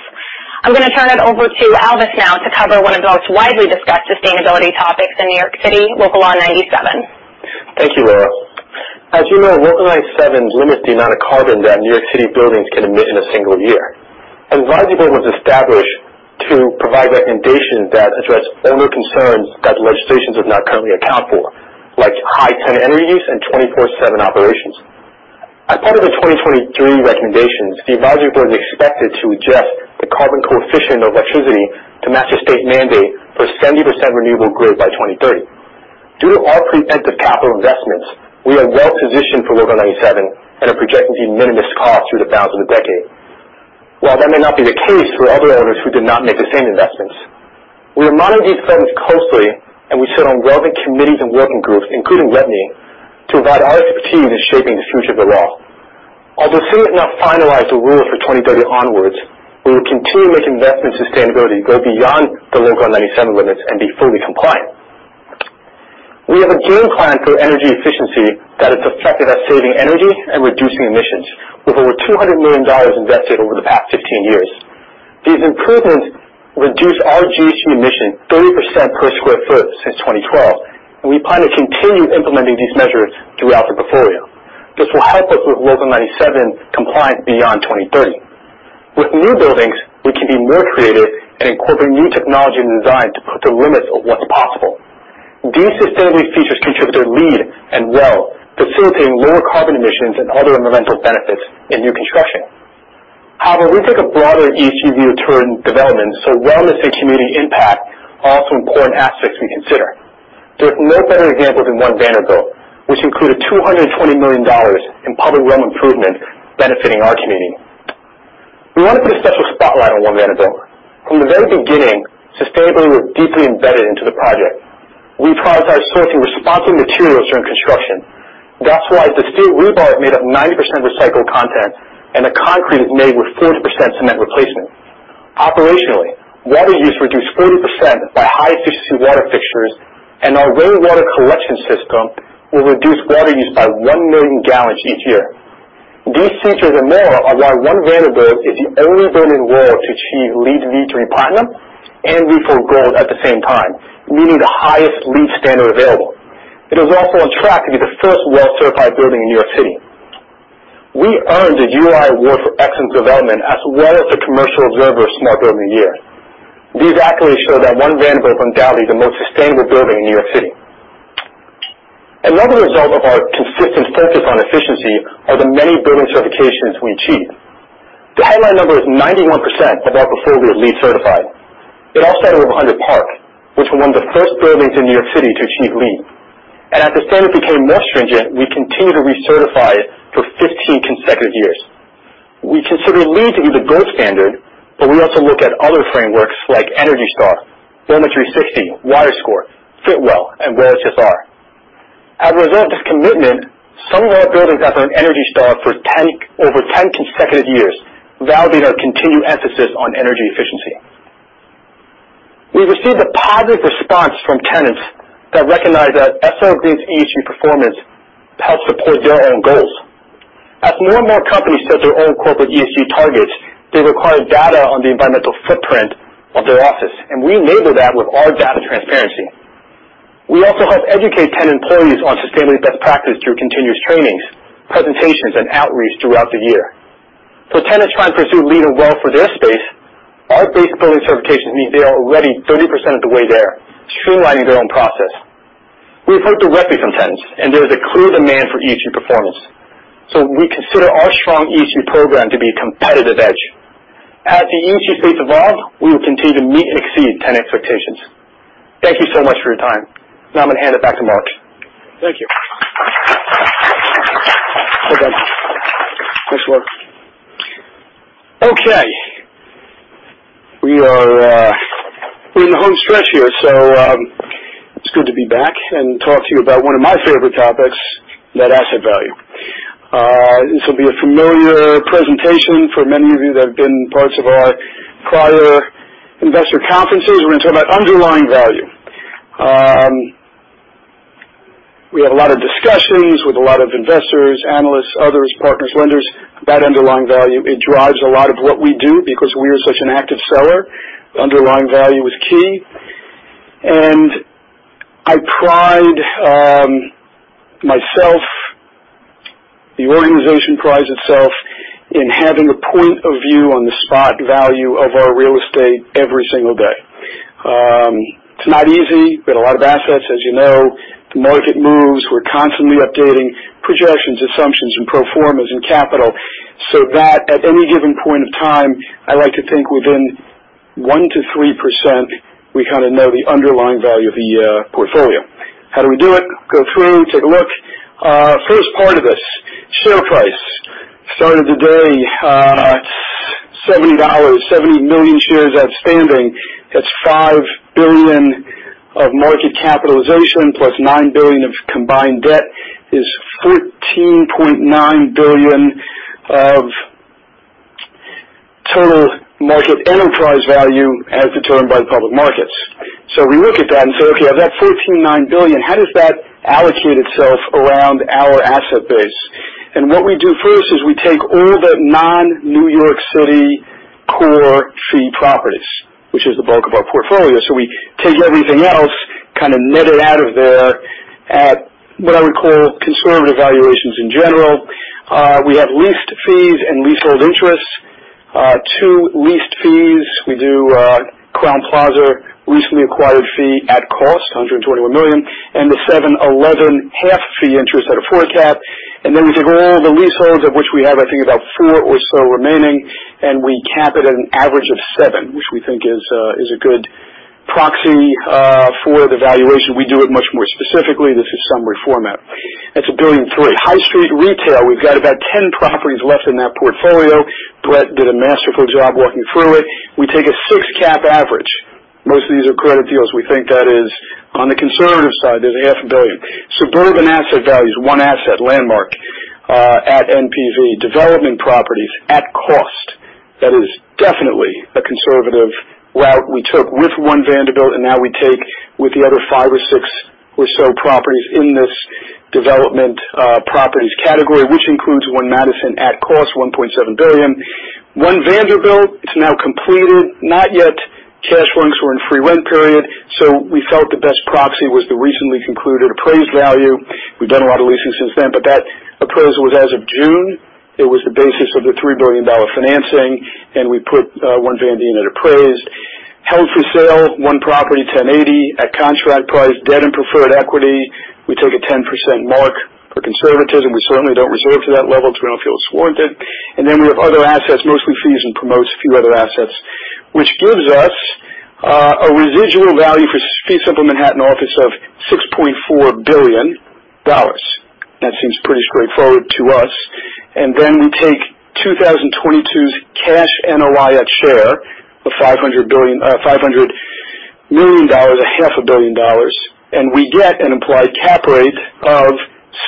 I'm gonna turn it over to Alvis now to cover one of the most widely discussed sustainability topics in New York City, Local Law 97. Thank you, Laura. As you know, Local Law 97 limits the amount of carbon that New York City buildings can emit in a single year. The Advisory Board was established to provide recommendations that address owner concerns that the legislation does not currently account for, like high tenant energy use and 24/7 operations. As part of the 2023 recommendations, the Advisory Board is expected to adjust the carbon coefficient of electricity to match the state mandate for 70% renewable grid by 2030. Due to our preventive capital investments, we are well positioned for Local Law 97 and are projecting de minimis costs through the balance of the decade. While that may not be the case for other owners who did not make the same investments. We are monitoring these trends closely, and we sit on relevant committees and working groups, including WME, to provide our expertise in shaping the future of the law. Although the rule will soon be finalized for 2030 onwards, we will continue to make investments in sustainability that go beyond the Local Law 97 limits and be fully compliant. We have a game plan for energy efficiency that has enabled us to save energy and reduce emissions with over $200 million invested over the past 15 years. These improvements reduce our GHG emissions 30% per sq ft since 2012, and we plan to continue implementing these measures throughout the portfolio. This will help us with Local Law 97 compliance beyond 2030. With new buildings, we can be more creative in incorporating new technology and design to push the limits of what's possible. These sustainability features contribute to LEED and WELL, facilitating lower carbon emissions and other environmental benefits in new construction. However, we take a broader ESG view during development, so wellness and community impact are also important aspects we consider. There's no better example than One Vanderbilt, which included $220 million in public realm improvement benefiting our community. We want to put a special spotlight on One Vanderbilt. From the very beginning, sustainability was deeply embedded into the project. We prioritized sourcing responsible materials during construction. That's why the steel rebar is made of 90% recycled content, and the concrete is made with 40% cement replacement. Operationally, water use reduced 40% by high efficiency water fixtures, and our rainwater collection system will reduce water use by one million gallons each year. These features and more are why One Vanderbilt is the only building in the world to achieve LEED v3 Platinum and v4 Gold at the same time, meeting the highest LEED standard available. It is also on track to be the first WELL certified building in New York City. We earned the UI Award for war for Excellent development as well as the Commercial Observer Smart Builder of the Year. These accolades show that One Vanderbilt is undoubtedly the most sustainable building in New York City. Another result of our consistent focus on efficiency are the many building certifications we achieved. The headline number is 91% of our portfolio is LEED certified. It all started with 100 Park Avenue, which was one of the first buildings in New York City to achieve LEED. As the standard became more stringent, we continued to recertify it for 15 consecutive years. We consider LEED to be the gold standard, but we also look at other frameworks like ENERGY STAR, OM360, WaterScore, Fitwel, and WELL HSR. As a result of this commitment, some of our buildings have earned ENERGY STAR for over 10 consecutive years, validating our continued emphasis on energy efficiency. We received a positive response from tenants that recognize that SL Green's ESG performance helps support their own goals. As more and more companies set their own corporate ESG targets, they require data on the environmental footprint of their office, and we enable that with our data transparency. We also help educate tenant employees on sustainability best practice through continuous trainings, presentations, and outreach throughout the year. Tenants trying to pursue LEED or WELL for their space, our base building certification means they are already 30% of the way there, streamlining their own process. We've heard directly from tenants, and there is a clear demand for ESG performance. We consider our strong ESG program to be a competitive edge. As the ESG space evolves, we will continue to meet and exceed tenant expectations. Thank you so much for your time. Now I'm gonna hand it back to Marc. Thank you. Well done. Nice work. Okay. We're in the home stretch here, so it's good to be back and talk to you about one of my favorite topics, net asset value. This will be a familiar presentation for many of you that have been parts of our prior investor conferences. We're gonna talk about underlying value. We have a lot of discussions with a lot of investors, analysts, others, partners, lenders about underlying value. It drives a lot of what we do because we are such an active seller. The underlying value is key. The organization prides itself in having a point of view on the spot value of our real estate every single day. It's not easy. We've got a lot of assets, as you know. The market moves. We're constantly updating projections, assumptions, and pro formas in capital so that at any given point of time, I like to think within 1%-3%, we kinda know the underlying value of the portfolio. How do we do it? Go through, take a look. First part of this, share price. Start of the day, $70 million shares outstanding. That's $5 billion of market capitalization plus $9 billion of combined debt is $13.9 billion of total market enterprise value as determined by the public markets. We look at that and say, "Okay, of that $13.9 billion, how does that allocate itself around our asset base?" What we do first is we take all the non-New York City core fee properties, which is the bulk of our portfolio. We take everything else, kind of net it out of there at what I would call conservative valuations in general. We have leased fees and leasehold interests. Two leased fees. We do Crowne Plaza, recently acquired fee at cost, $121 million, and the 7 Dey half fee interest at a four cap. We take all the leaseholds, of which we have, I think, about four or so remaining, and we cap it at an average of seven, which we think is a good proxy for the valuation. We do it much more specifically. This is summary format. That's $1.3 billion. High street retail, we've got about 10 properties left in that portfolio. Brett did a masterful job walking through it. We take a six cap average. Most of these are credit deals. We think that is on the conservative side. There's $0.5 billion. Suburban asset value is one asset Landmark at NPV. Development properties at cost. That is definitely a conservative route we took with One Vanderbilt, and now we take with the other five or six or so properties in this development properties category, which includes One Madison at cost, $1.7 billion. One Vanderbilt, it's now completed. Not yet cash flowing, because we're in free rent period. We felt the best proxy was the recently concluded appraised value. We've done a lot of leasing since then, but that appraisal was as of June. It was the basis of the $3 billion financing, and we put One Vanderbilt at appraised. Held for sale, one property, 1080 at contract price. Debt and preferred equity, we take a 10% mark for conservatism. We certainly don't reserve to that level because we don't feel it's warranted. Then we have other assets, mostly fees and promotes, a few other assets, which gives us a residual value for fee simple Manhattan office of $6.4 billion. That seems pretty straightforward to us. Then we take 2022's cash NOI at share of $500 million, a half a billion dollars, and we get an implied cap rate of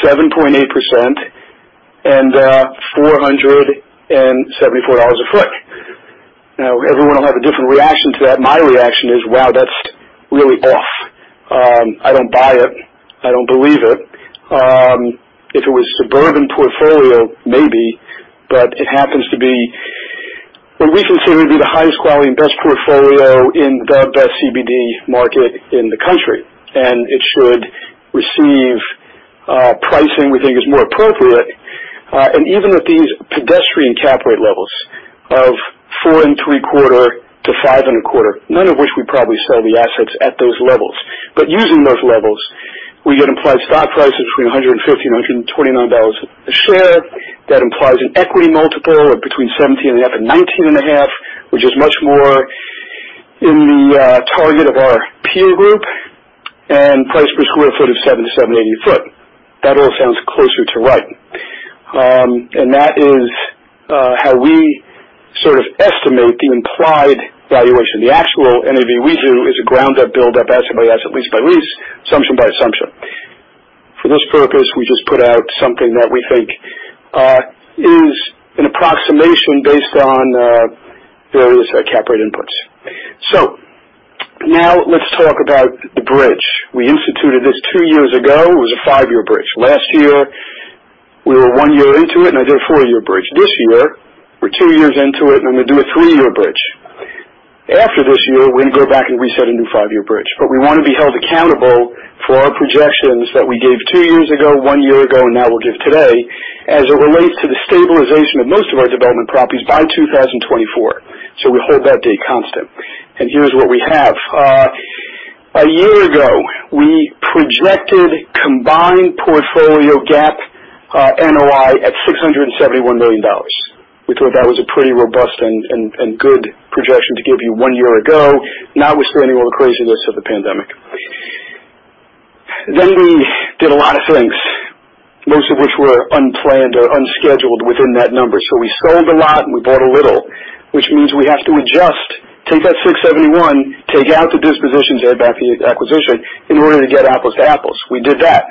7.8% and $474 a foot. Now, everyone will have a different reaction to that. My reaction is, wow, that's really off. I don't buy it. I don't believe it. If it was suburban portfolio, maybe, but it happens to be what we consider to be the highest quality and best portfolio in the best CBD market in the country. It should receive pricing we think is more appropriate. Even at these pedestrian cap rate levels of 4.75%-5.25%, none of which we probably sell the assets at those levels. Using those levels, we get implied stock prices between $150 and $129 a share. That implies an equity multiple of between 17.5x and 19.5x, which is much more in the target of our peer group, and price per square foot of $70-$78 a sq ft. That all sounds closer to right. That is how we sort of estimate the implied valuation. The actual NAV we do is a ground-up build-up, asset by asset, lease by lease, assumption by assumption. For this purpose, we just put out something that we think is an approximation based on various cap rate inputs. Now let's talk about the bridge. We instituted this two years ago. It was a five-year bridge. Last year, we were one year into it, and I did a four-year bridge. This year, we're two years into it, and I'm gonna do a three-year bridge. After this year, we're gonna go back and reset a new five-year bridge. We wanna be held accountable for our projections that we gave two years ago, one year ago, and now we'll give today, as it relates to the stabilization of most of our development properties by 2024. We hold that date constant. Here's what we have. A year ago, we projected combined portfolio GAAP NOI at $671 million. We thought that was a pretty robust and good projection to give you one year ago, notwithstanding all the craziness of the pandemic. We did a lot of things, most of which were unplanned or unscheduled within that number. We sold a lot, and we bought a little, which means we have to adjust. Take that $671, take out the dispositions they had back in the acquisition in order to get apples to apples. We did that.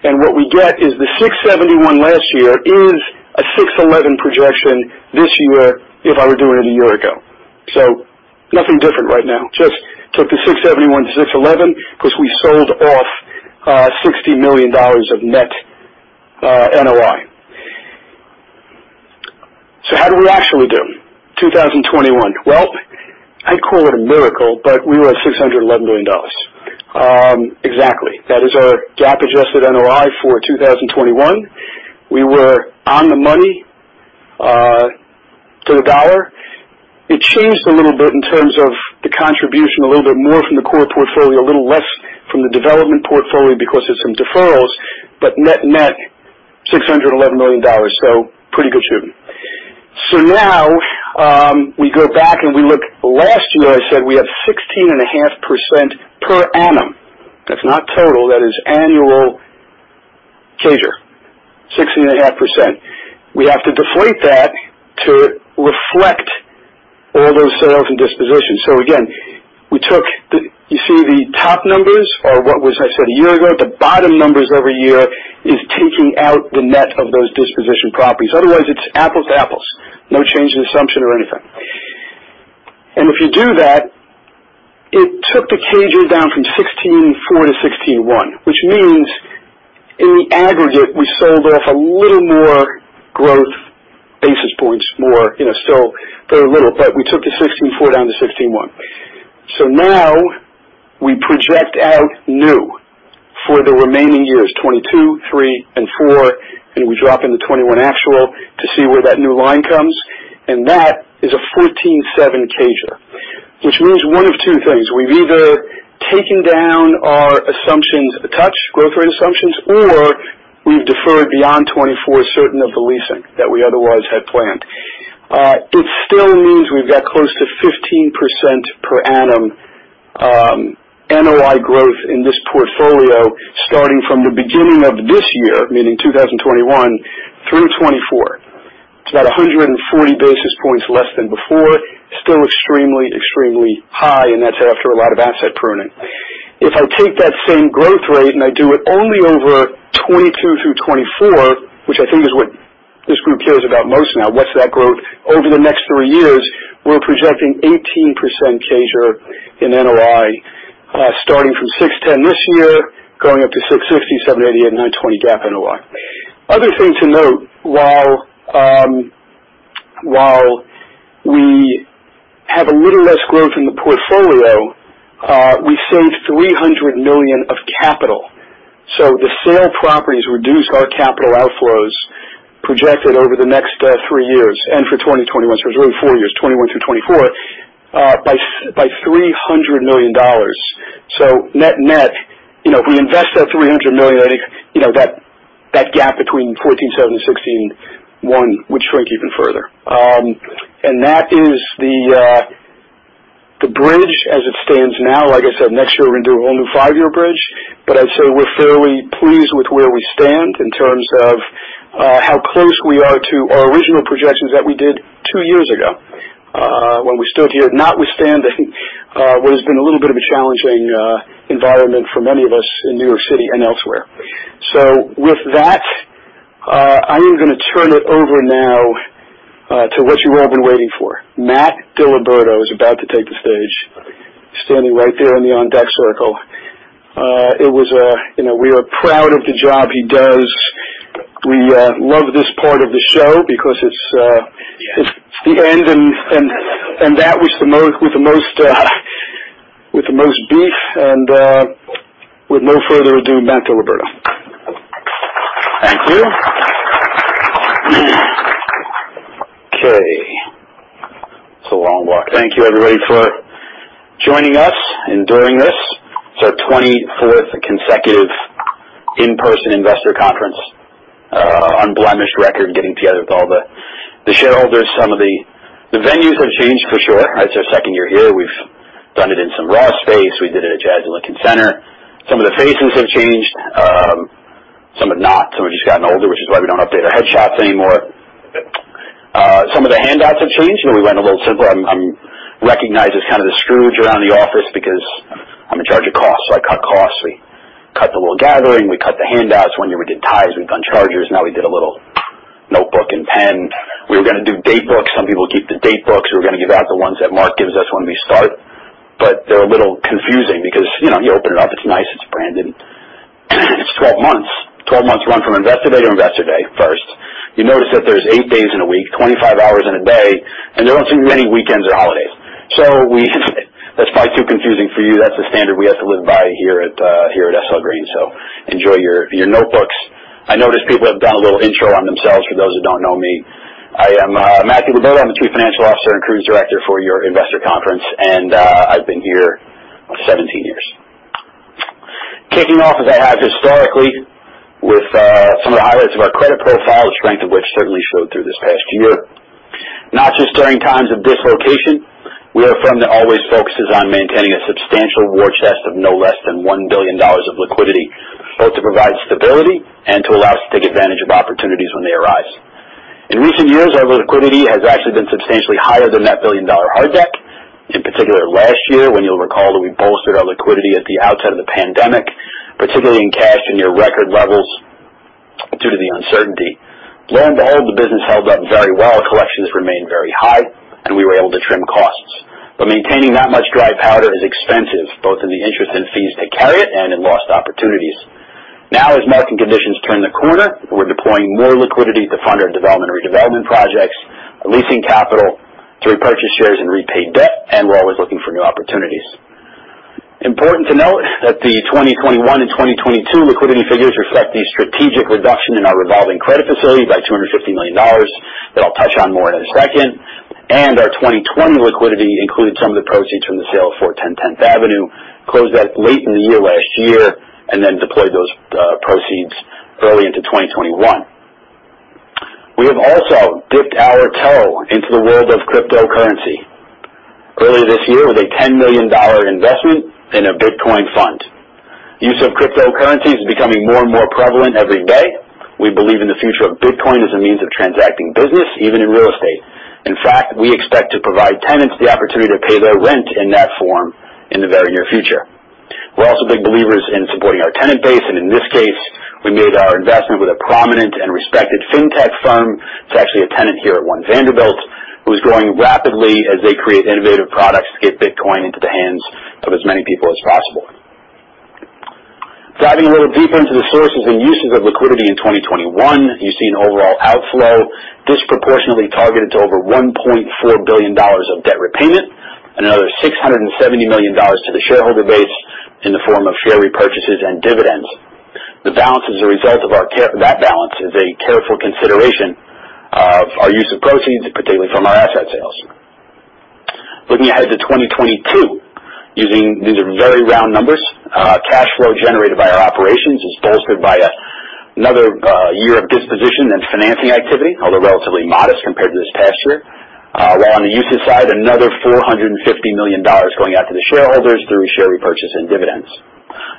What we get is the 671 last year is a 611 projection this year if I were doing it a year ago. Nothing different right now. Just took the 671 to 611 because we sold off $60 million of net NOI. How did we actually do, 2021? Well, I'd call it a miracle, but we were at $611 million. Exactly. That is our GAAP-adjusted NOI for 2021. We were on the money to the dollar. It changed a little bit in terms of the contribution, a little bit more from the core portfolio, a little less from the development portfolio because of some deferrals, but net-net, $611 million, so pretty good shooting. Now we go back and we look. Last year I said we have 16.5% per annum. That's not total. That is annual CAGR. 16.5%. We have to deflate that to reflect all those sales and dispositions. Again, we took. You see the top numbers are what I said a year ago. The bottom numbers every year is taking out the net of those disposition properties. Otherwise, it's apples to apples. No change in assumption or anything. If you do that, it took the CAGR down from 16.4% to 16.1%, which means in the aggregate, we sold off a little more growth, basis points more, you know, still very little. We took the 16.4% down to 16.1%. Now we project out new for the remaining years, 2022, 2023, and 2024, and we drop into 2021 actual to see where that new line comes. That is a 14.7 CAGR, which means one of two things. We've either taken down our assumptions a touch, growth rate assumptions, or we've deferred beyond 2024 certain of the leasing that we otherwise had planned. It still means we've got close to 15% per annum NOI growth in this portfolio starting from the beginning of this year, meaning 2021 through 2024. It's about 140 basis points less than before. Still extremely high, and that's after a lot of asset pruning. If I take that same growth rate and I do it only over 2022-2024, which I think is what this group cares about most now, what's that growth over the next three years? We're projecting 18% CAGR in NOI starting from $610 this year, going up to $660, $788, and $920 GAAP NOI. Other thing to note, while we have a little less growth in the portfolio, we've saved $300 million of capital. The sale properties reduced our capital outflows projected over the next three years and for 2021. It's really four years, 2021-2024, by $300 million. Net-net, you know, if we invest that $300 million, I think, you know, that gap between 1,470 and 1,610 would shrink even further. That is the bridge as it stands now. Like I said, next year we're gonna do a whole new five-year bridge. I'd say we're fairly pleased with where we stand in terms of how close we are to our original projections that we did two years ago, when we stood here, notwithstanding what has been a little bit of a challenging environment for many of us in New York City and elsewhere. With that, I am gonna turn it over now to what you have been waiting for. Matt DiLiberto is about to take the stage, standing right there in the on deck circle. You know, we are proud of the job he does. We love this part of the show because it's the end, and that was with the most beef, and with no further ado, Matt DiLiberto. Thank you. Okay. It's a long walk. Thank you, everybody, for joining us, enduring this. It's our 24th consecutive in-person investor conference, unblemished record getting together with all the shareholders. Some of the venues have changed for sure. It's our 2nd year here. We've done it in some raw space. We did it at Jazz at Lincoln Center. Some of the faces have changed. Some have not. Some have just gotten older, which is why we don't update our headshots anymore. Some of the handouts have changed. You know, we went a little simpler. I'm recognized as kind of the Scrooge around the office because I'm in charge of costs, so I cut costs. We cut the little gathering. We cut the handouts. One year we did ties. We've done chargers. Now we did a little notebook and pen. We were gonna do datebooks. Some people keep the datebooks. We were gonna give out the ones that Marc gives us when we start, but they're a little confusing because, you know, you open it up, it's nice, it's branded. It's 12 months. 12 months run from Investor Day or Investor Day first. You notice that there's eight days in a week, 25 hours in a day, and there wasn't many weekends or holidays. That's probably too confusing for you. That's the standard we have to live by here at SL Green. So enjoy your notebooks. I noticed people have done a little intro on themselves. For those who don't know me, I am Matthew DiLiberto. I'm the Chief Financial Officer and cruise director for yourinvestor conference, and I've been here 17 years. Kicking off as I have historically Of our credit profile, the strength of which certainly showed through this past year. Not just during times of dislocation, we are a firm that always focuses on maintaining a substantial war chest of no less than $1 billion of liquidity, both to provide stability and to allow us to take advantage of opportunities when they arise. In recent years, our liquidity has actually been substantially higher than that $1 billion-dollar hard deck. In particular last year, when you'll recall that we bolstered our liquidity at the outset of the pandemic, particularly in cash and near record levels due to the uncertainty. Lo and behold, the business held up very well. Collections remained very high, and we were able to trim costs. Maintaining that much dry powder is expensive, both in the interest and fees to carry it and in lost opportunities. Now, as market conditions turn the corner, we're deploying more liquidity to fund our development and redevelopment projects, leasing capital to repurchase shares and repay debt, and we're always looking for new opportunities. Important to note that the 2021 and 2022 liquidity figures reflect the strategic reduction in our revolving credit facility by $250 million that I'll touch on more in a second. Our 2020 liquidity included some of the proceeds from the sale of 410 Tenth Avenue, closed that late in the year last year, and then deployed those proceeds early into 2021. We have also dipped our toe into the world of cryptocurrency earlier this year with a $10 million investment in a Bitcoin fund. Use of cryptocurrency is becoming more and more prevalent every day. We believe in the future of Bitcoin as a means of transacting business, even in real estate. In fact, we expect to provide tenants the opportunity to pay their rent in that form in the very near future. We're also big believers in supporting our tenant base, and in this case, we made our investment with a prominent and respected fintech firm. It's actually a tenant here at One Vanderbilt who's growing rapidly as they create innovative products to get Bitcoin into the hands of as many people as possible. Diving a little deeper into the sources and uses of liquidity in 2021, you see an overall outflow disproportionately targeted to over $1.4 billion of debt repayment and another $670 million to the shareholder base in the form of share repurchases and dividends. That balance is a careful consideration of our use of proceeds, particularly from our asset sales. Looking ahead to 2022, these are very round numbers. Cash flow generated by our operations is bolstered by another year of disposition and financing activity, although relatively modest compared to this past year. While on the uses side, another $450 million going out to the shareholders through share repurchase and dividends.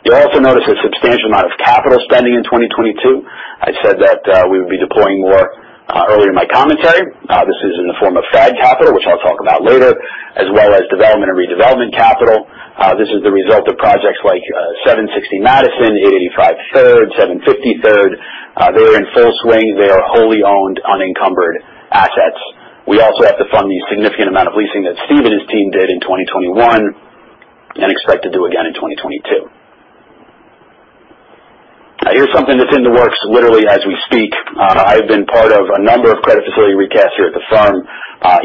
You'll also notice a substantial amount of capital spending in 2022. I said that we would be deploying more earlier in my commentary. This is in the form of FAD capital, which I'll talk about later, as well as development and redevelopment capital. This is the result of projects like 760 Madison, 885 Third, 750 Third. They are in full swing. They are wholly owned, unencumbered assets. We also have to fund the significant amount of leasing that Steve and his team did in 2021 and expect to do again in 2022. Now, here's something that's in the works, literally as we speak. I've been part of a number of credit facility recasts here at the firm.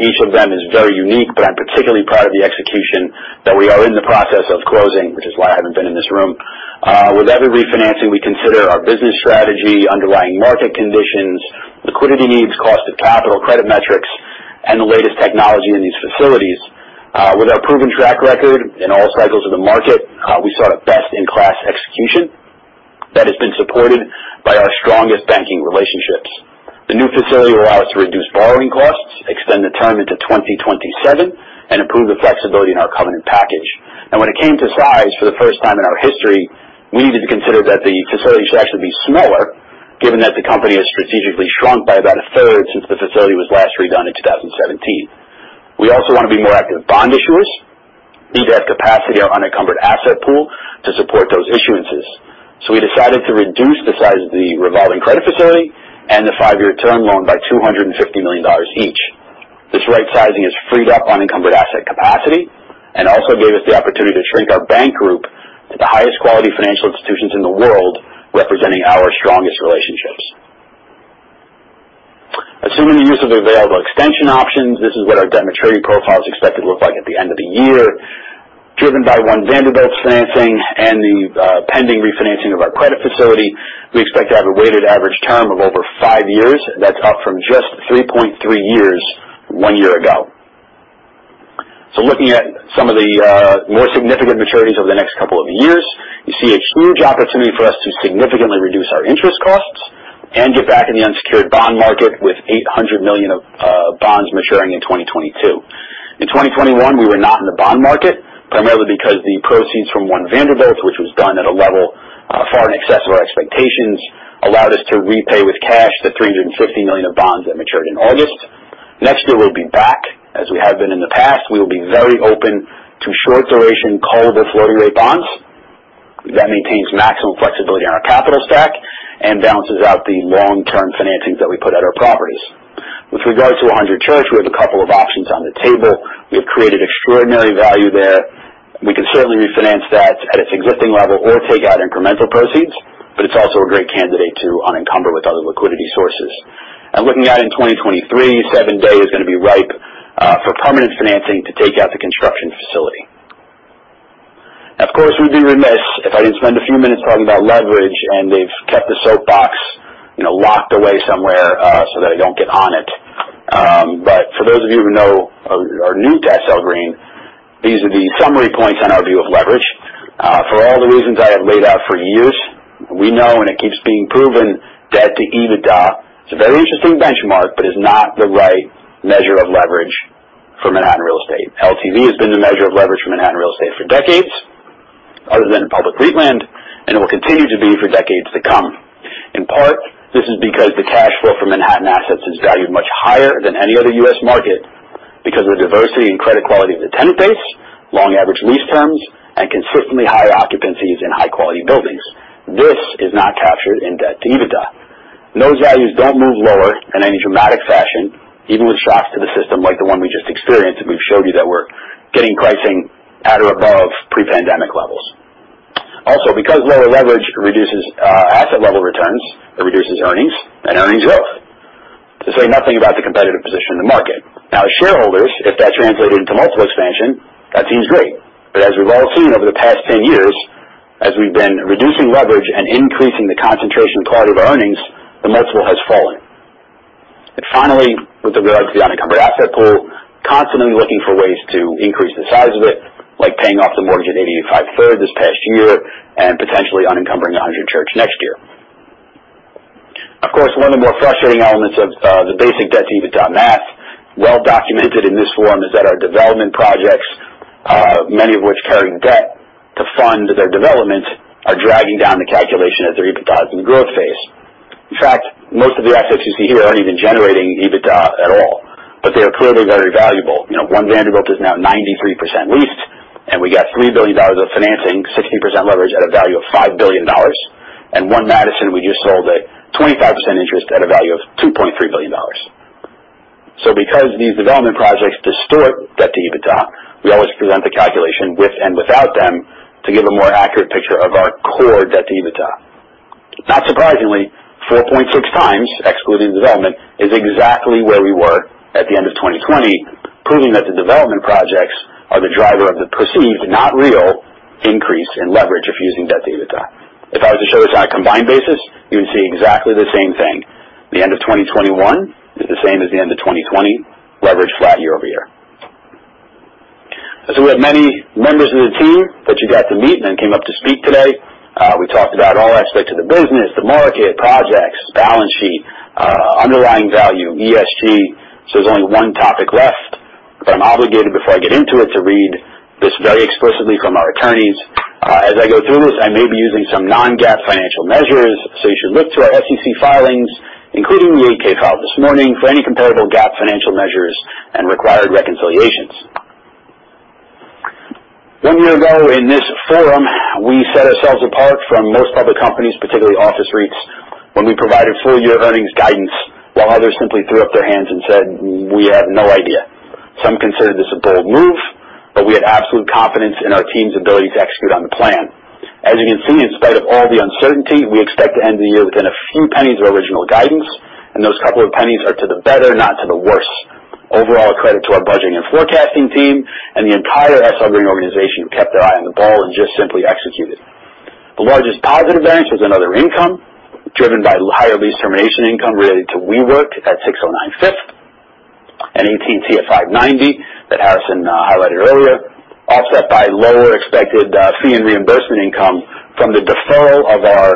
Each of them is very unique, but I'm particularly proud of the execution that we are in the process of closing, which is why I haven't been in this room. With every refinancing, we consider our business strategy, underlying market conditions, liquidity needs, cost of capital, credit metrics, and the latest technology in these facilities. With our proven track record in all cycles of the market, we saw a best-in-class execution that has been supported by our strongest banking relationships. The new facility will allow us to reduce borrowing costs, extend the term into 2027, and improve the flexibility in our covenant package. When it came to size for the first time in our history, we needed to consider that the facility should actually be smaller, given that the company has strategically shrunk by about a third since the facility was last redone in 2017. We also wanna be more active bond issuers, need to have capacity in our unencumbered asset pool to support those issuances. We decided to reduce the size of the revolving credit facility and the five-year term loan by $250 million each. This right sizing has freed up unencumbered asset capacity and also gave us the opportunity to shrink our bank group at the highest quality financial institutions in the world, representing our strongest relationships. Assuming the use of available extension options, this is what our debt maturity profile is expected to look like at the end of the year. Driven by One Vanderbilt financing and the pending refinancing of our credit facility, we expect to have a weighted average term of over five years. That's up from just 3.3 years one year ago. Looking at some of the more significant maturities over the next couple of years, you see a huge opportunity for us to significantly reduce our interest costs and get back in the unsecured bond market with $800 million of bonds maturing in 2022. In 2021, we were not in the bond market, primarily because the proceeds from One Vanderbilt, which was done at a level far in excess of our expectations, allowed us to repay with cash the $350 million of bonds that matured in August. Next year, we'll be back. As we have been in the past, we will be very open to short duration callable floating rate bonds. That maintains maximum flexibility in our capital stack and balances out the long-term financings that we put at our properties. With regard to One Hundred Church, we have a couple of options on the table. We have created extraordinary value there. We can certainly refinance that at its existing level or take out incremental proceeds, but it's also a great candidate to unencumber with other liquidity sources. Looking out in 2023, 7 Dey is gonna be ripe for permanent financing to take out the construction facility. Of course, we'd be remiss if I didn't spend a few minutes talking about leverage, and they've kept the soapbox, you know, locked away somewhere, so that I don't get on it. But for those of you who know or are new to SL Green, these are the summary points on our view of leverage. For all the reasons I have laid out for years, we know and it keeps being proven, debt to EBITDA is a very interesting benchmark, but is not the right measure of leverage for Manhattan real estate. LTV has been the measure of leverage for Manhattan real estate for decades, other than public REITland, and it will continue to be for decades to come. In part, this is because the cash flow for Manhattan assets is valued much higher than any other U.S. market because of the diversity and credit quality of the tenant base, long average lease terms, and consistently higher occupancies in high quality buildings. This is not captured in debt to EBITDA. Those values don't move lower in any dramatic fashion, even with shocks to the system like the one we just experienced, and we've showed you that we're getting pricing at or above pre-pandemic levels. Also, because lower leverage reduces asset level returns, it reduces earnings and earnings growth. To say nothing about the competitive position in the market. Now, as shareholders, if that translated into multiple expansion, that seems great. As we've all seen over the past 10 years, as we've been reducing leverage and increasing the concentration quality of our earnings, the multiple has fallen. Finally, with regards to the unencumbered asset pool, constantly looking for ways to increase the size of it, like paying off the mortgage at 830 Third Avenue this past year and potentially unencumbering 100 Church next year. Of course, one of the more frustrating elements of the basic debt to EBITDA math, well documented in this forum, is that our development projects, many of which carry debt to fund their development, are dragging down the calculation as they're epitomized in the growth phase. In fact, most of the assets you see here aren't even generating EBITDA at all, but they are clearly very valuable. You know, One Vanderbilt is now 93% leased, and we got $3 billion of financing, 16% leverage at a value of $5 billion. One Madison, we just sold a 25% interest at a value of $2.3 billion. Because these development projects distort debt to EBITDA, we always present the calculation with and without them to give a more accurate picture of our core debt to EBITDA. Not surprisingly, 4.6 times, excluding development, is exactly where we were at the end of 2020, proving that the development projects are the driver of the perceived, not real, increase in leverage if using debt to EBITDA. If I was to show this on a combined basis, you would see exactly the same thing. The end of 2021 is the same as the end of 2020. Leverage flat year-over-year. We have many members of the team that you got to meet and then came up to speak today. We talked about all aspects of the business, the market, projects, balance sheet, underlying value, ESG. There's only one topic left, but I'm obligated before I get into it to read this very explicitly from our attorneys. As I go through this, I may be using some non-GAAP financial measures. You should look to our SEC filings, including the 8-K filed this morning, for any comparable GAAP financial measures and required reconciliations. One year ago in this forum, we set ourselves apart from most public companies, particularly office REITs, when we provided full year earnings guidance, while others simply threw up their hands and said, "We have no idea." Some considered this a bold move, but we had absolute confidence in our team's ability to execute on the plan. As you can see, in spite of all the uncertainty, we expect to end the year within a few pennies of original guidance, and those couple of pennies are to the better, not to the worse. Overall, a credit to our budgeting and forecasting team and the entire SL Green organization, who kept their eye on the ball and just simply executed. The largest positive variance was in other income, driven by higher lease termination income related to WeWork at 609 Fifth and AT&T at 590 that Harrison highlighted earlier, offset by lower expected fee and reimbursement income from the deferral of our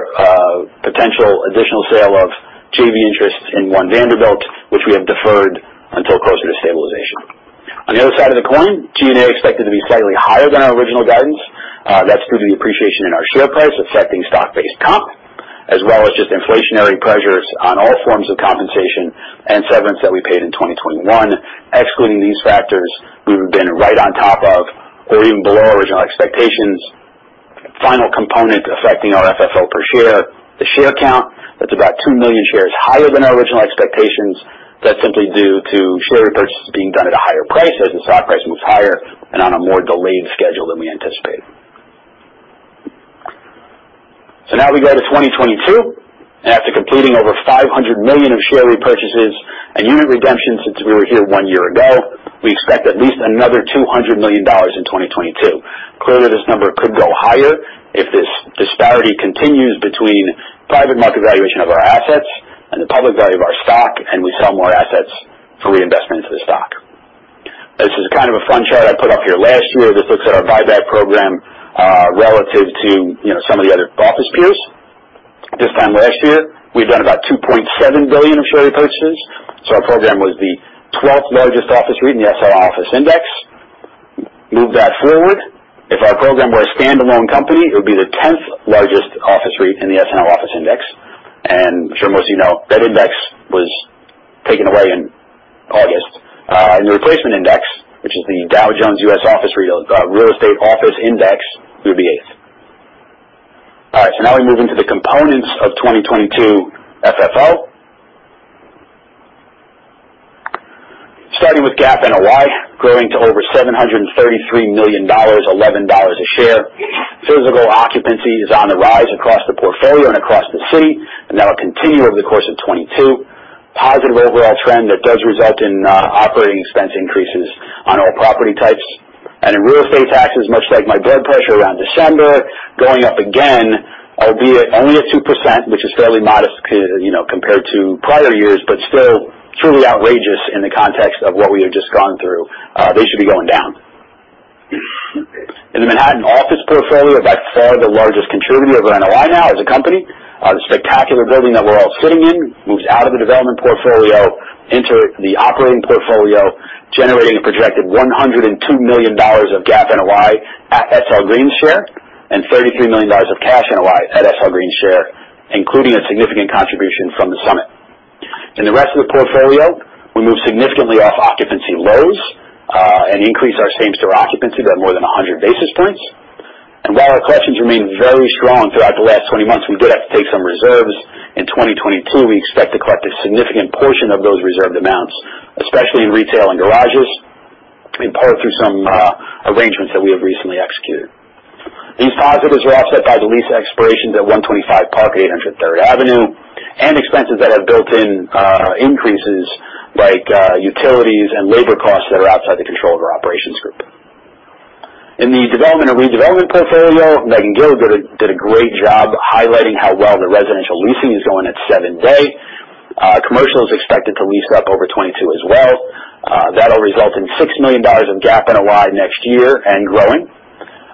potential additional sale of JV interest in One Vanderbilt, which we have deferred until closer to stabilization. On the other side of the coin, G&A expected to be slightly higher than our original guidance. That's due to the appreciation in our share price affecting stock-based comp, as well as just inflationary pressures on all forms of compensation and severance that we paid in 2021. Excluding these factors, we would have been right on top of or even below original expectations. Final component affecting our FFO per share, the share count. That's about 2 million shares higher than our original expectations. That's simply due to share repurchases being done at a higher price as the stock price moves higher and on a more delayed schedule than we anticipated. Now we go to 2022, and after completing over $500 million of share repurchases and unit redemptions since we were here one year ago, we expect at least another $200 million in 2022. Clearly, this number could go higher if this disparity continues between private market valuation of our assets and the public value of our stock, and we sell more assets for reinvestment into the stock. This is kind of a fun chart I put up here last year. This looks at our buyback program, relative to, you know, some of the other office peers. This time last year, we'd done about $2.7 billion of share repurchases, so our program was the 12th largest office REIT in the SNL office index. Move that forward. If our program were a standalone company, it would be the 10th largest office REIT in the SNL office index. I'm sure most of you know that index was taken away in August. The replacement index, which is the Dow Jones U.S. Office Real Estate Office Index, we would be eighth. All right, so now we move into the components of 2022 FFO. Starting with GAAP NOI, growing to over $733 million, $11 a share. Physical occupancy is on the rise across the portfolio and across the city, and that'll continue over the course of 2022. Positive overall trend that does result in operating expense increases on all property types. In real estate taxes, much like my blood pressure around December, going up again, albeit only at 2%, which is fairly modest, you know, compared to prior years, but still truly outrageous in the context of what we have just gone through. They should be going down. In the Manhattan office portfolio, by far the largest contributor of NOI now as a company, the spectacular building that we're all sitting in moves out of the development portfolio into the operating portfolio, generating a projected $102 million of GAAP NOI at SL Green share and $33 million of cash NOI at SL Green share, including a significant contribution from the summit. In the rest of the portfolio, we move significantly off occupancy lows, and increase our same store occupancy by more than 100 basis points. While our collections remain very strong throughout the last 20 months, we did have to take some reserves. In 2022, we expect to collect a significant portion of those reserved amounts, especially in retail and garages, in part through some arrangements that we have recently executed. These positives are offset by the lease expirations at 125 Park Avenue and 830 Third Avenue and expenses that have built-in increases like utilities and labor costs that are outside the control of our operations group. In the development and redevelopment portfolio, Meghann Gill did a great job highlighting how well the residential leasing is going at 7 Dey. Commercial is expected to lease up over 2022 as well. That'll result in $6 million of GAAP NOI next year and growing.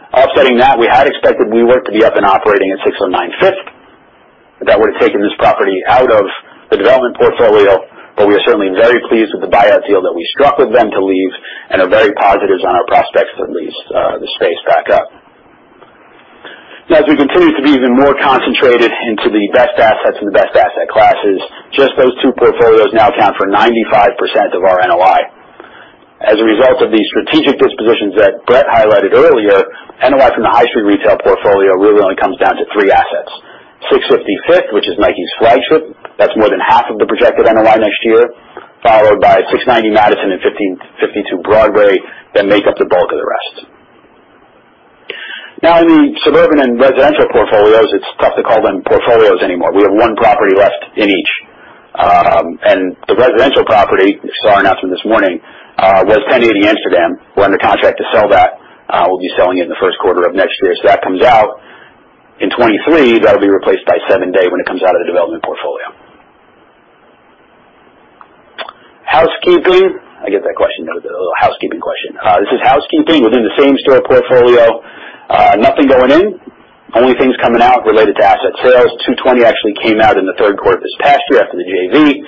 Offsetting that, we had expected WeWork to be up and operating at 609 Fifth. That would have taken this property out of the development portfolio, but we are certainly very pleased with the buyout deal that we struck with them to leave and are very positive on our prospects to lease the space back up. Now as we continue to be even more concentrated into the best assets and the best asset classes, just those two portfolios now account for 95% of our NOI. As a result of the strategic dispositions that Brett highlighted earlier, NOI from the High Street retail portfolio really only comes down to three assets. 650 Fifth, which is Nike's flagship. That's more than half of the projected NOI next year, followed by 690 Madison and 1552 Broadway that make up the bulk of the rest. Now in the suburban and residential portfolios, it's tough to call them portfolios anymore. We have one property left in each. The residential property, stark announcement this morning, was 1080 Amsterdam. We're under contract to sell that. We'll be selling it in the first quarter of next year. That comes out. In 2023, that'll be replaced by 7 Dey when it comes out of the development portfolio. Housekeeping. I get that question, the little housekeeping question. This is housekeeping. Within the same store portfolio, nothing going in, only things coming out related to asset sales. 220 actually came out in the third quarter of this past year after the JV.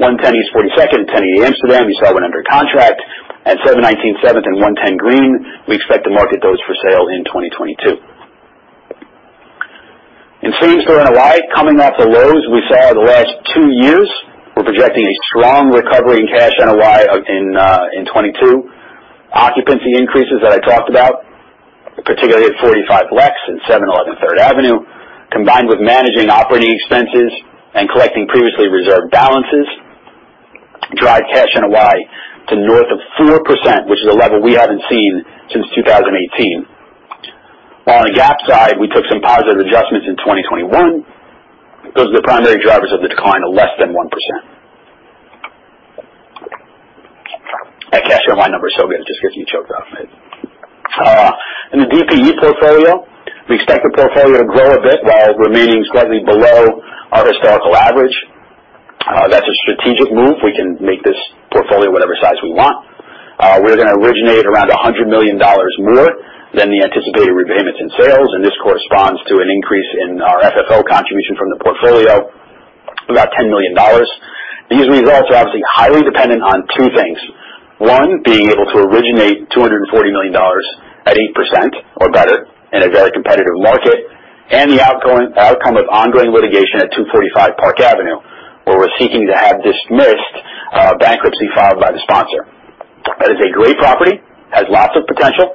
110 East 42nd, 1080 Amsterdam, you saw it went under contract. At 719 Seventh and 110 Green, we expect to market those for sale in 2022. In same store NOI, coming off the lows we saw the last two years, we're projecting a strong recovery in cash NOI of in 2022. Occupancy increases that I talked about, particularly at 45 Lex and 711 Third Avenue, combined with managing operating expenses and collecting previously reserved balances, drive cash NOI to north of 4%, which is a level we haven't seen since 2018. On the GAAP side, we took some positive adjustments in 2021 because the primary drivers of the decline are less than 1%. That cash NOI number is so good it just gets you choked up, man. In the DPE portfolio, we expect the portfolio to grow a bit while remaining slightly below our historical average. That's a strategic move. We can make this portfolio whatever size we want. We're gonna originate around $100 million more than the anticipated repayments in sales, and this corresponds to an increase in our FFO contribution from the portfolio of about $10 million. These results are obviously highly dependent on two things. One, being able to originate $240 million at 8% or better in a very competitive market. The outcome of ongoing litigation at 245 Park Avenue, where we're seeking to have dismissed a bankruptcy filed by the sponsor. That is a great property, has lots of potential,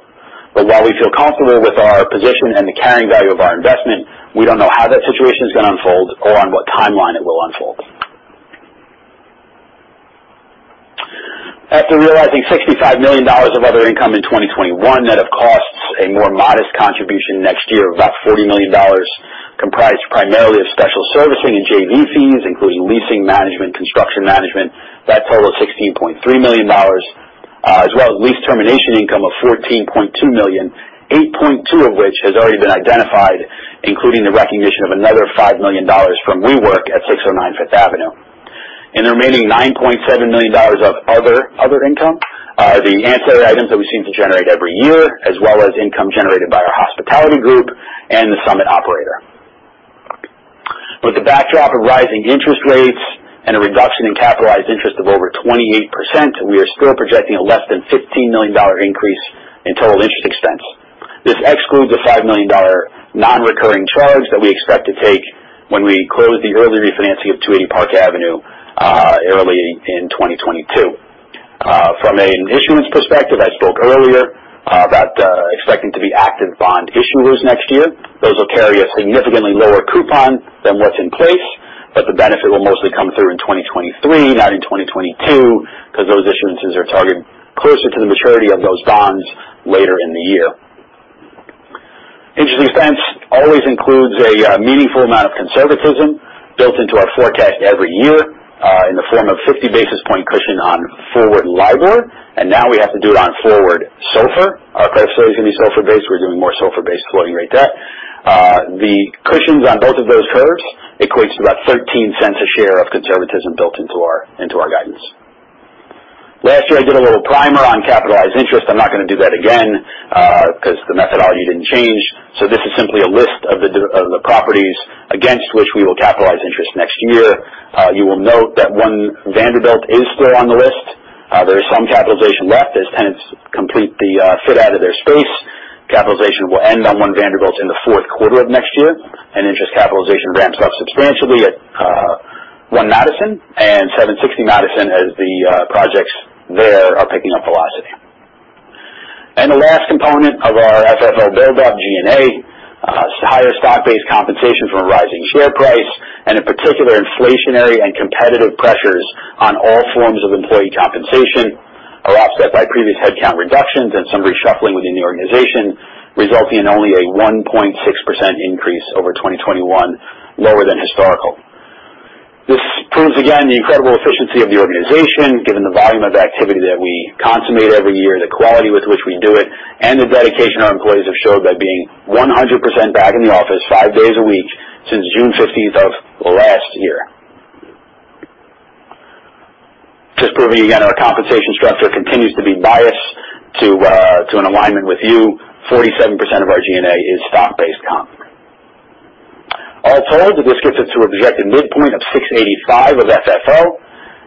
but while we feel comfortable with our position and the carrying value of our investment, we don't know how that situation is gonna unfold or on what timeline it will unfold. After realizing $65 million of other income in 2021, net of costs, a more modest contribution next year of about $40 million, comprised primarily of special servicing and JV fees, including leasing management, construction management. That total of $16.3 million, as well as lease termination income of $14.2 million, $8.2 million of which has already been identified, including the recognition of another $5 million from WeWork at 609 Fifth Avenue. In the remaining $9.7 million of other income are the ancillary items that we seem to generate every year, as well as income generated by our hospitality group and the Summit operator. With the backdrop of rising interest rates and a reduction in capitalized interest of over 28%, we are still projecting a less than $15 million increase in total interest expense. This excludes a $5 million non-recurring charge that we expect to take when we close the early refinancing of 280 Park Avenue early in 2022. From an issuance perspective, I spoke earlier about expecting to be active bond issuers next year. Those will carry a significantly lower coupon than what's in place, but the benefit will mostly come through in 2023, not in 2022, because those issuances are targeted closer to the maturity of those bonds later in the year. Interest expense always includes a meaningful amount of conservatism built into our forecast every year in the form of 50 basis point cushion on forward LIBOR. Now we have to do it on forward SOFR. Our credit sale is gonna be SOFR based. We're doing more SOFR-based floating rate debt. The cushions on both of those curves equates to about $0.13 a share of conservatism built into our guidance. Last year, I did a little primer on capitalized interest. I'm not gonna do that again, because the methodology didn't change. This is simply a list of the properties against which we will capitalize interest next year. You will note that One Vanderbilt is still on the list. There is some capitalization left as tenants complete the fit out of their space. Capitalization will end on One Vanderbilt in the 4th quarter of next year, and interest capitalization ramps up substantially at One Madison and 760 Madison as the projects there are picking up velocity. The last component of our FFO build-up, G&A, higher stock-based compensation from a rising share price, and in particular, inflationary and competitive pressures on all forms of employee compensation are offset by previous headcount reductions and some reshuffling within the organization, resulting in only a 1.6% increase over 2021, lower than historical. This proves again the incredible efficiency of the organization, given the volume of activity that we consummate every year, the quality with which we do it, and the dedication our employees have showed by being 100% back in the office five days a week since June fifteenth of last year. Just proving again our compensation structure continues to be biased to an alignment with you. 47% of our G&A is stock-based comp. All told, this gets us to a projected midpoint of $6.85 of FFO.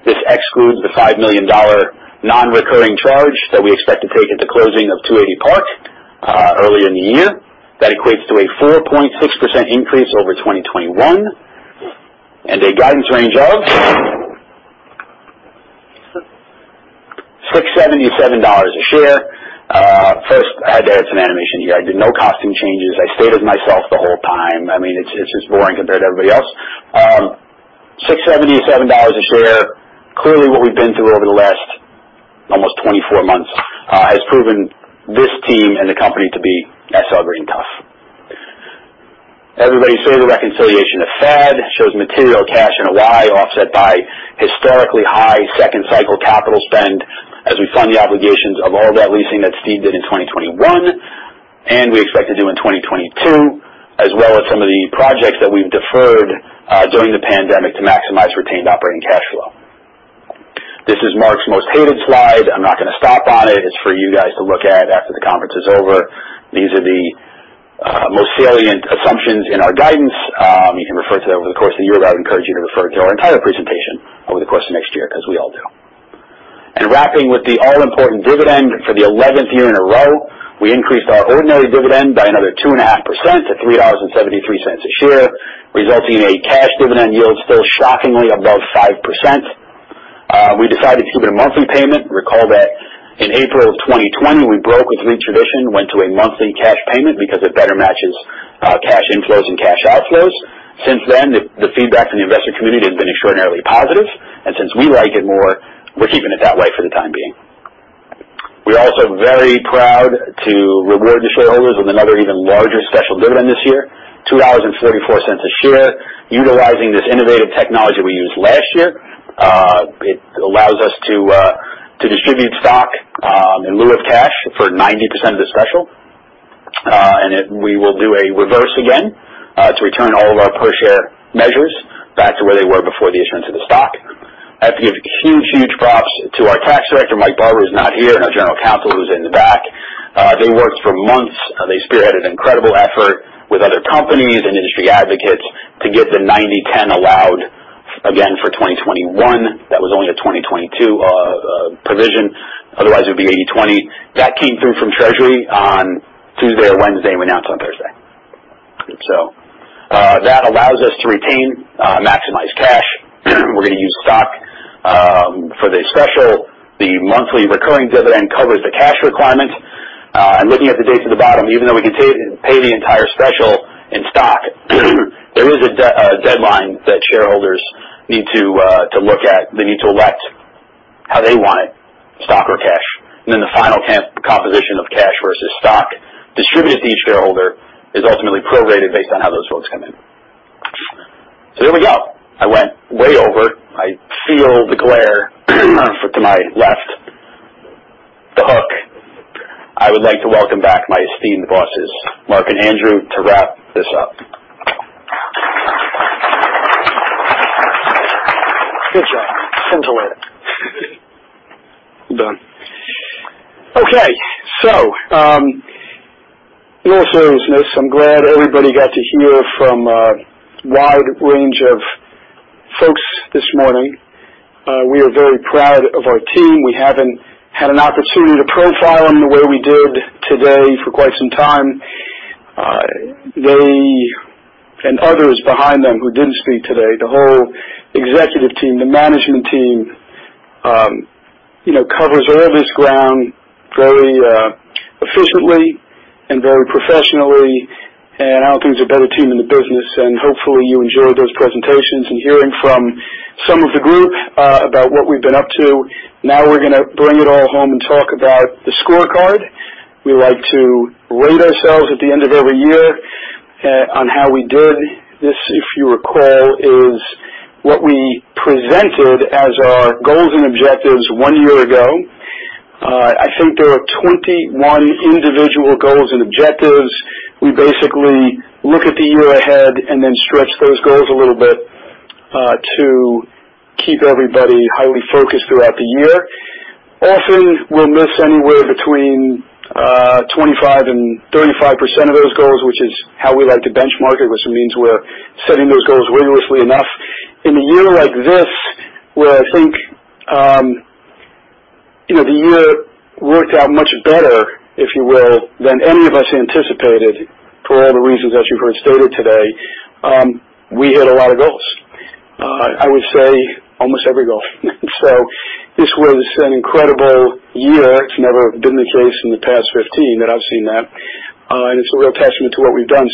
This excludes the $5 million non-recurring charge that we expect to take at the closing of 280 Park early in the year. That equates to a 4.6% increase over 2021 and a guidance range of $6.77 a share. First, I'd say it's an unexciting year. I did no costume changes. I stayed as myself the whole time. I mean, it's just boring compared to everybody else. $6.77 a share. Clearly, what we've been through over the last almost 24 months has proven this team and the company to be severely tough. Everybody say the reconciliation of FAD shows material cash in FY offset by historically high second cycle capital spend as we fund the obligations of all that leasing that Steve did in 2021, and we expect to do in 2022, as well as some of the projects that we've deferred during the pandemic to maximize retained operating cash flow. This is Marc's most hated slide. I'm not gonna stop on it. It's for you guys to look at after the conference is over. These are the most salient assumptions in our guidance. You can refer to that over the course of the year, but I would encourage you to refer to our entire presentation over the course of next year, as we all do. Wrapping with the all-important dividend for the 11th year in a row, we increased our ordinary dividend by another 2.5% to $3.73 a share, resulting in a cash dividend yield still shockingly above 5%. We decided to do a monthly payment. Recall that in April 2020, we broke with long tradition, went to a monthly cash payment because it better matches cash inflows and cash outflows. Since then, the feedback from the investor community has been extraordinarily positive, and since we like it more, we're keeping it that way for the time being. We're also very proud to reward the shareholders with another even larger special dividend this year, $2.44 a share, utilizing this innovative technology we used last year. It allows us to distribute stock in lieu of cash for 90% of the special. We will do a reverse again to return all of our per share measures back to where they were before the issuance of the stock. I have to give huge props to our tax director, Mike Barber, who's not here, and our general counsel, who's in the back. They worked for months. They spearheaded incredible effort with other companies and industry advocates to get the 90-10 allowed again for 2021. That was only a 2022 provision. Otherwise, it would be 80-20. That came through from Treasury on Tuesday or Wednesday and went out on Thursday. That allows us to retain, maximize cash. We're gonna use stock for the special. The monthly recurring dividend covers the cash requirement. Looking at the dates at the bottom, even though we can pay the entire special in stock, there is a deadline that shareholders need to look at. They need to elect how they want it, stock or cash. Then the final composition of cash versus stock distributed to each shareholder is ultimately prorated based on how those flows come in. There we go. I went way over. I feel the glare to my left. The hook. I would like to welcome back my esteemed bosses, Marc and Andrew, to wrap this up. Good job. Sensational. Well done. Okay. In all seriousness, I'm glad everybody got to hear from a wide range of folks this morning. We are very proud of our team. We haven't had an opportunity to profile them the way we did today for quite some time. They and others behind them who didn't speak today, the whole executive team, the management team, you know, covers all this ground very efficiently and very professionally. I don't think there's a better team in the business. Hopefully, you enjoy those presentations and hearing from some of the group about what we've been up to. Now we're gonna bring it all home and talk about the scorecard. We like to rate ourselves at the end of every year on how we did. This, if you recall, is what we presented as our goals and objectives one year ago. I think there are 21 individual goals and objectives. We basically look at the year ahead and then stretch those goals a little bit, to keep everybody highly focused throughout the year. Often, we'll miss anywhere between 25%-35% of those goals, which is how we like to benchmark it, which means we're setting those goals rigorously enough. In a year like this, where I think the year worked out much better, if you will, than any of us anticipated for all the reasons that you've heard stated today, we hit a lot of goals. I would say almost every goal. This was an incredible year. It's never been the case in the past 15 that I've seen that, and it's a real testament to what we've done.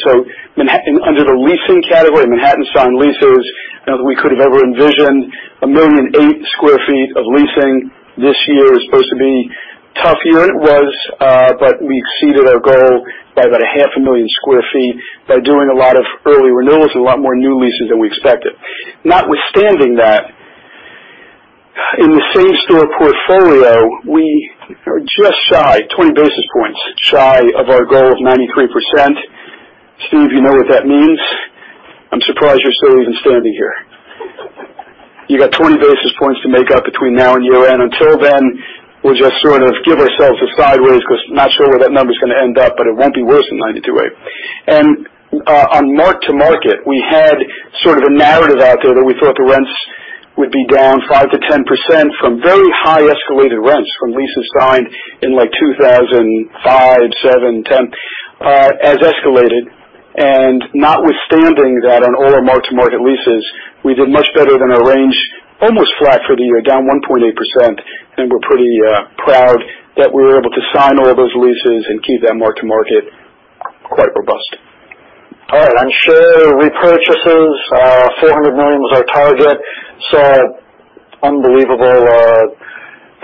Under the leasing category, Manhattan signed leases. I don't think we could have ever envisioned 1,008,000 sq ft of leasing. This year is supposed to be a tough year. It was, but we exceeded our goal by about half a million sq ft by doing a lot of early renewals and a lot more new leases than we expected. Notwithstanding that, in the same-store portfolio, we are just shy, 20 basis points shy of our goal of 93%. Steve, you know what that means. I'm surprised you're still even standing here. You got 20 basis points to make up between now and year-end. Until then, we'll just sort of give ourselves a sideways because I'm not sure where that number is gonna end up, but it won't be worse than 92.8. On mark-to-market, we had sort of a narrative out there that we thought the rents would be down 5%-10% from very high escalated rents from leases signed in like 2005, 2007, 2010, as escalated. Notwithstanding that on all our mark-to-market leases, we did much better than our range, almost flat for the year, down 1.8%. We're pretty proud that we were able to sign all those leases and keep that mark-to-market quite robust. All right, on share repurchases, $400 million was our target. Saw unbelievable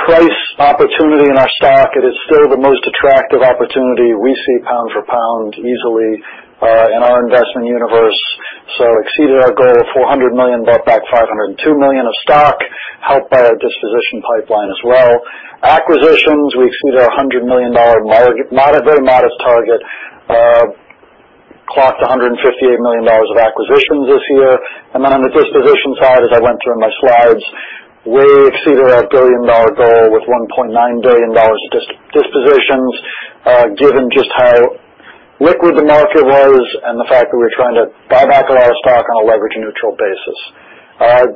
price opportunity in our stock. It is still the most attractive opportunity we see pound for pound easily in our investment universe. Exceeded our goal of $400 million, bought back $502 million of stock, helped by our disposition pipeline as well. Acquisitions, we exceeded our $100 million very modest target. Clocked $158 million of acquisitions this year. On the disposition side, as I went through in my slides, way exceeded our billion-dollar goal with $1.9 billion of dispositions, given just how liquid the market was and the fact that we were trying to buy back a lot of stock on a leverage-neutral basis.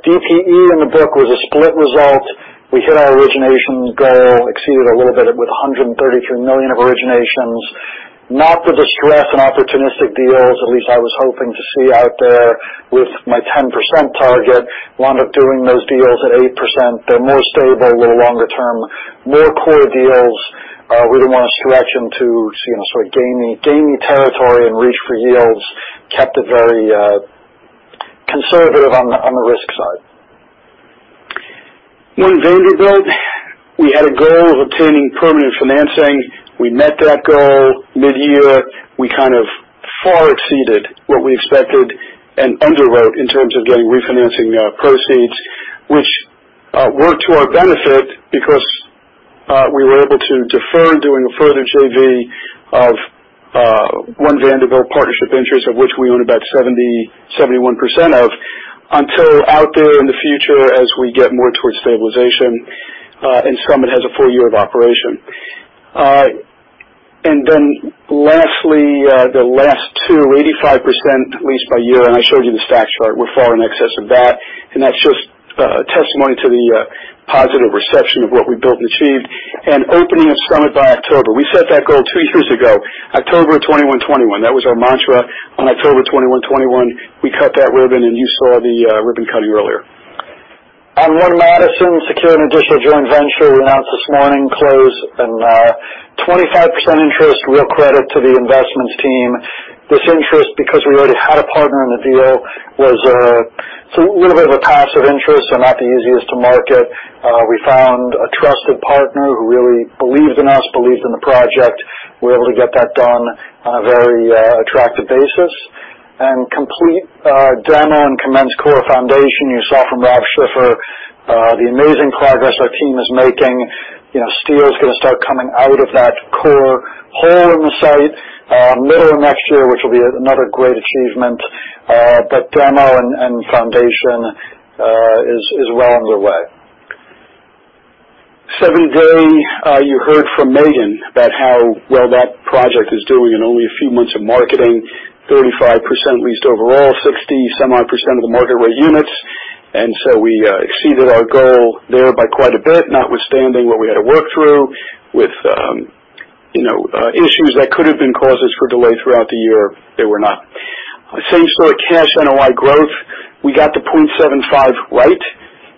DPE in the book was a split result. We hit our originations goal, exceeded it a little bit with $133 million of originations. Not the distress and opportunistic deals at least I was hoping to see out there with my 10% target. Wound up doing those deals at 8%. They're more stable, little longer term, more core deals. We didn't want to stretch into, you know, sort of gaining territory and reach for yields. Kept it very conservative on the risk side. One Vanderbilt, we had a goal of obtaining permanent financing. We met that goal mid-year. We kind of far exceeded what we expected and underwrote in terms of getting refinancing proceeds, which were to our benefit because we were able to defer doing a further JV of One Vanderbilt Partnership Interest, of which we own about 71% of, until out there in the future as we get more towards stabilization, and Summit has a full year of operation. Then lastly, the last target of 85% leased by year-end, and I showed you the stats chart. We're far in excess of that, and that's just testimony to the positive reception of what we built and achieved. Opening of Summit by October. We set that goal two years ago. October 21, 2021. That was our mantra. On October 21, 2021, we cut that ribbon, and you saw the ribbon cutting earlier. On One Madison, secured an additional joint venture we announced this morning, closed, and 25% interest, real credit to the investments team. This interest, because we already had a partner in the deal, was a little bit of a passive interest and not the easiest to market. We found a trusted partner who really believed in us, believed in the project. We were able to get that done on a very attractive basis. Complete demo and commence core foundation. You saw from Rob Schiffer the amazing progress our team is making. You know, steel is gonna start coming out of that core hole in the site middle of next year, which will be another great achievement. Demo and foundation is well underway. 7 Dey, you heard from Megan about how well that project is doing in only a few months of marketing. 35% leased overall, 60-some-odd% of the market rate units. We exceeded our goal there by quite a bit, notwithstanding what we had to work through with issues that could have been causes for delay throughout the year. They were not. Same store cash NOI growth. We got the 0.75 right.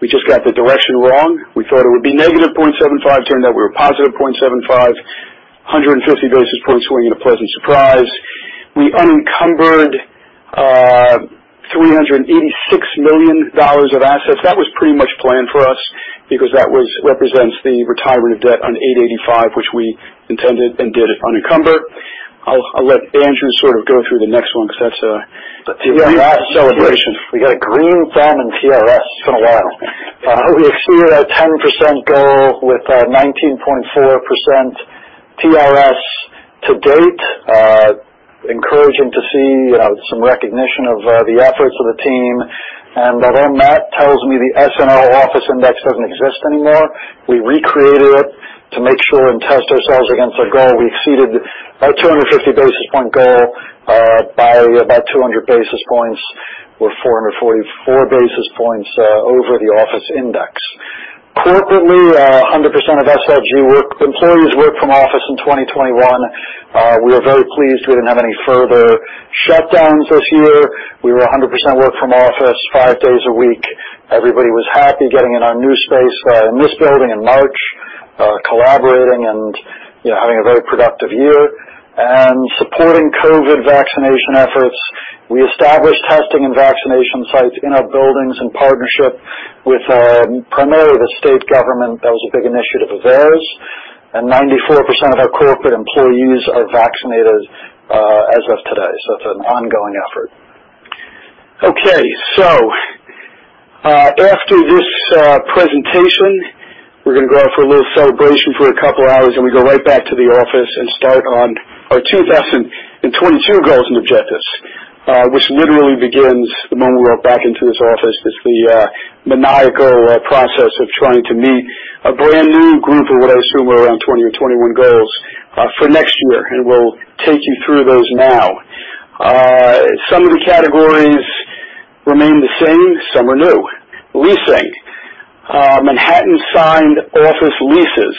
We just got the direction wrong. We thought it would be -0.75. It turned out we were +0.75. 150 basis points swing is a pleasant surprise. We unencumbered $386 million of assets. That was pretty much planned for us because that represents the retirement of debt on 885, which we intended and did unencumber. I'll let Andrew sort of go through the next one because that's a brief celebration. We got a green thumb in TRS. It's been a while. We exceeded our 10% goal with 19.4% TRS to date. Encouraging to see some recognition of the efforts of the team. Then that tells me the SNL office index doesn't exist anymore. We recreated it to make sure and test ourselves against our goal. We exceeded our 250 basis point goal by about 200 basis points or 444 basis points over the office index. Corporately, 100% of SLG workforce employees work from office in 2021. We are very pleased we didn't have any further shutdowns this year. We were 100% work from office five days a week. Everybody was happy getting in our new space in this building in March, collaborating and, you know, having a very productive year. Supporting COVID vaccination efforts, we established testing and vaccination sites in our buildings in partnership with primarily the state government. That was a big initiative of theirs. 94% of our corporate employees are vaccinated as of today. It's an ongoing effort. After this presentation, we're gonna go out for a little celebration for a couple of hours, then we go right back to the office and start on our 2022 goals and objectives, which literally begins the moment we walk back into this office. That's the maniacal process of trying to meet a brand new group of what I assume are around 20 or 21 goals for next year, and we'll take you through those now. Some of the categories remain the same, some are new. Leasing. Manhattan signed office leases.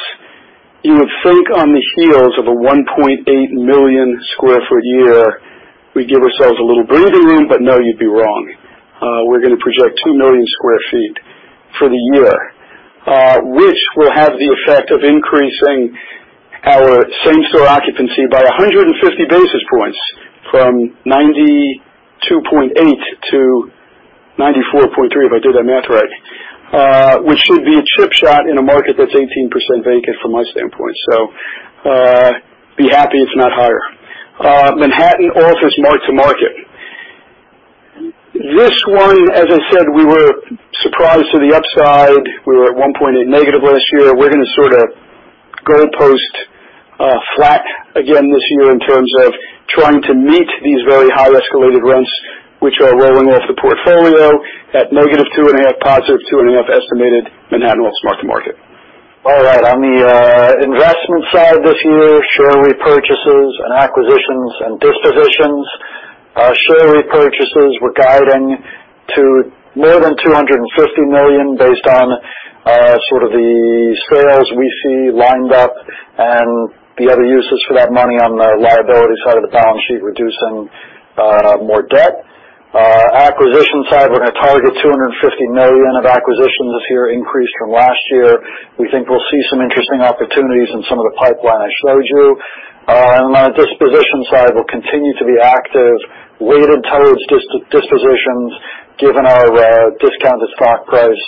You would think on the heels of a 1.8 million sq ft year, we'd give ourselves a little breathing room, but no, you'd be wrong. We're gonna project 2 million sq ft for the year, which will have the effect of increasing our same-store occupancy by 150 basis points from 92.8 to 94.3, if I did that math right. Which should be a chip shot in a market that's 18% vacant from my standpoint. Be happy it's not higher. Manhattan office mark-to-market. This one, as I said, we were surprised to the upside. We were at -1.8% last year. We're gonna goalpost flat again this year in terms of trying to meet these very high escalated rents, which are rolling off the portfolio at -2.5% to +2.5% estimated Manhattan office mark-to-market. All right. On the investment side this year, share repurchases and acquisitions and dispositions. Share repurchases, we're guiding to more than $250 million based on sort of the sales we see lined up and the other uses for that money on the liability side of the balance sheet, reducing more debt. Acquisition side, we're gonna target $250 million of acquisitions this year, increase from last year. We think we'll see some interesting opportunities in some of the pipeline I showed you. On the disposition side, we'll continue to be active, weighted towards dispositions given our discounted stock price.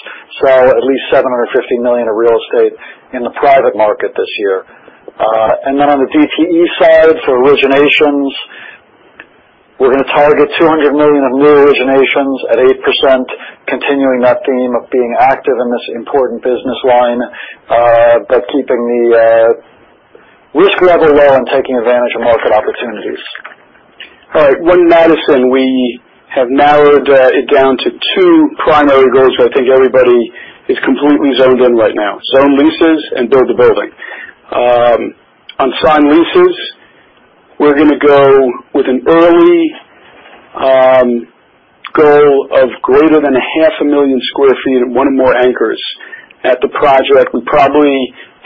Sell at least $750 million of real estate in the private market this year. On the DPE side, for originations, we're gonna target $200 million of new originations at 8%, continuing that theme of being active in this important business line, but keeping the risk level low and taking advantage of market opportunities. All right. One Madison, we have narrowed it down to two primary goals that I think everybody is completely zoned in right now. Sign leases and build the building. On signed leases, we're gonna go with an early goal of greater than half a million sq ft and one more anchor at the project. We probably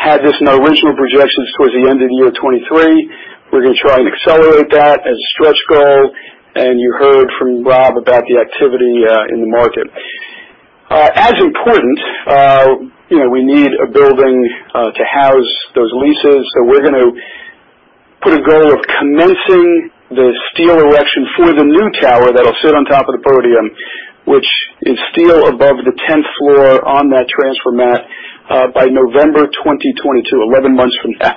had this in our original projections towards the end of the year 2023. We're gonna try and accelerate that as a stretch goal, and you heard from Rob about the activity in the market. As important, we need a building to house those leases, so we're gonna put a goal of commencing the steel erection for the new tower that'll sit on top of the podium, which is steel above the tenth floor on that transfer mat, by November 2022, 11 months from now.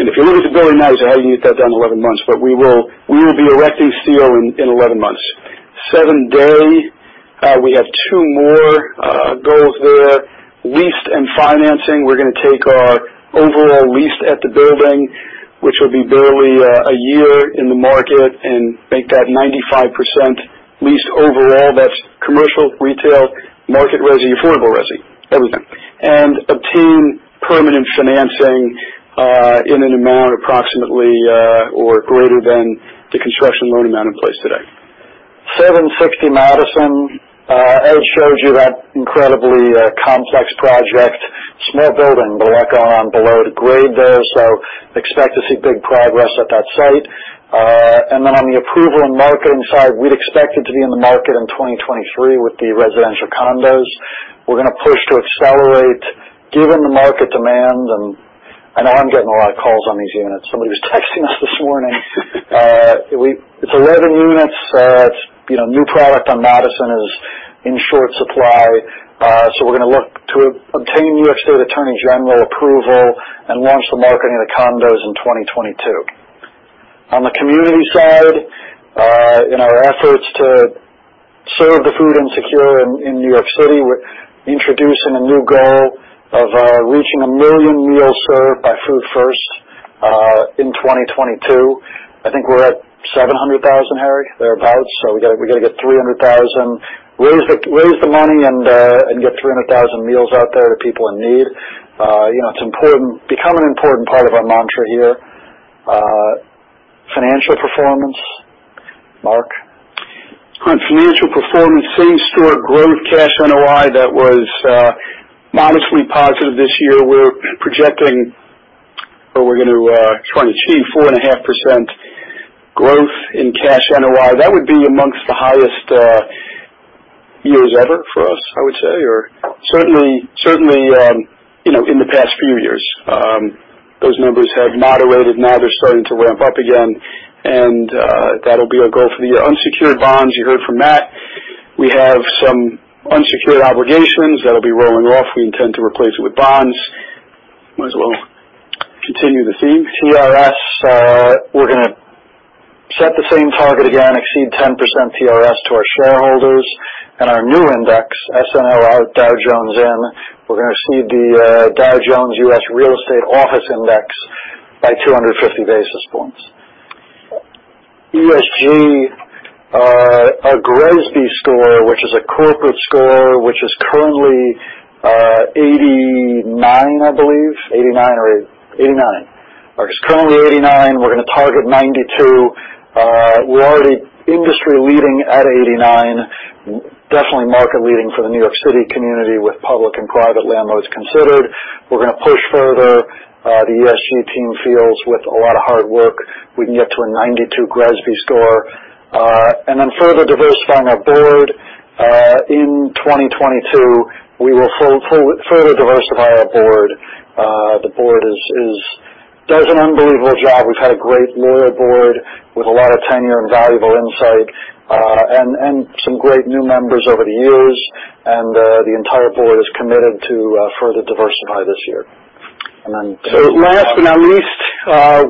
If you look at the building now, you say, "How are you gonna get that done in 11 months?" We will be erecting steel in 11 months. 7 Dey, we have two more goals there. Leased and financing. We're gonna take our overall lease at the building, which will be barely a year in the market, and make that 95% leased overall. That's commercial, retail, market resi, affordable resi, everything. Obtain permanent financing in an amount approximately or greater than the construction loan amount in place today. 760 Madison. Ed showed you that incredibly complex project. Small building, but a lot going on below the grade there, so expect to see big progress at that site. On the approval and marketing side, we'd expect it to be in the market in 2023 with the residential condos. We're gonna push to accelerate given the market demand and I know I'm getting a lot of calls on these units. Somebody was texting us this morning. It's 11 units. It's, you know, new product on Madison is in short supply, so we're gonna look to obtain New York State Attorney General approval and launch the marketing of the condos in 2022. On the community side, in our efforts to serve the food insecure in New York City, we're introducing a new goal of reaching 1 million meals served by Food1st in 2022. I think we're at 700,000, Harry, thereabouts. So we gotta get 300,000. Raise the money and get 300,000 meals out there to people in need. You know, it's important, become an important part of our mantra here. Financial performance. Marc? On financial performance, same-store growth cash NOI, that was modestly positive this year. We're projecting what we're gonna try and achieve 4.5% growth in cash NOI. That would be amongst the highest years ever for us, I would say, or certainly you know, in the past few years. Those numbers have moderated. Now they're starting to ramp up again, and that'll be our goal for the year. Unsecured bonds, you heard from Matt. We have some unsecured obligations that'll be rolling off. We intend to replace it with bonds. Might as well continue the theme. TRS, we're gonna set the same target again, exceed 10% TRS to our shareholders. Our new index, SNL out, Dow Jones in. We're gonna see the Dow Jones U.S. Real Estate Office Index by 250 basis points. ESG, our GRESB score, which is a corporate score, which is currently 89, I believe. 89. Marc, it's currently 89. We're gonna target 92. We're already industry-leading at 89. Definitely market-leading for the New York City community with public and private landlords considered. We're gonna push further. The ESG team feels with a lot of hard work, we can get to a 92 GRESB score. Further diversifying our board in 2022, we will further diversify our board. The board does an unbelievable job. We've had a great loyal board with a lot of tenure and valuable insight, and some great new members over the years, and the entire board is committed to further diversify this year. Last but not least,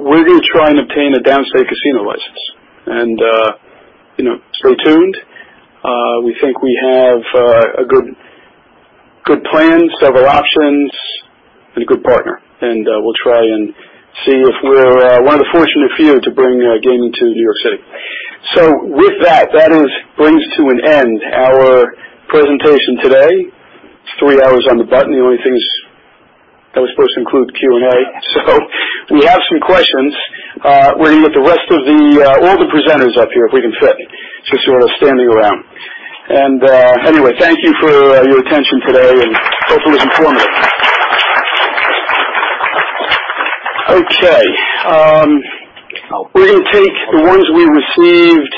we're gonna try and obtain a Downstate casino license and, you know, stay tuned. We think we have a good plan, several options and a good partner, and we'll try and see if we're one of the fortunate few to bring gaming to New York City. With that brings to an end our presentation today. It's three hours on the button. The only thing is I was supposed to include the Q&A. We have some questions. We're gonna get the rest of all the presenters up here, if we can fit. Just sort of standing around. Anyway, thank you for your attention today, and hope it was informative. Okay. We're gonna take the ones we received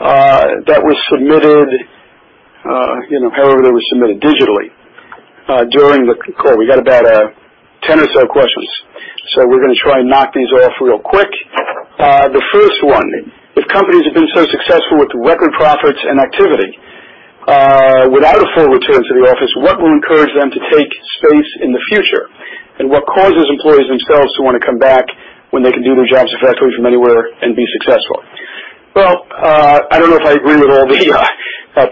that were submitted, you know, however they were submitted digitally during the call. We got about 10 or so questions, so we're gonna try and knock these off real quick. The first one: If companies have been so successful with record profits and activity without a full return to the office, what will encourage them to take space in the future? And what causes employees themselves to wanna come back when they can do their jobs effectively from anywhere and be successful? Well, I don't know if I agree with all the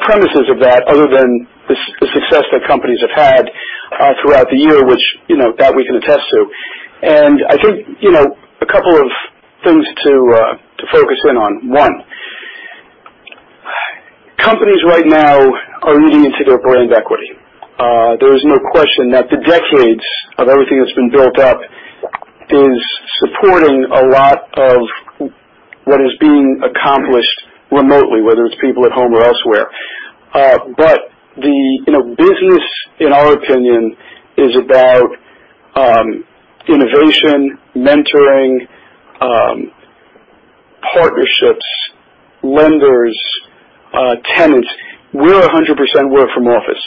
premises of that other than the success that companies have had throughout the year, which, you know, that we can attest to. I think, you know, a couple of things to focus in on. One, companies right now are leaning into their brand equity. There is no question that the decades of everything that's been built up is supporting a lot of what is being accomplished remotely, whether it's people at home or elsewhere. But you know, business in our opinion is about innovation, mentoring, partnerships, lenders, tenants. We're 100% work from office.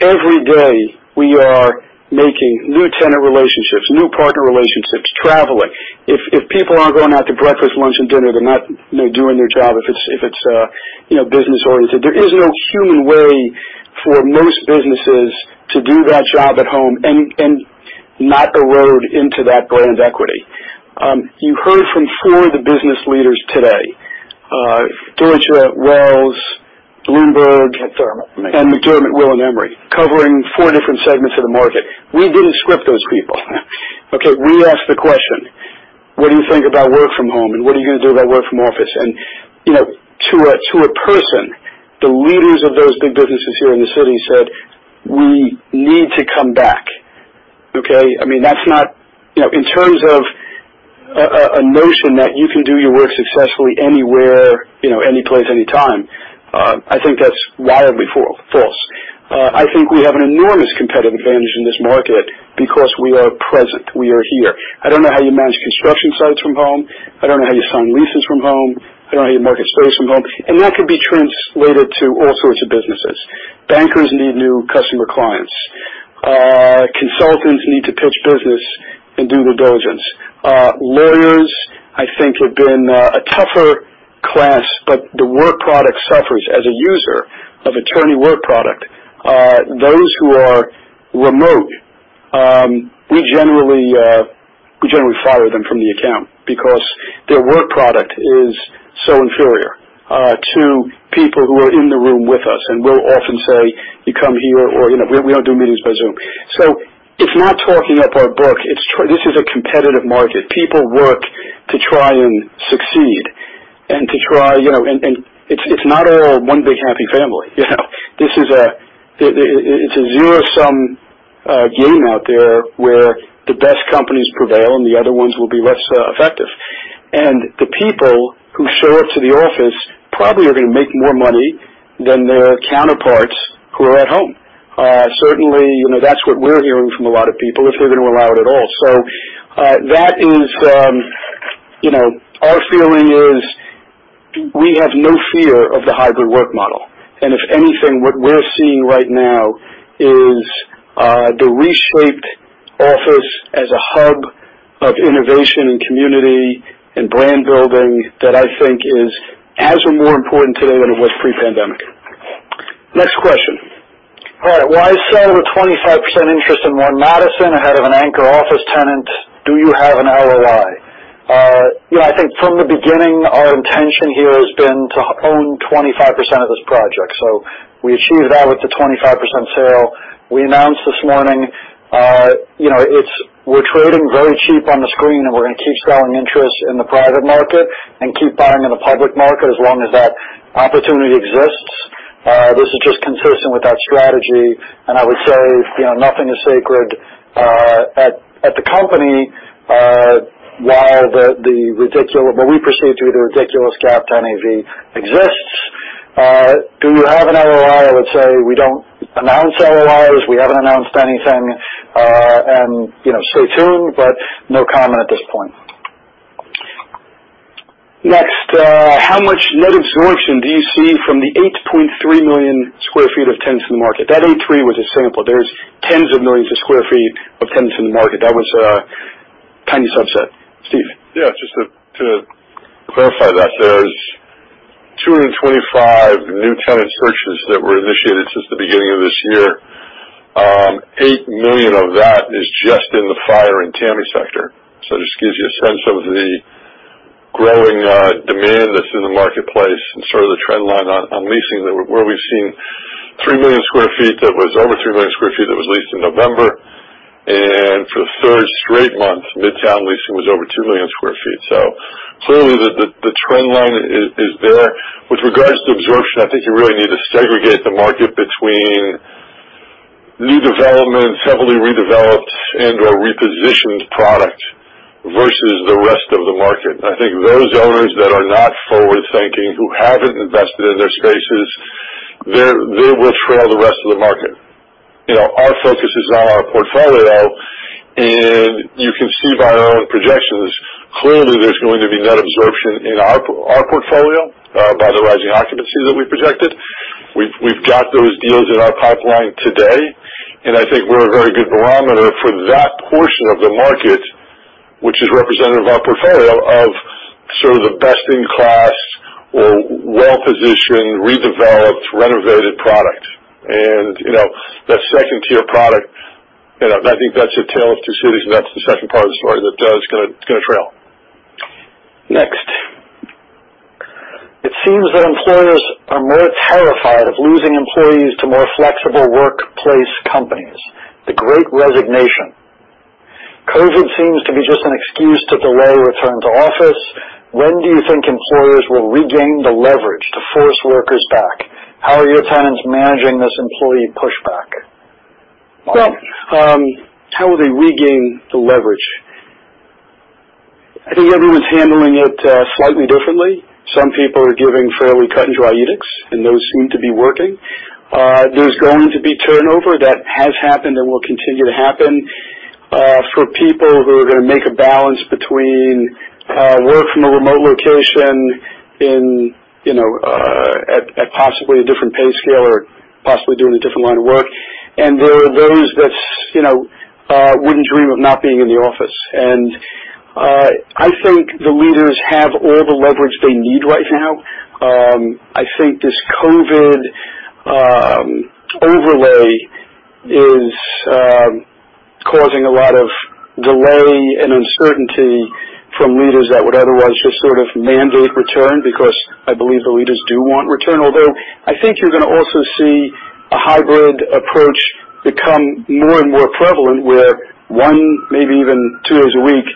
Every day, we are making new tenant relationships, new partner relationships, traveling. If people aren't going out to breakfast, lunch, and dinner, they're not doing their job if it's business-oriented. There is no human way for most businesses to do that job at home and not erode into that brand equity. You heard from four of the business leaders today, Deutsche, Wells, Bloomberg- McDermott McDermott Will & Emery, covering four different segments of the market. We didn't script those people. Okay. We asked the question, "What do you think about work from home, and what are you gonna do about work from office?" You know, to a person, the leaders of those big businesses here in the city said, "We need to come back." Okay? I mean, that's not. You know, in terms of a notion that you can do your work successfully anywhere, you know, any place, any time, I think that's wildly false. I think we have an enormous competitive advantage in this market because we are present. We are here. I don't know how you manage construction sites from home. I don't know how you sign leases from home. I don't know how you market space from home. That could be translated to all sorts of businesses. Bankers need new customer clients. Consultants need to pitch business and do due diligence. Lawyers, I think, have been a tougher class, but the work product suffers. As a user of attorney work product, those who are remote, we generally fire them from the account because their work product is so inferior to people who are in the room with us. We'll often say, "You come here or." You know, we don't do meetings by Zoom. It's not talking up our book. It's this is a competitive market. People work to try and succeed and to try, you know. It's not all one big happy family, you know. It's a zero-sum game out there where the best companies prevail and the other ones will be less effective. The people who show up to the office probably are gonna make more money than their counterparts who are at home. Certainly, you know, that's what we're hearing from a lot of people, if they're gonna allow it at all. That is, you know, our feeling is we have no fear of the hybrid work model. If anything, what we're seeing right now is the reshaped office as a hub of innovation and community and brand building that I think is as or more important today than it was pre-pandemic. Next question. All right. Why sell the 25% interest in One Madison ahead of an anchor office tenant? Do you have an LOI? You know, I think from the beginning, our intention here has been to own 25% of this project, so we achieved that with the 25% sale. We announced this morning, you know, it's, we're trading very cheap on the screen, and we're gonna keep selling interest in the private market and keep buying in the public market as long as that opportunity exists. This is just consistent with our strategy. I would say, you know, nothing is sacred at the company while the ridiculous, what we perceive to be the ridiculous gap to NAV exists. Do we have an LOI? I would say we don't announce LOIs. We haven't announced anything. You know, stay tuned, but no comment at this point. Next. How much net absorption do you see from the 8.3 million sq ft of tenants in the market? That 8.3 was a sample. There's tens of millions of sq ft of tenants in the market. That was a tiny subset. Steve? Yeah. Just to clarify that, there's 225 new tenant searches that were initiated since the beginning of this year. Eight million of that is just in the FIRE and TAMI sector. It just gives you a sense of the growing demand that's in the marketplace and sort of the trend line on leasing where we've seen three million sq ft, that was over three million sq ft that was leased in November. For the third straight month, Midtown leasing was over two million sq ft. Clearly the trend line is there. With regards to absorption, I think you really need to segregate the market between new development, heavily redeveloped and/or repositioned product versus the rest of the market. I think those owners that are not forward-thinking, who haven't invested in their spaces, they will trail the rest of the market. You know, our focus is on our portfolio, and you can see by our own projections, clearly there's going to be net absorption in our portfolio by the rising occupancy that we projected. We've got those deals in our pipeline today, and I think we're a very good barometer for that portion of the market, which is representative of our portfolio of sort of the best in class or well-positioned, redeveloped, renovated product. You know, that second-tier product, you know, I think that's a tale of two cities, and that's the second part of the story that is gonna trail. Next. It seems that employers are more terrified of losing employees to more flexible workplace companies, the great resignation. COVID seems to be just an excuse to delay return to office. When do you think employers will regain the leverage to force workers back? How are your tenants managing this employee pushback? Well, how will they regain the leverage? I think everyone's handling it slightly differently. Some people are giving fairly cut and dry edicts, and those seem to be working. There's going to be turnover. That has happened and will continue to happen for people who are gonna make a balance between work from a remote location in, you know, at possibly a different pay scale or possibly doing a different line of work. There are those that, you know, wouldn't dream of not being in the office. I think the leaders have all the leverage they need right now. I think this COVID overlay is causing a lot of delay and uncertainty from leaders that would otherwise just sort of mandate return because I believe the leaders do want return. Although, I think you're gonna also see a hybrid approach become more and more prevalent, where one, maybe even two days a week,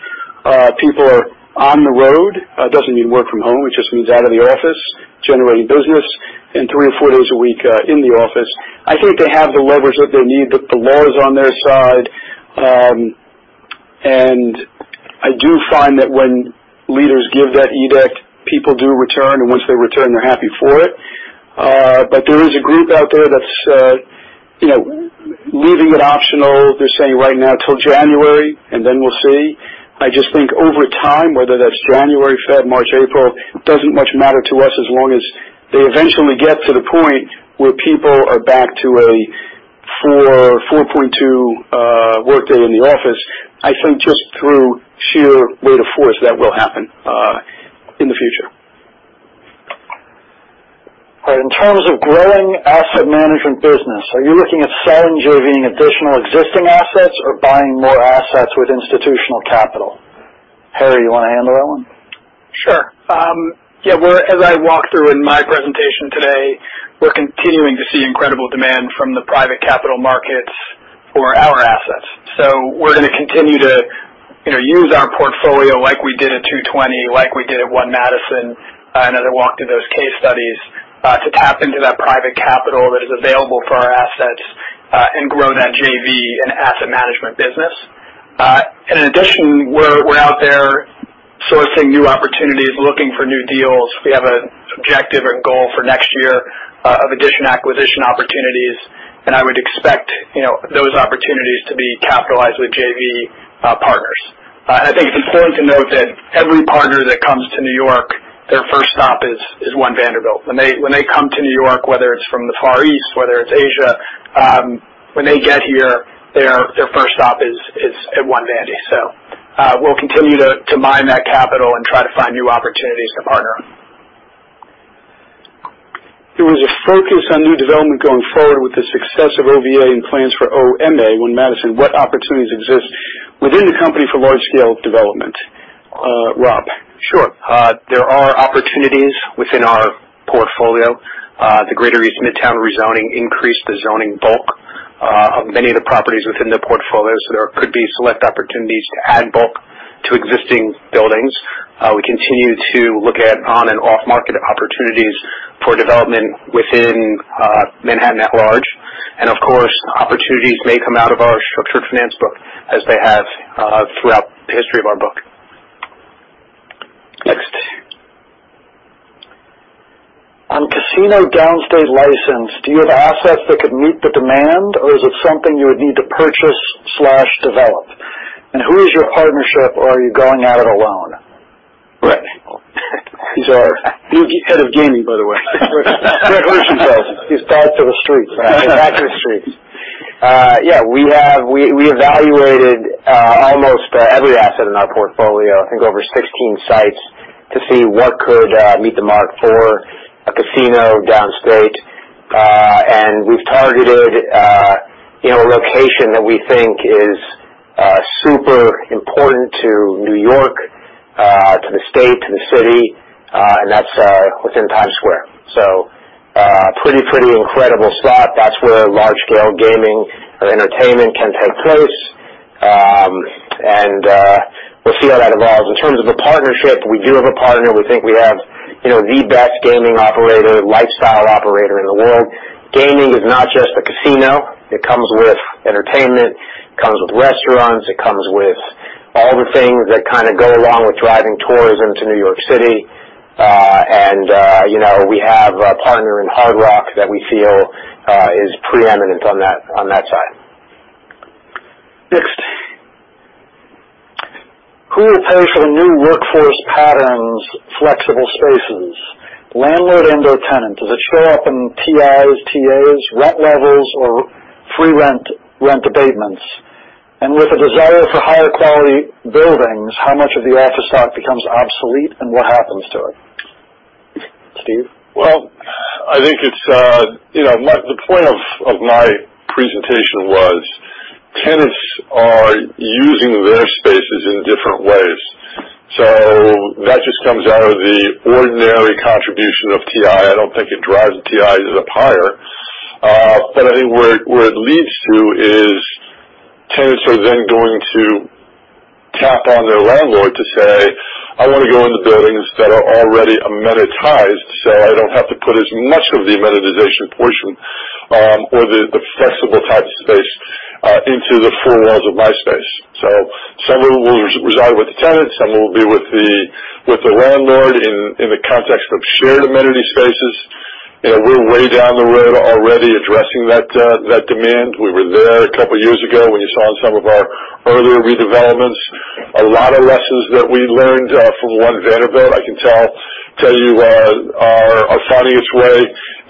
people are on the road. Doesn't mean work from home. It just means out of the office generating business and three or four days a week, in the office. I think they have the leverage that they need, that the law is on their side. I do find that when leaders give that edict, people do return, and once they return, they're happy for it. There is a group out there that's, you know, leaving it optional. They're saying right now till January, and then we'll see. I just think over time, whether that's January, February, March, April, doesn't much matter to us as long as they eventually get to the point where people are back to a 4.2 workday in the office. I think just through sheer weight of force that will happen in the future. In terms of growing asset management business, are you looking at selling JV-ing additional existing assets or buying more assets with institutional capital? Harry, you wanna handle that one? As I walked through in my presentation today, we're continuing to see incredible demand from the private capital markets for our assets. We're gonna continue to, you know, use our portfolio like we did at 220, like we did at One Madison, and as I walked through those case studies, to tap into that private capital that is available for our assets, and grow that JV and asset management business. In addition, we're out there sourcing new opportunities, looking for new deals. We have an objective and goal for next year of additional acquisition opportunities, and I would expect, you know, those opportunities to be capitalized with JV partners. I think it's important to note that every partner that comes to New York, their first stop is One Vanderbilt. When they come to New York, whether it's from the Far East or Asia, when they get here, their first stop is at One Vanderbilt. We'll continue to mine that capital and try to find new opportunities to partner. There was a focus on new development going forward with the success of OVA and plans for OMA, One Madison. What opportunities exist within the company for large-scale development? Rob? Sure. There are opportunities within our portfolio. The greater East Midtown rezoning increased the zoning bulk of many of the properties within the portfolio, so there could be select opportunities to add bulk to existing buildings. We continue to look at on and off-market opportunities for development within Manhattan at large. Of course, opportunities may come out of our structured finance book as they have throughout the history of our book. Next. On casino downstate license, do you have assets that could meet the demand, or is it something you would need to purchase/develop? Who is your partnership, or are you going at it alone? Right. He's our head of gaming, by the way. Great question, though. He's tied to the streets. Tied to the streets. We evaluated almost every asset in our portfolio, I think over 16 sites, to see what could meet the mark for a casino downstate. We've targeted you know a location that we think is super important to New York to the state to the city and that's within Times Square. Pretty incredible spot. That's where large-scale gaming and entertainment can take place. We'll see how that evolves. In terms of the partnership, we do have a partner. We think we have you know the best gaming operator, lifestyle operator in the world. Gaming is not just a casino. It comes with entertainment, it comes with restaurants, it comes with all the things that kinda go along with driving tourism to New York City. You know, we have a partner in Hard Rock that we feel is preeminent on that side. Next. Who will pay for the new workforce patterns, flexible spaces? Landlord and their tenant. Does it show up in TIs, TAs, rent levels or free rent abatements? With a desire for higher quality buildings, how much of the office stock becomes obsolete, and what happens to it? Steve? Well, I think it's, you know, the point of my presentation was tenants are using their spaces in different ways. That just comes out of the ordinary contribution of TI. I don't think it drives the TIs up higher. But I think where it leads to is tenants are then going to tap on their landlord to say, "I wanna go in the buildings that are already amenitized, so I don't have to put as much of the amenitization portion, or the flexible type space, into the four walls of my space." Some of it will reside with the tenant, some will be with the landlord in the context of shared amenity spaces. You know, we're way down the road already addressing that demand. We were there a couple years ago when you saw in some of our earlier redevelopments. A lot of lessons that we learned from One Vanderbilt, I can tell you, are finding its way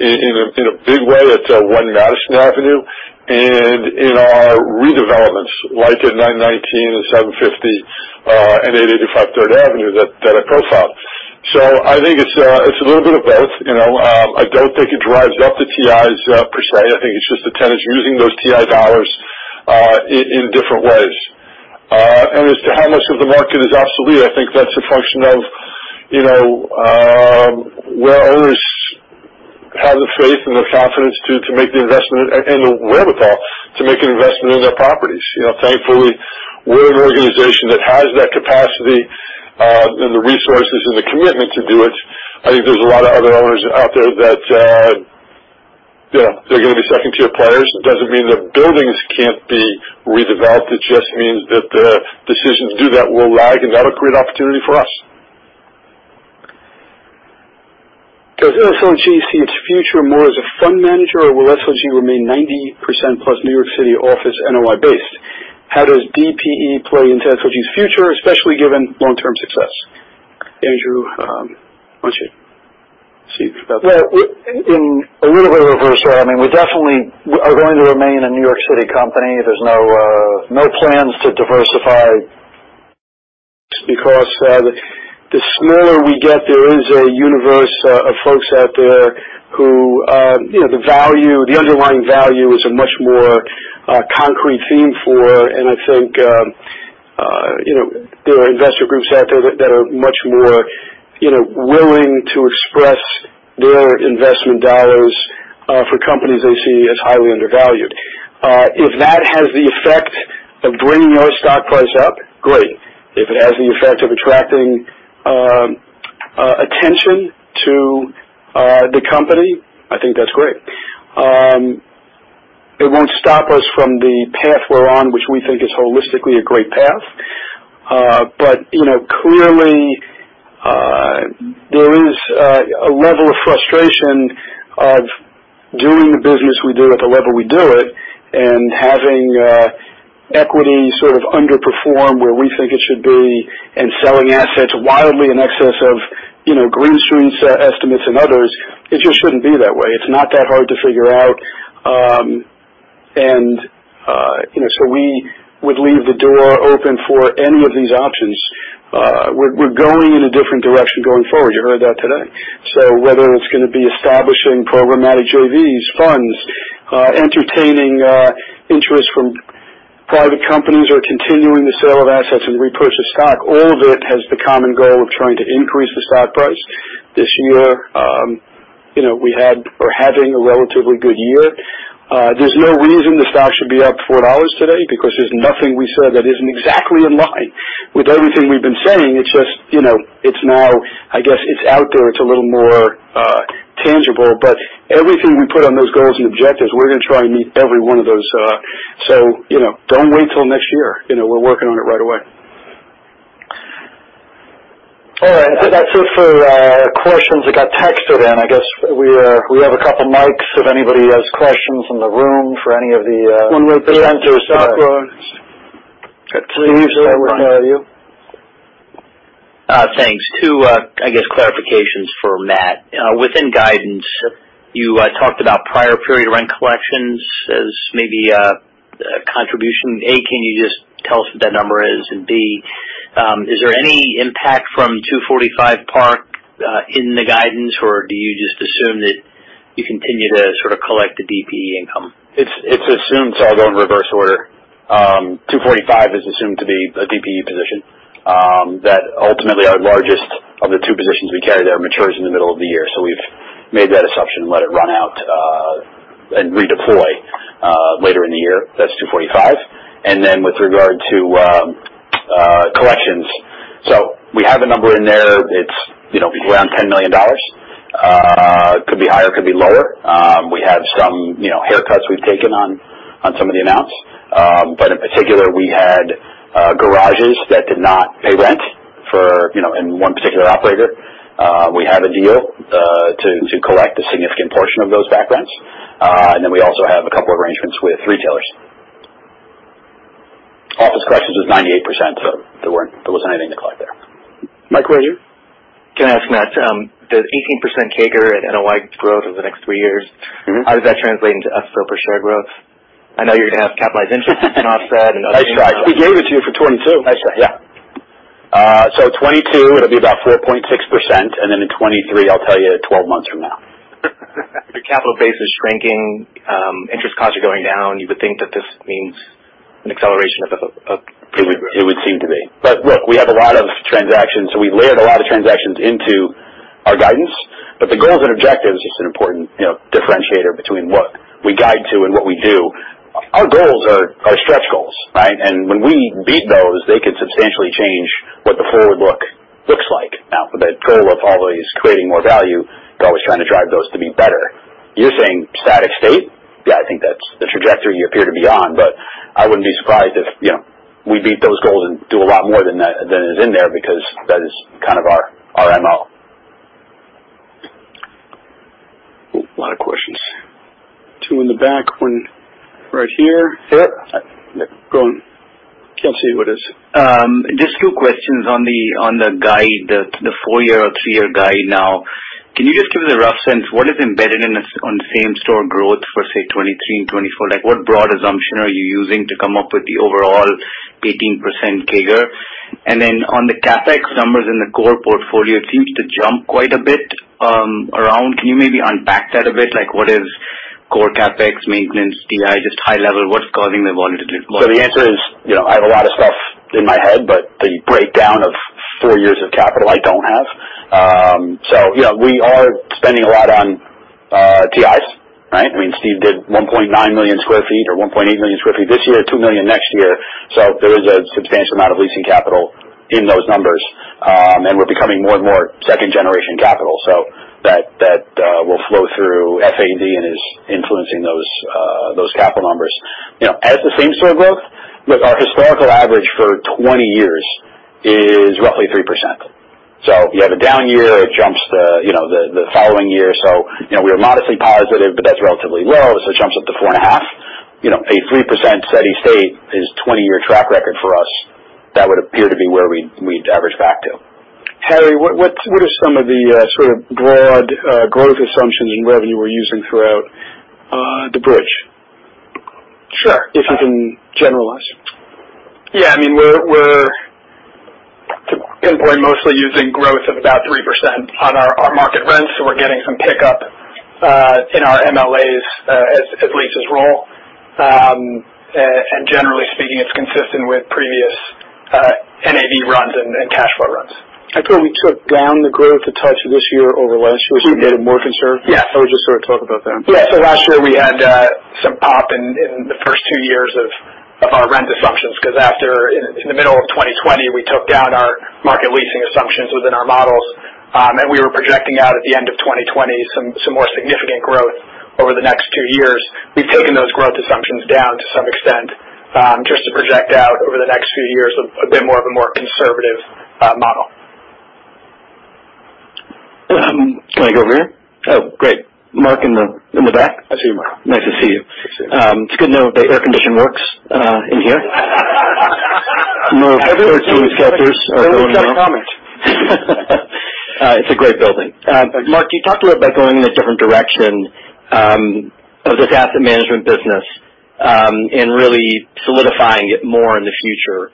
in a big way at One Madison Avenue and in our redevelopments, like at 919 and 750, and 885 Third Avenue that I profiled. I think it's a little bit of both, you know. I don't think it drives up the TIs per se. I think it's just the tenants using those TI dollars in different ways. As to how much of the market is obsolete, I think that's a function of, you know, where owners have the faith and the confidence to make the investment and the wherewithal to make an investment in their properties. You know, thankfully, we're an organization that has that capacity, and the resources and the commitment to do it. I think there's a lot of other owners out there that, you know, they're gonna be second-tier players. It doesn't mean the buildings can't be redeveloped. It just means that the decision to do that will lag, and that'll create opportunity for us. Does SLG see its future more as a fund manager, or will SLG remain 90% plus New York City office NOI based? How does DPE play into SLG's future, especially given long-term success? Andrew, why don't you see if you. Well, when in a little bit of reverse role, I mean, we definitely are going to remain a New York City company. There's no plans to diversify because the smaller we get, there is a universe of folks out there who you know, the underlying value is a much more concrete theme for. I think you know, there are investor groups out there that are much more you know, willing to express their investment dollars for companies they see as highly undervalued. If that has the effect of bringing our stock price up, great. If it has the effect of attracting attention to the company, I think that's great. It won't stop us from the path we're on, which we think is holistically a great path. You know, clearly, there is a level of frustration of doing the business we do at the level we do it, and having equity sort of underperform where we think it should be, and selling assets wildly in excess of, you know, Green Street's estimates and others. It just shouldn't be that way. It's not that hard to figure out. You know, we would leave the door open for any of these options. We're going in a different direction going forward. You heard that today. Whether it's gonna be establishing programmatic JVs, funds, entertaining, interest from private companies or continuing the sale of assets and repurchase stock, all of it has the common goal of trying to increase the stock price. This year, you know, we're having a relatively good year. There's no reason the stock should be up $4 today because there's nothing we said that isn't exactly in line with everything we've been saying. It's just, you know, it's now, I guess it's out there, it's a little more tangible. Everything we put on those goals and objectives, we're gonna try and meet every one of those. You know, don't wait till next year. You know, we're working on it right away. All right. That's it for questions that got texted in. We have a couple mics if anybody has questions in the room for any of the presenters today. One right there. Stock roads. Please, I will call you. Thanks. Two clarifications for Matt. Within guidance, you talked about prior period rent collections as maybe a contribution. A, can you just tell us what that number is? B, is there any impact from 245 Park in the guidance, or do you just assume that you continue to sort of collect the DPE income? It's assumed, so I'll go in reverse order. 245 is assumed to be a DPE position that ultimately our largest of the two positions we carry there matures in the middle of the year. We've made that assumption, let it run out, and redeploy later in the year. That's 245. With regard to collections. We have a number in there. It's you know around $10 million. Could be higher, could be lower. We have some you know haircuts we've taken on some of the amounts. But in particular, we had garages that did not pay rent for you know in one particular operator, we had a deal to collect a significant portion of those back rents. We also have a couple arrangements with retailers. Office collections was 98%, so there wasn't anything to collect there. Mike, were you? Can I ask, Matt, the 18% CAGR at NOI growth over the next three years? Mm-hmm. How does that translate into FFO per share growth? I know you're gonna have capitalized interest and offset and other. That's right. We gave it to you for $22. I see. Yeah, 2022, it'll be about 4.6%, and then in 2023, I'll tell you 12 months from now. The capital base is shrinking. Interest costs are going down. You would think that this means an acceleration of It would seem to be. Look, we have a lot of transactions, so we've layered a lot of transactions into our guidance. The goals and objectives, just an important, you know, differentiator between what we guide to and what we do. Our goals are stretch goals, right? When we beat those, they could substantially change what the forward look looks like. Now, the goal of always creating more value is always trying to drive those to be better. You're saying static state. Yeah, I think that's the trajectory you appear to be on, but I wouldn't be surprised if, you know, we beat those goals and do a lot more than is in there because that is kind of our MO. Oh, lot of questions. Two in the back. One right here. Yeah. Go on. Can't see who it is. Just two questions on the guide, the four-year or three-year guide now. Can you just give us a rough sense what is embedded in this on same store growth for say, 2023 and 2024? Like, what broad assumption are you using to come up with the overall 18% CAGR? And then on the CapEx numbers in the core portfolio, it seems to jump quite a bit around. Can you maybe unpack that a bit? Like what is core CapEx maintenance TI, just high level, what's causing the volatility? The answer is, you know, I have a lot of stuff in my head, but the breakdown of four years of capital I don't have. Yeah, we are spending a lot on TIs, right? I mean, Steve did 1.9 million sq ft or 1.8 million sq ft this year, two million next year. There is a substantial amount of leasing capital in those numbers. We're becoming more and more second-generation capital. That will flow through FAD and is influencing those capital numbers. You know, as the same store growth. Look, our historical average for 20 years is roughly 3%. You have a down year, it jumps, you know, the following year. You know, we are modestly positive, but that's relatively low, so it jumps up to 4.5. You know, a 3% steady state is 20-year track record for us. That would appear to be where we'd average back to. Harry, what are some of the sort of broad growth assumptions in revenue we're using throughout the bridge? Sure. If you can generalize. Yeah. I mean, we're to employ mostly using growth of about 3% on our market rents, so we're getting some pickup in our MLAs as leases roll. And generally speaking, it's consistent with previous NAV runs and cash flow runs. I thought we took down the growth a touch this year over last year. We did. We're getting more conservative. Yeah. Just sort of talk about that. Last year we had some pop in the first two years of our rent assumptions, 'cause after, in the middle of 2020, we took down our market leasing assumptions within our models. We were projecting out at the end of 2020 some more significant growth over the next two years. We've taken those growth assumptions down to some extent, just to project out over the next few years a bit more of a conservative model. Can I go over here? Oh, great. Marc in the back. I see you, Marc. Nice to see you. You too. It's good to know the air conditioning works in here. No, 13 sectors are going down. I always make a comment. It's a great building. Marc, you talked a little about going in a different direction of this asset management business and really solidifying it more in the future.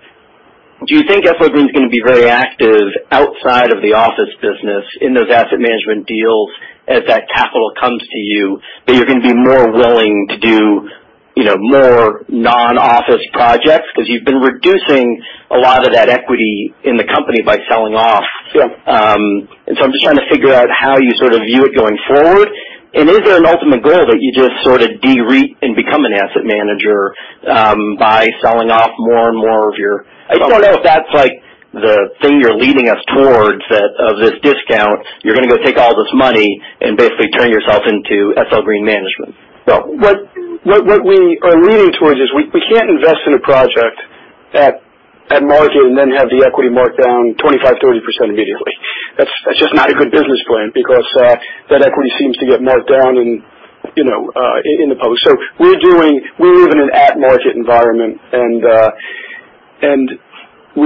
Do you think SL Green is gonna be very active outside of the office business in those asset management deals as that capital comes to you, but you're gonna be more willing to do, you know, more non-office projects? 'Cause you've been reducing a lot of that equity in the company by selling off. Yeah. I'm just trying to figure out how you sort of view it going forward, and is there an ultimate goal that you just sorta de-REIT and become an asset manager by selling off more and more of your... I just wanna know if that's, like, the thing you're leading us towards closing this discount. You're gonna go take all this money and basically turn yourself into SL Green Management. No. What we are leaning towards is we can't invest in a project at market and then have the equity marked down 25%-30% immediately. That's just not a good business plan because that equity seems to get marked down in the public. We live in an at-market environment. We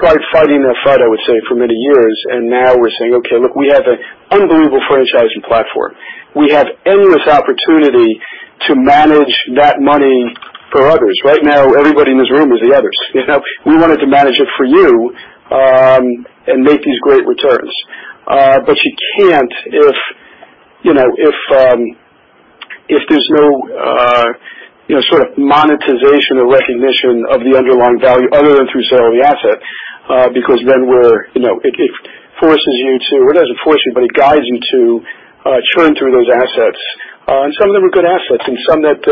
tried fighting that fight, I would say, for many years, and now we're saying, "Okay, look, we have an unbelievable franchising platform. We have endless opportunity to manage that money for others." Right now, everybody in this room is the others. You know, we wanted to manage it for you and make these great returns. You can't if there's no sort of monetization or recognition of the underlying value other than through selling the asset, because then it forces you to. It doesn't force you, but it guides you to churn through those assets. Some of them are good assets and some that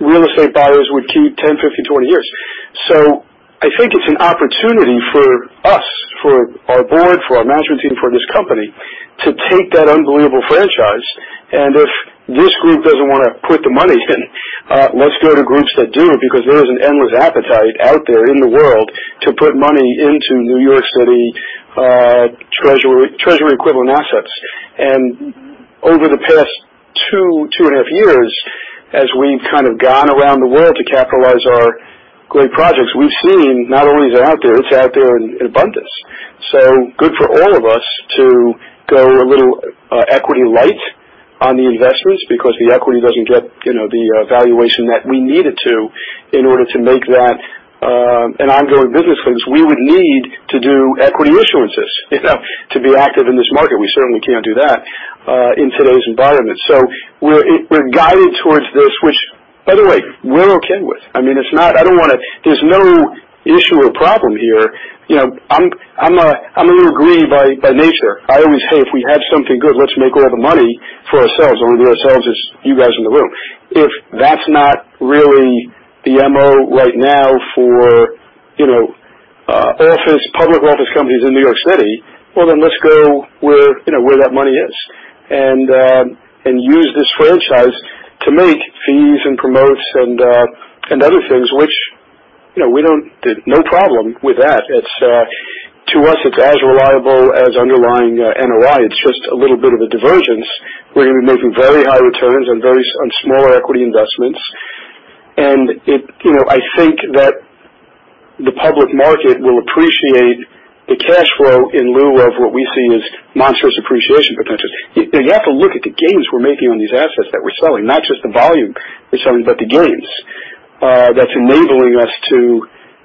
real estate buyers would keep 10, 15, 20 years. I think it's an opportunity for us, for our board, for our management team, for this company to take that unbelievable franchise, and if this group doesn't wanna put the money in, let's go to groups that do, because there is an endless appetite out there in the world to put money into New York City, treasury equivalent assets. Over the past 2.5 years, as we've kind of gone around the world to capitalize our great projects, we've seen not only is it out there, it's out there in abundance. Good for all of us to go a little equity light on the investments because the equity doesn't get, you know, the valuation that we need it to in order to make that an ongoing business, because we would need to do equity issuances, you know, to be active in this market. We certainly can't do that in today's environment. We're guided towards this which, by the way, we're okay with. I mean, it's not. I don't wanna. There's no issue or problem here. You know, I'm a little greedy by nature. I always say, "If we have something good, let's make a lot of money for ourselves." Only ourselves is you guys in the room. If that's not really the MO right now for, you know, office, public office companies in New York City, well, then let's go where, you know, where that money is, and use this franchise to make fees and promotes and other things which, you know, we don't. No problem with that. It's, to us, it's as reliable as underlying, NOI. It's just a little bit of a divergence. We're gonna be making very high returns on smaller equity investments. You know, I think that the public market will appreciate the cash flow in lieu of what we see as monstrous appreciation potential. You have to look at the gains we're making on these assets that we're selling, not just the volume we're selling, but the gains. That's enabling us to,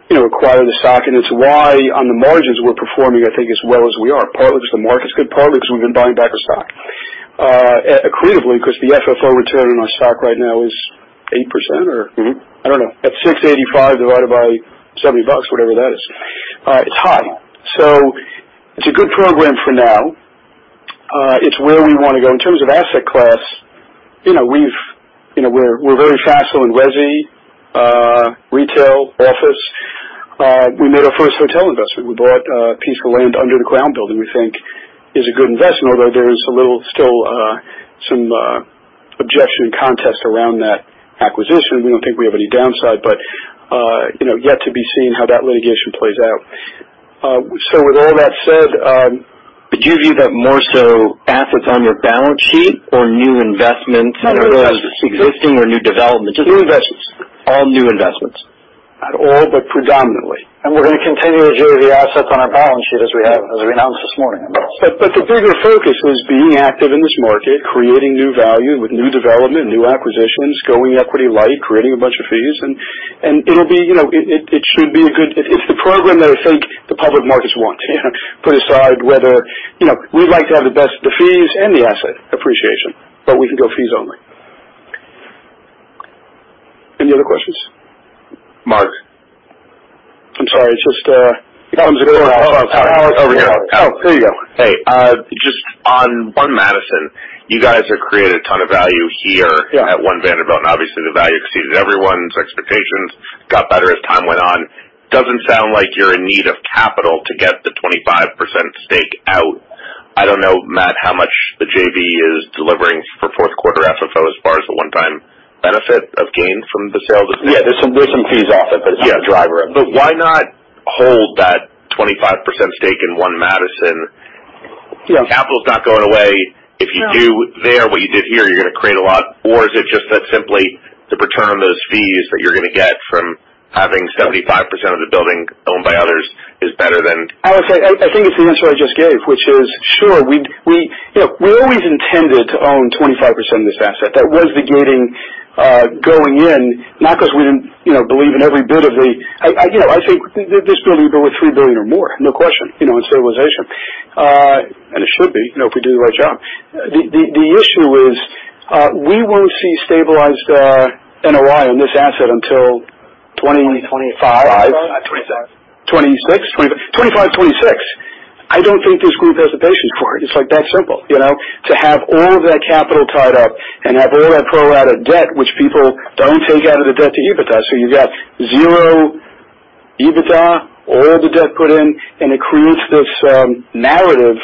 you know, acquire the stock, and it's why on the margins we're performing, I think, as well as we are. Partly because the market's good, partly because we've been buying back our stock, accretively, 'cause the FFO return on our stock right now is 8% or. I don't know. At 6.85 divided by $70 bucks, whatever that is. It's high. It's a good program for now. It's where we wanna go. In terms of asset class, you know, we're very fast on resi, retail, office. We made our first hotel investment. We bought a piece of land under the Crown Building. We think it is a good investment, although there is still some objection and contest around that acquisition. We don't think we have any downside, but you know, yet to be seen how that litigation plays out. With all that said, Do you view that more so assets on your balance sheet or new investments? No, new investments. Existing or new developments? New investments. All new investments. Not all, but predominantly. We're gonna continue to do the assets on our balance sheet as we have, as we announced this morning. The bigger focus was being active in this market, creating new value with new development, new acquisitions, going equity-light, creating a bunch of fees. It'll be, you know, it should be a good program that I think the public markets want. You know, put aside whether. You know, we'd like to have the best, the fees and the asset appreciation, but we can go fees only. Any other questions? Marc. I'm sorry. It's just, oh, there you go. Hey, just on One Madison, you guys have created a ton of value here. Yeah. At One Vanderbilt, and obviously, the value exceeded everyone's expectations, got better as time went on. Doesn't sound like you're in need of capital to get the 25% stake out. I don't know, Matt DiLiberto, how much the JV is delivering for fourth quarter FFO as far as the one-time benefit of gain from the sale of the- Yeah, there's some fees off it, but it's not a driver. Why not hold that 25% stake in One Madison? Yeah. Capital's not going away. If you do there what you did here, you're gonna create a lot. Is it just that simply the return on those fees that you're gonna get from having 75% of the building owned by others is better than? I would say, I think it's the answer I just gave, which is sure we'd. You know, we always intended to own 25% of this asset. That was the gating going in, not because we didn't, you know, believe in every bit of the. I, you know, I think this building will be worth $3 billion or more, no question, you know, in stabilization. It should be, you know, if we do the right job. The issue is, we won't see stabilized NOI on this asset until twenty- 25 Five. 26. 26. 25, 26. I don't think this group has the patience for it. It's, like, that simple, you know? To have all of that capital tied up and have all that pro rata debt, which people don't take out of the debt to EBITDA. You've got zero EBITDA, all the debt put in, and it creates this narrative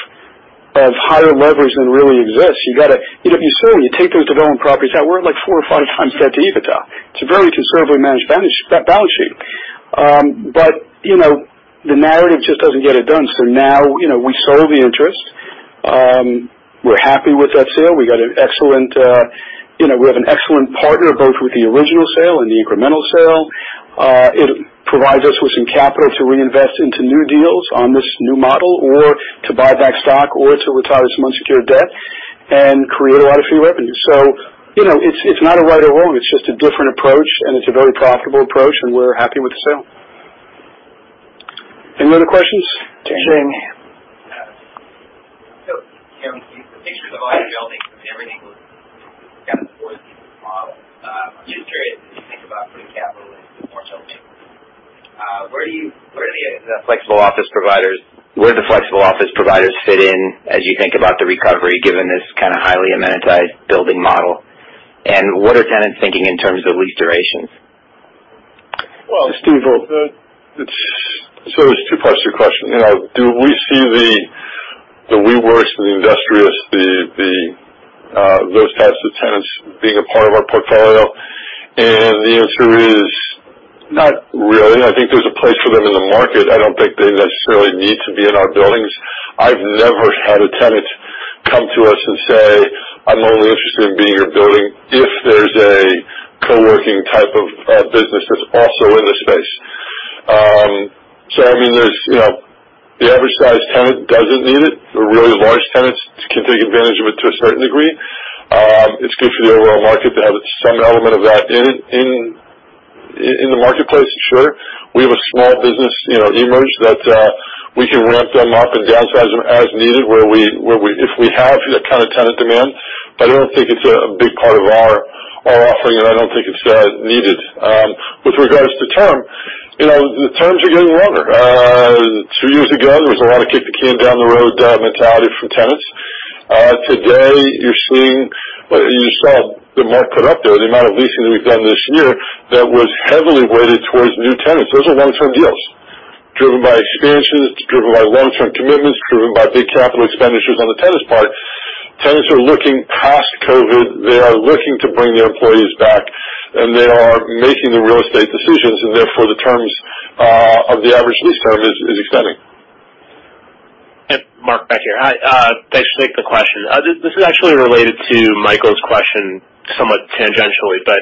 of higher leverage than really exists. You know, if you sold, and you take those development properties out, we're at, like, four or five times debt to EBITDA. It's a very conservatively managed balance sheet. You know, the narrative just doesn't get it done. Now, you know, we sold the interest. We're happy with that sale. We got an excellent partner both with the original sale and the incremental sale. It provides us with some capital to reinvest into new deals on this new model or to buy back stock or to retire some unsecured debt and create a lot of fee revenue. You know, it's not a right or wrong, it's just a different approach, and it's a very profitable approach, and we're happy with the sale. Any other questions? Jamie? Kevin, you mentioned everything was kind of toward model. I'm just curious, as you think about putting capital into more so, where do the flexible office providers fit in as you think about the recovery, given this kind of highly amenitized building model? And what are tenants thinking in terms of lease durations? Well. This is Steve. It's two parts to your question. You know, do we see the WeWork, the Industrious, those types of tenants being a part of our portfolio? The answer is not really. I think there's a place for them in the market. I don't think they necessarily need to be in our buildings. I've never had a tenant come to us and say, "I'm only interested in being in your building if there's a co-working type of business that's also in the space." I mean, you know, the average sized tenant doesn't need it. The really large tenants can take advantage of it to a certain degree. It's good for the overall market to have some element of that in the marketplace, sure. We have a small business, you know, Emerge212, that we can ramp them up and downsize them as needed, where we if we have that kind of tenant demand. But I don't think it's a big part of our offering, and I don't think it's needed. With regards to term, you know, the terms are getting longer. Two years ago, there was a lot of kick-the-can-down-the-road mentality from tenants. Today you're seeing, well, you saw the mark put up there, the amount of leasing that we've done this year that was heavily weighted towards new tenants. Those are long-term deals driven by expansions, driven by long-term commitments, driven by big capital expenditures on the tenant's part. Tenants are looking past COVID. They are looking to bring their employees back, and they are making the real estate decisions, and therefore, the terms of the average lease term is extending. Marc, back here. Hi, thanks. Thanks for the question. This is actually related to Michael's question somewhat tangentially, but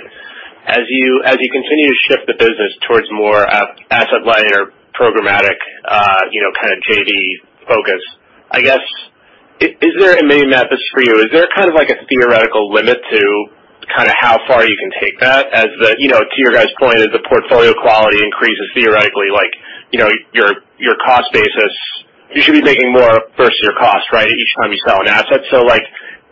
as you continue to shift the business towards more asset-light or programmatic, you know, kinda JV focus, I guess, and maybe, Matt, this is for you. Is there kind of like a theoretical limit to kinda how far you can take that? As the, you know, to your guys' point, as the portfolio quality increases theoretically, like, you know, your cost basis, you should be making more versus your cost, right, each time you sell an asset. Like,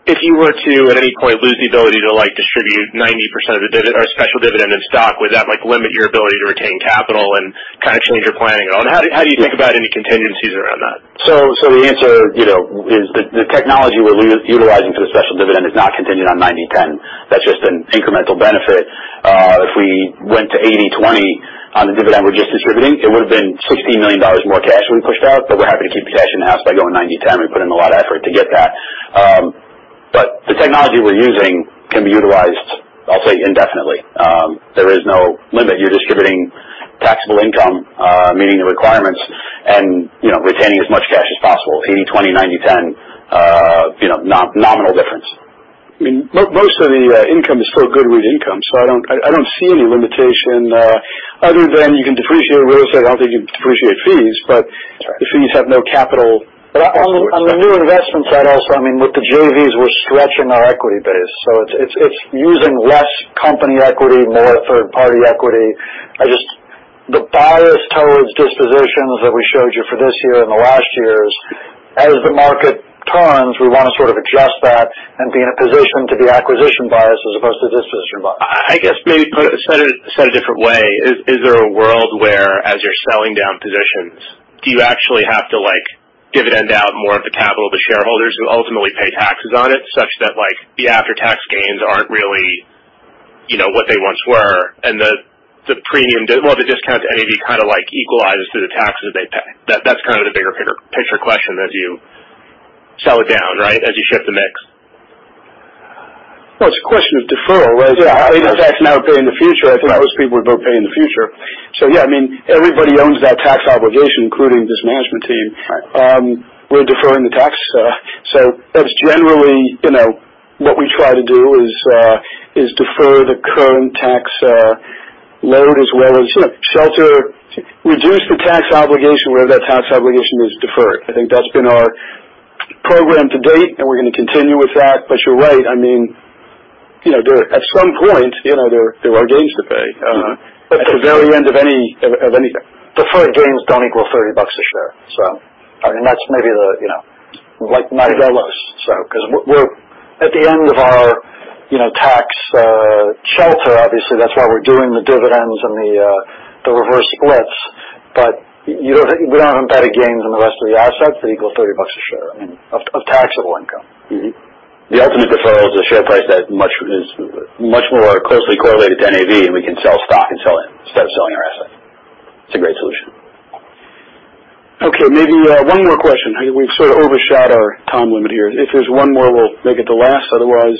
if you were to, at any point, lose the ability to, like, distribute 90% of the dividend or a special dividend in stock, would that, like, limit your ability to retain capital and kinda change your planning at all? How do you think about any contingencies around that? The answer, you know, is the technology we're utilizing for the special dividend is not contingent on 90/10. That's just an incremental benefit, if we went to 80/20 on the dividend we're just distributing, it would have been $16 million more cash when we pushed out, but we're happy to keep the cash in-house by going 90/10. We put in a lot of effort to get that. The technology we're using can be utilized, I'll say, indefinitely. There is no limit. You're distributing taxable income, meeting the requirements and, you know, retaining as much cash as possible. 80/20, 90/10, you know, nominal difference. I mean, most of the income is still good with income, so I don't see any limitation other than you can depreciate real estate. I don't think you depreciate fees, but The fees have no capital. On the new investment side also, I mean, with the JVs, we're stretching our equity base, so it's using less company equity, more third-party equity. The bias towards dispositions that we showed you for this year and the last years, as the market turns, we wanna sort of adjust that and be in a position to be acquisition bias as opposed to disposition bias. I guess maybe put it said a different way. Is there a world where, as you're selling down positions, do you actually have to, like, dividend out more of the capital to shareholders who ultimately pay taxes on it, such that, like, the after-tax gains aren't really, you know, what they once were? The premium. Well, the discount to NAV kinda, like, equalizes through the taxes they pay. That's kind of the bigger picture question as you sell it down, right? As you shift the mix. Well, it's a question of deferral. Yeah. Are you gonna pay the tax now or pay in the future? I think most people would vote pay in the future. Yeah, I mean, everybody owns that tax obligation, including this management team. Right. We're deferring the tax. So that's generally, you know. What we try to do is defer the current tax load, as well as, you know, shelter, reduce the tax obligation, whether that tax obligation is deferred. I think that's been our program to date, and we're gonna continue with that. You're right. I mean, you know, at some point, you know, there are gains to pay. Mm-hmm. At the very end of any of anything. Deferred gains don't equal $30 a share, so I mean, that's maybe the, you know, like my. We're at the end of our tax shelter, obviously. That's why we're doing the dividends and the reverse splits. We don't have embedded gains in the rest of the assets that equal $30 a share. I mean, of taxable income. The ultimate deferral is a share price that is much more closely correlated to NAV, and we can sell stock instead of selling our assets. It's a great solution. Okay, maybe one more question. I think we've sort of overshot our time limit here. If there's one more, we'll make it the last. Otherwise.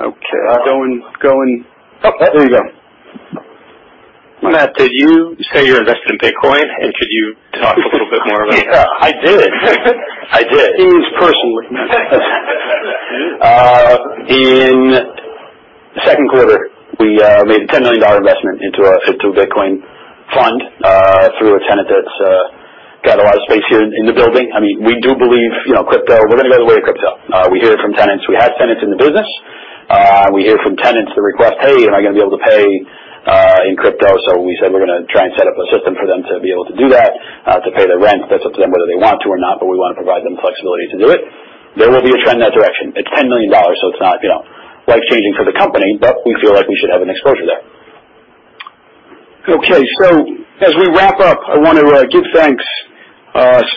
Okay. Oh, there you go. Matt, did you say you're invested in Bitcoin? Could you talk a little bit more about it? Yeah, I did. I did. He's personally. In the second quarter, we made a $10 million investment into a crypto Bitcoin fund through a tenant that's got a lot of space here in the building. I mean, we do believe, you know, crypto. We're gonna go the way of crypto. We hear it from tenants. We have tenants in the business. We hear from tenants the request, "Hey, am I gonna be able to pay in crypto? So we said we're gonna try and set up a system for them to be able to do that to pay their rent. That's up to them whether they want to or not, but we wanna provide them flexibility to do it. There will be a trend in that direction. It's $10 million, so it's not, you know, life-changing for the company, but we feel like we should have an exposure there. Okay, as we wrap up, I wanna give thanks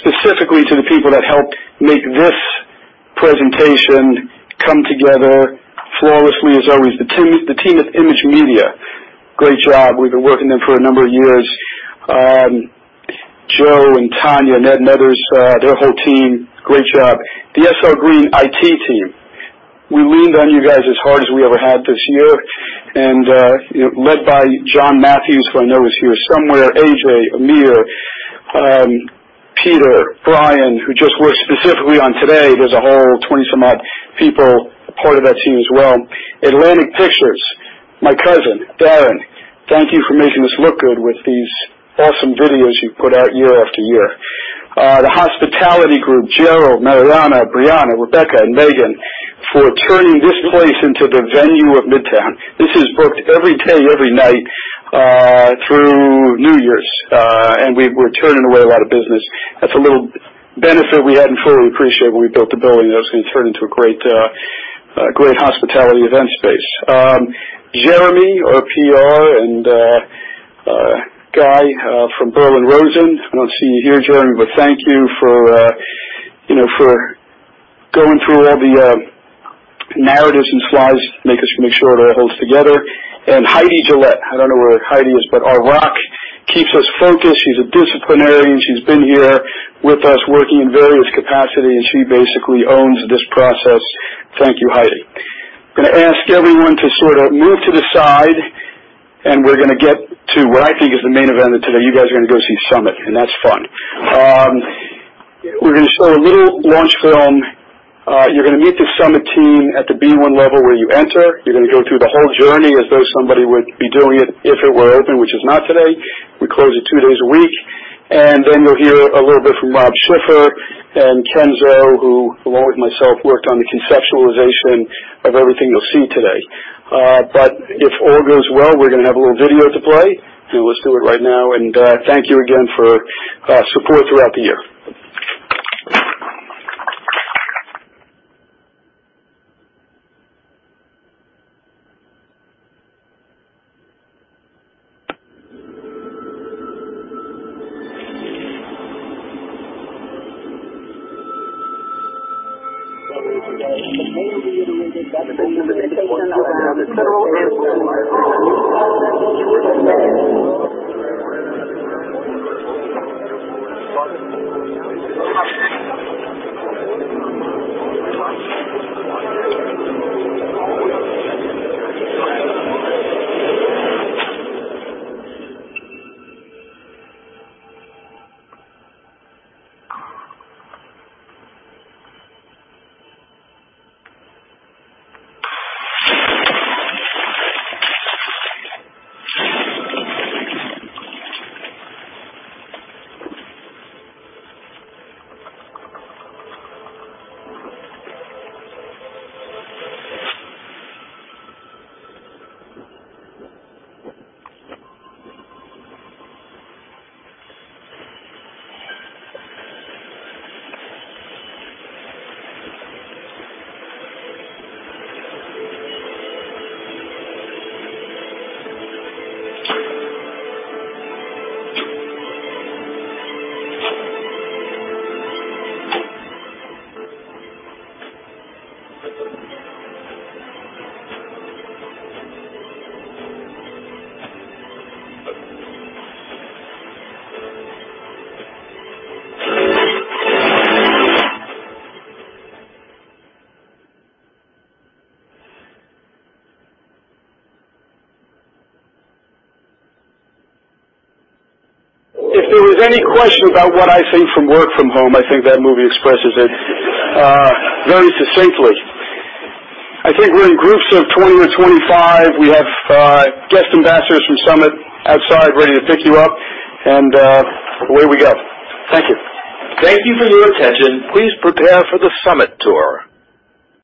specifically to the people that helped make this presentation come together flawlessly as always. The team at Image Media, great job. We've been working with them for a number of years. Joe and Tanya, Ed and others, their whole team, great job. The SL Green IT team, we leaned on you guys as hard as we ever had this year, and led by John Matthews, who I know is here somewhere, AJ, Amir, Peter, Brian, who just worked specifically on today. There's a whole 20-some odd people, a part of that team as well. Atlantic Pictures, my cousin, Darren, thank you for making this look good with these awesome videos you've put out year after year. The hospitality group, Gerald, Mariana, Brianna, Rebecca, and Megan, for turning this place into the venue of Midtown. This is booked every day, every night, through New Year's. We're turning away a lot of business. That's a little benefit we hadn't fully appreciated when we built the building. That it's gonna turn into a great hospitality event space. Jeremy, our PR, and Guy from BerlinRosen. I don't see you here, Jeremy, but thank you for, you know, for going through all the narratives and slides, make sure it all holds together. Heidi Gillette, I don't know where Heidi is, but our rock, keeps us focused. She's a disciplinarian. She's been here with us working in various capacities. She basically owns this process. Thank you, Heidi. I'm gonna ask everyone to sort of move to the side, and we're gonna get to what I think is the main event of today. You guys are gonna go see SUMMIT, and that's fun. We're gonna show a little launch film. You're gonna meet the SUMMIT team at the B1 level where you enter. You're gonna go through the whole journey as though somebody would be doing it if it were open, which it's not today. We close it two days a week. You'll hear a little bit from Rob Schiffer and Kenzo, who, along with myself, worked on the conceptualization of everything you'll see today. But if all goes well, we're gonna have a little video to play. Let's do it right now. Thank you again for support throughout the year. If there was any question about what I think of work from home, I think that movie expresses it very succinctly. I think we're in groups of 20 or 25. We have guest ambassadors from Summit outside ready to pick you up, and away we go. Thank you. Thank you for your attention. Please prepare for the SUMMIT tour.